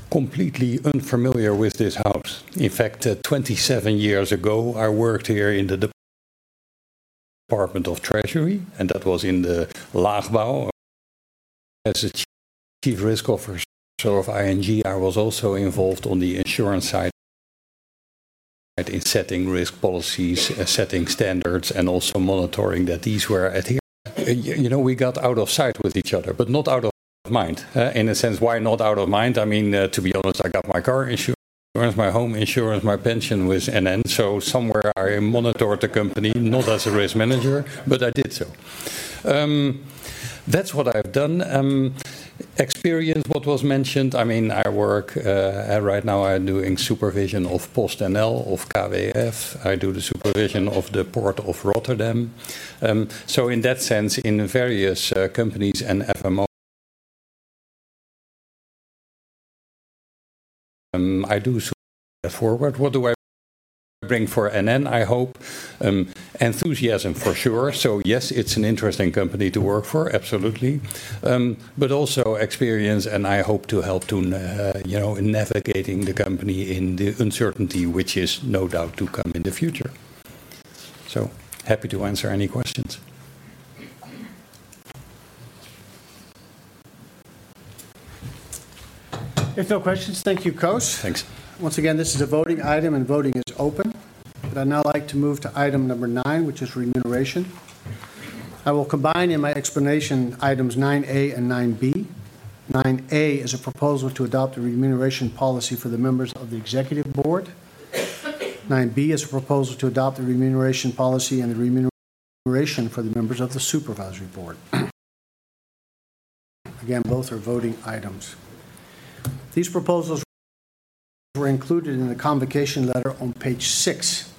K: not completely unfamiliar with this house. In fact, 27 years ago, I worked here in the Department of Treasury, and that was in the Laagbouw. As a Chief Risk Officer of ING, I was also involved on the insurance side in setting risk policies, setting standards, and also monitoring that these were... I think, you know, we got out of sight with each other, but not out of mind. In a sense, why not out of mind? I mean, to be honest, I got my car insurance, my home insurance, my pension with NN. So somewhere I monitored the company, not as a risk manager, but I did so. That's what I've done. Experience, what was mentioned, I mean, I work... Right now, I'm doing supervision of PostNL, of KWF. I do the supervision of the Port of Rotterdam. So in that sense, in various companies and FMO, I do see forward. What do I bring for NN? I hope enthusiasm for sure. So yes, it's an interesting company to work for, absolutely. But also experience, and I hope to help to you know, in navigating the company in the uncertainty which is no doubt to come in the future. So, happy to answer any questions.
A: If no questions, thank you, Koos.
K: Thanks.
A: Once again, this is a voting item, and voting is open. I'd now like to move to item number 9, which is remuneration. I will combine in my explanation items 9 A and 9 B. 9 A is a proposal to adopt a remuneration policy for the members of the Executive Board. 9 B is a proposal to adopt a remuneration policy and the remuneration for the members of the Supervisory Board. Again, both are voting items. These proposals were included in the convocation letter on page 6.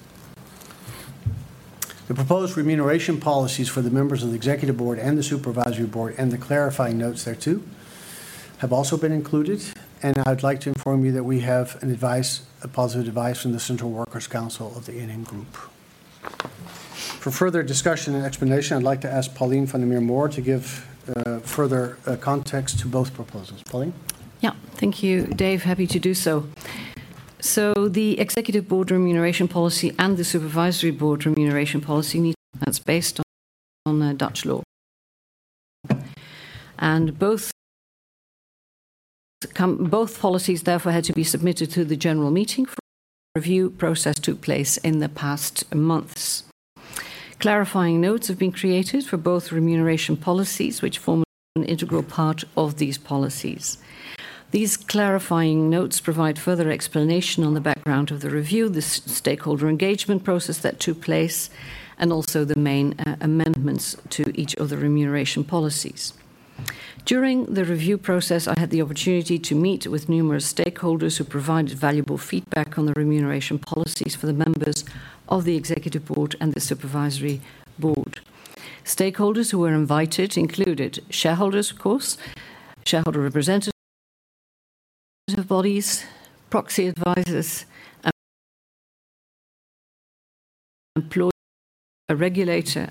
A: The proposed remuneration policies for the members of the Executive Board and the Supervisory Board, and the clarifying notes thereto, have also been included, and I'd like to inform you that we have an advice, a positive advice from the Central Works Council of the NN Group. For further discussion and explanation, I'd like to ask Pauline van der Meer Mohr to give further context to both proposals. Pauline?
H: Yeah. Thank you, Dave. Happy to do so. So the Executive Board remuneration policy and the Supervisory Board remuneration policy needs that's based on, on the Dutch law. And both both policies, therefore, had to be submitted to the General Meeting for review process took place in the past months. Clarifying notes have been created for both remuneration policies, which form an integral part of these policies. These clarifying notes provide further explanation on the background of the review, the stakeholder engagement process that took place, and also the main amendments to each of the remuneration policies. During the review process, I had the opportunity to meet with numerous stakeholders who provided valuable feedback on the remuneration policies for the members of the Executive Board and the Supervisory Board. Stakeholders who were invited included shareholders, of course, shareholder representatives, bodies, proxy advisors, employers, a regulator,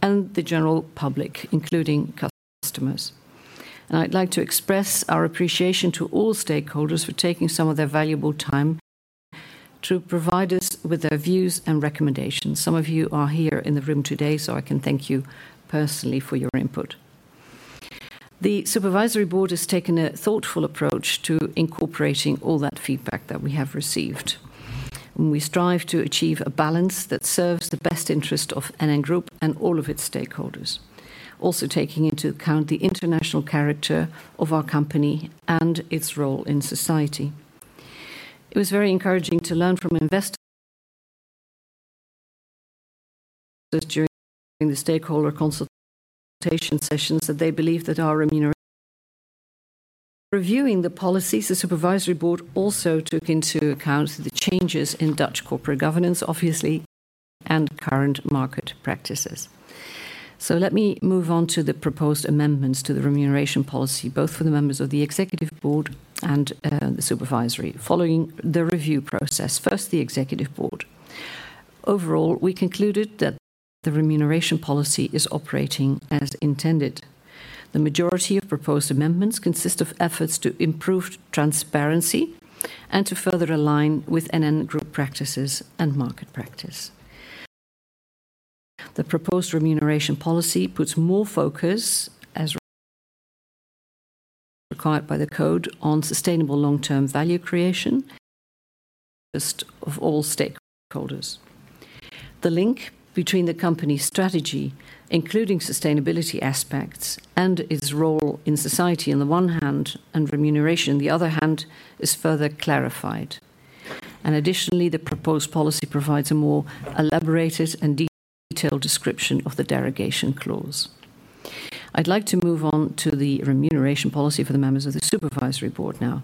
H: and the general public, including customers. I'd like to express our appreciation to all stakeholders for taking some of their valuable time to provide us with their views and recommendations. Some of you are here in the room today, so I can thank you personally for your input. The Supervisory Board has taken a thoughtful approach to incorporating all that feedback that we have received, and we strive to achieve a balance that serves the best interest of NN Group and all of its stakeholders. Also, taking into account the international character of our company and its role in society. It was very encouraging to learn from investors during the stakeholder consultation sessions that they believe that our remuneration policy. Reviewing the policies, the Supervisory Board also took into account the changes in Dutch corporate governance, obviously, and current market practices. So let me move on to the proposed amendments to the remuneration policy, both for the members of the Executive Board and the Supervisory Board, following the review process. First, the Executive Board. Overall, we concluded that the remuneration policy is operating as intended. The majority of proposed amendments consist of efforts to improve transparency and to further align with NN Group practices and market practice. The proposed remuneration policy puts more focus, as required by the code, on sustainable long-term value creation of all stakeholders. The link between the company's strategy, including sustainability aspects and its role in society, on the one hand, and remuneration on the other hand, is further clarified. Additionally, the proposed policy provides a more elaborated and detailed description of the derogation clause. I'd like to move on to the remuneration policy for the members of the Supervisory Board now.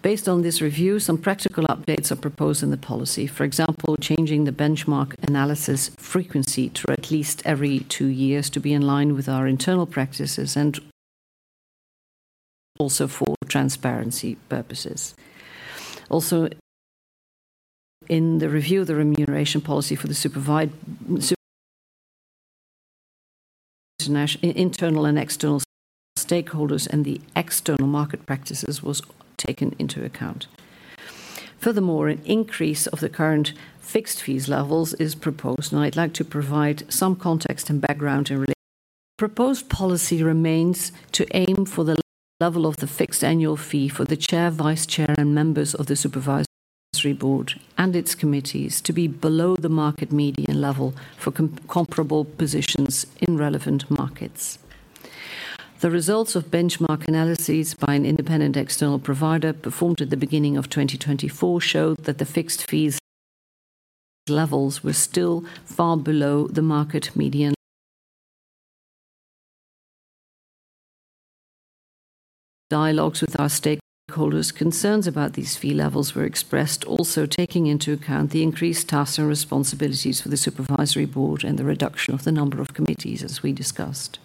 H: Based on this review, some practical updates are proposed in the policy. For example, changing the benchmark analysis frequency to at least every two years to be in line with our internal practices, and also for transparency purposes. Also, in the review of the remuneration policy for the Supervisory Board, internal and external stakeholders, and the external market practices was taken into account. Furthermore, an increase of the current fixed fees levels is proposed, and I'd like to provide some context and background in relation. The proposed policy remains to aim for the level of the fixed annual fee for the chair, vice chair, and members of the Supervisory Board and its committees to be below the market median level for comparable positions in relevant markets. The results of benchmark analyses by an independent external provider, performed at the beginning of 2024, showed that the fixed fees levels were still far below the market median. Dialogues with our stakeholders, concerns about these fee levels were expressed, also taking into account the increased tasks and responsibilities for the Supervisory Board and the reduction of the number of committees, as we discussed.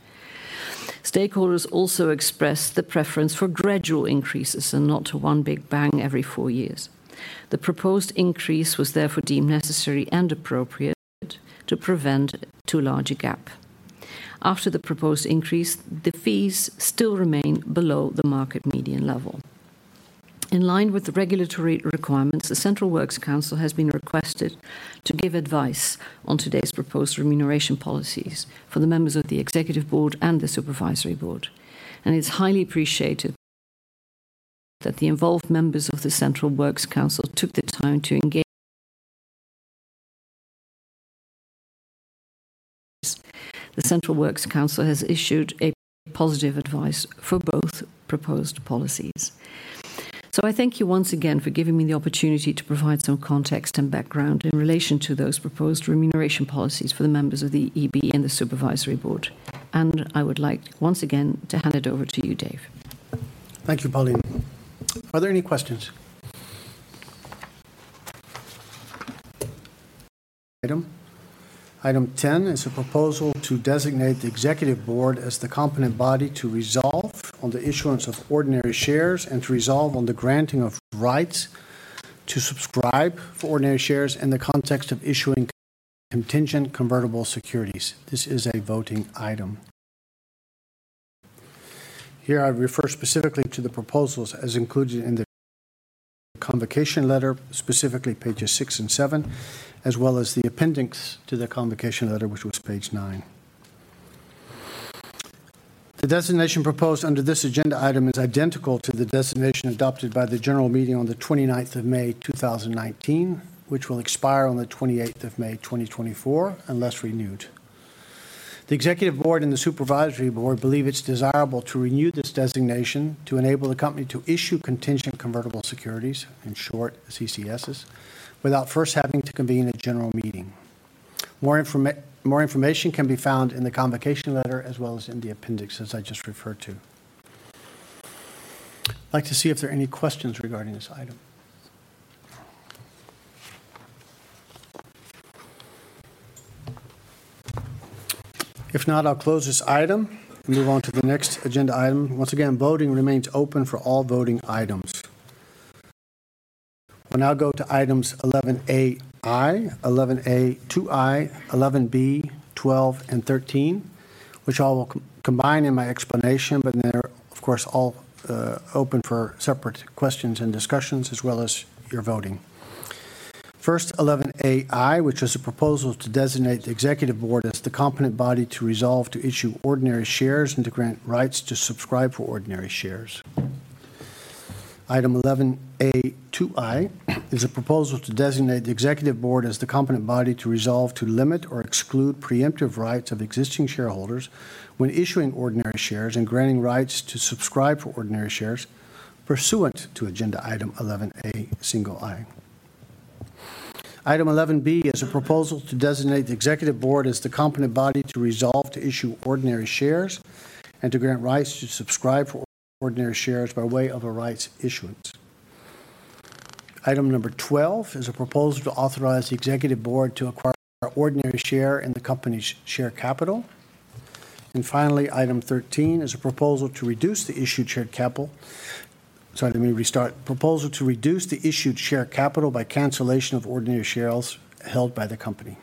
H: Stakeholders also expressed the preference for gradual increases and not to one big bang every four years. The proposed increase was therefore deemed necessary and appropriate to prevent too large a gap. After the proposed increase, the fees still remain below the market median level. In line with the regulatory requirements, the Central Works Council has been requested to give advice on today's proposed remuneration policies for the members of the Executive Board and the Supervisory Board. It's highly appreciated that the involved members of the Central Works Council took the time to engage. The Central Works Council has issued a positive advice for both proposed policies. I thank you once again for giving me the opportunity to provide some context and background in relation to those proposed remuneration policies for the members of the EB and the Supervisory Board. I would like once again to hand it over to you, Dave.
A: Thank you, Pauline. Are there any questions? Item ten is a proposal to designate the Executive Board as the competent body to resolve on the issuance of ordinary shares and to resolve on the granting of rights to subscribe for ordinary shares in the context of issuing Contingent Convertible Securities. This is a voting item. Here I refer specifically to the proposals as included in the convocation letter, specifically pages 6 and 7, as well as the appendix to the convocation letter, which was page 9. The designation proposed under this agenda item is identical to the designation adopted by the General Meeting on the 29th of May, 2019, which will expire on the 28th of May, 2024, unless renewed. The Executive Board and the Supervisory Board believe it's desirable to renew this designation to enable the company to issue contingent convertible securities, in short, CCS, without first having to convene a General Meeting. More information can be found in the convocation letter, as well as in the appendix, as I just referred to. I'd like to see if there are any questions regarding this item. If not, I'll close this item and move on to the next agenda item. Once again, voting remains open for all voting items. We'll now go to items 11A1, 11A2I, 11B, 12 and 13, which all will combine in my explanation, but they're, of course, all open for separate questions and discussions, as well as your voting. First, 11A.i, which is a proposal to designate the Executive Board as the competent body to resolve to issue ordinary shares and to grant rights to subscribe for ordinary shares. Item 11A.2i is a proposal to designate the Executive Board as the competent body to resolve to limit or exclude preemptive rights of existing shareholders when issuing ordinary shares and granting rights to subscribe for ordinary shares, pursuant to agenda item 11A.i. Item 11B is a proposal to designate the Executive Board as the competent body to resolve to issue ordinary shares and to grant rights to subscribe for ordinary shares by way of a rights issuance. Item number 12 is a proposal to authorize the Executive Board to acquire ordinary shares in the company's share capital. And finally, item 13 is a proposal to reduce the issued share capital. Sorry, let me restart. Proposal to reduce the issued share capital by cancellation of ordinary shares held by the company.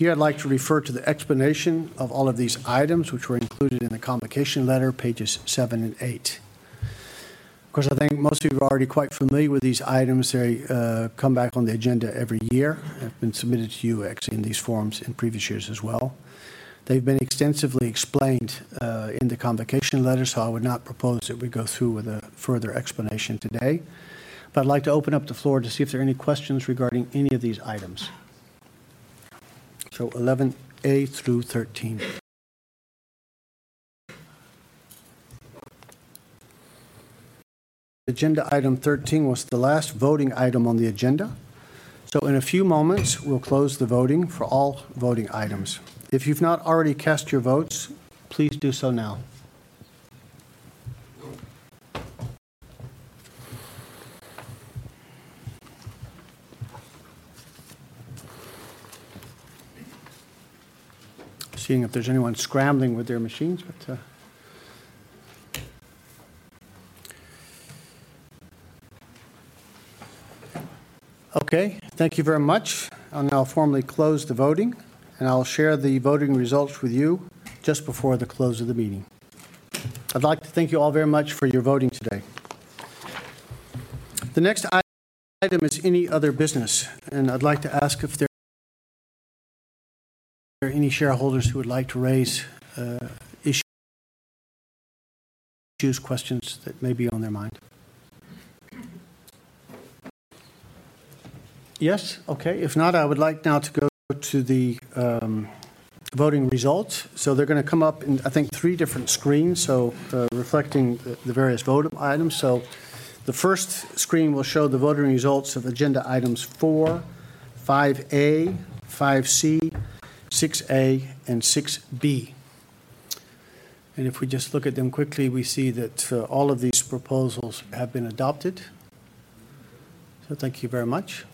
A: Here, I'd like to refer to the explanation of all of these items, which were included in the convocation letter, pages 7 and 8. Of course, I think most of you are already quite familiar with these items. They come back on the agenda every year, and have been submitted to you actually in these forms in previous years as well. They've been extensively explained in the convocation letter, so I would not propose that we go through with a further explanation today. But I'd like to open up the floor to see if there are any questions regarding any of these items. So 11A through 13. Agenda item 13 was the last voting item on the agenda. In a few moments, we'll close the voting for all voting items. If you've not already cast your votes, please do so now. Seeing if there's anyone scrambling with their machines, but... Okay, thank you very much. I'll now formally close the voting, and I'll share the voting results with you just before the close of the meeting. I'd like to thank you all very much for your voting today. The next item is any other business, and I'd like to ask if there are any shareholders who would like to raise issues, questions that may be on their mind? Yes? Okay. If not, I would like now to go to the voting results. They're gonna come up in, I think, three different screens, so, reflecting the various vote items. So the first screen will show the voting results of agenda items 4, 5A, 5C, 6A, and 6B. And if we just look at them quickly, we see that all of these proposals have been adopted. So thank you very much.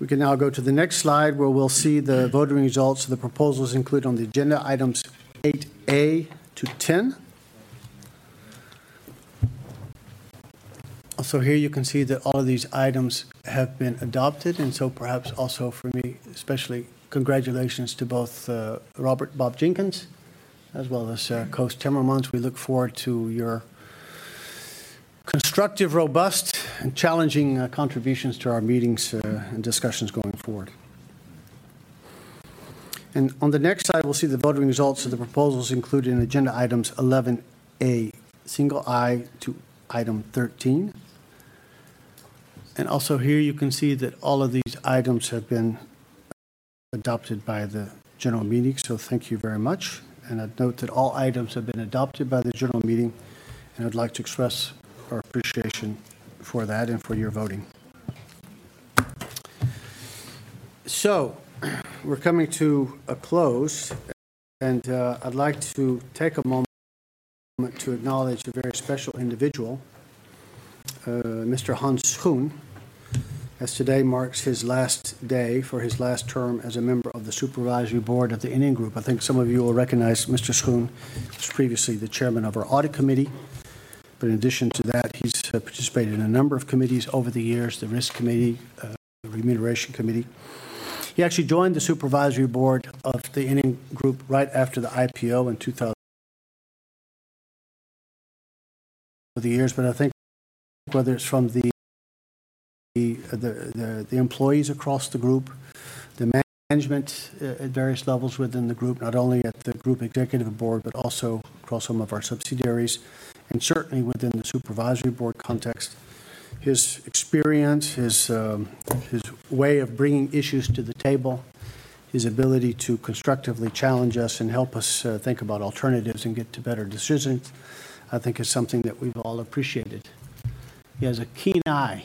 A: We can now go to the next slide, where we'll see the voting results of the proposals included on the agenda items 8A to 10. Also, here you can see that all of these items have been adopted, and so perhaps also for me, especially, congratulations to both Robert, Bob Jenkins, as well as Koos Timmermans. We look forward to your constructive, robust, and challenging contributions to our meetings and discussions going forward. And on the next slide, we'll see the voting results of the proposals included in agenda items 11A, 11I to item 13. And also here, you can see that all of these items have been adopted by the General Meeting, so thank you very much. And I'd note that all items have been adopted by the General Meeting, and I'd like to express our appreciation for that and for your voting. So we're coming to a close, and, I'd like to take a moment to acknowledge a very special individual, Mr. Hans Schoen, as today marks his last day for his last term as a member of the Supervisory Board of the NN Group. I think some of you will recognize Mr. Schoen as previously the chairman of our Audit Committee. But in addition to that, he's participated in a number of committees over the years, the Risk Committee, the Remuneration Committee. He actually joined the Supervisory Board of the NN Group right after the IPO in 2000... Over the years, but I think whether it's from the employees across the group, the management at various levels within the group, not only at the Group Executive Board, but also across some of our subsidiaries, and certainly within the Supervisory Board context, his experience, his way of bringing issues to the table, his ability to constructively challenge us and help us think about alternatives and get to better decisions, I think is something that we've all appreciated. He has a keen eye.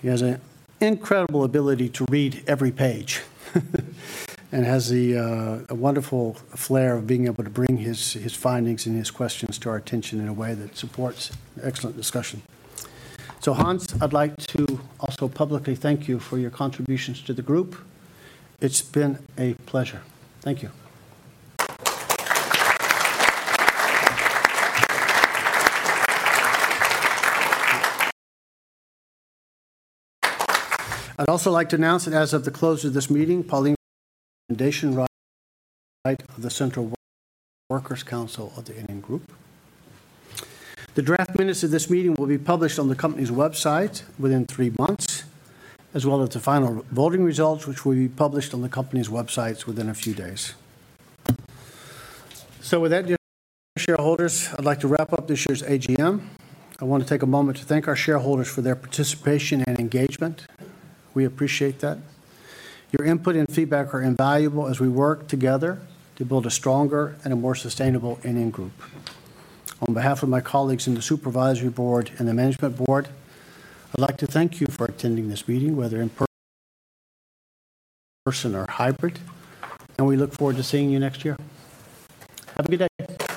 A: He has an incredible ability to read every page and has a wonderful flair of being able to bring his findings and his questions to our attention in a way that supports excellent discussion. So, Hans, I'd like to also publicly thank you for your contributions to the group. It's been a pleasure. Thank you. I'd also like to announce that as of the close of this meeting, Pauline is recommendation, right, of the Central Works Council of the NN Group. The draft minutes of this meeting will be published on the company's website within three months, as well as the final voting results, which will be published on the company's websites within a few days. So with that, dear shareholders, I'd like to wrap up this year's AGM. I want to take a moment to thank our shareholders for their participation and engagement. We appreciate that. Your input and feedback are invaluable as we work together to build a stronger and a more sustainable NN Group. On behalf of my colleagues in the supervisory board and the management board, I'd like to thank you for attending this meeting, whether in person or hybrid, and we look forward to seeing you next year. Have a good day.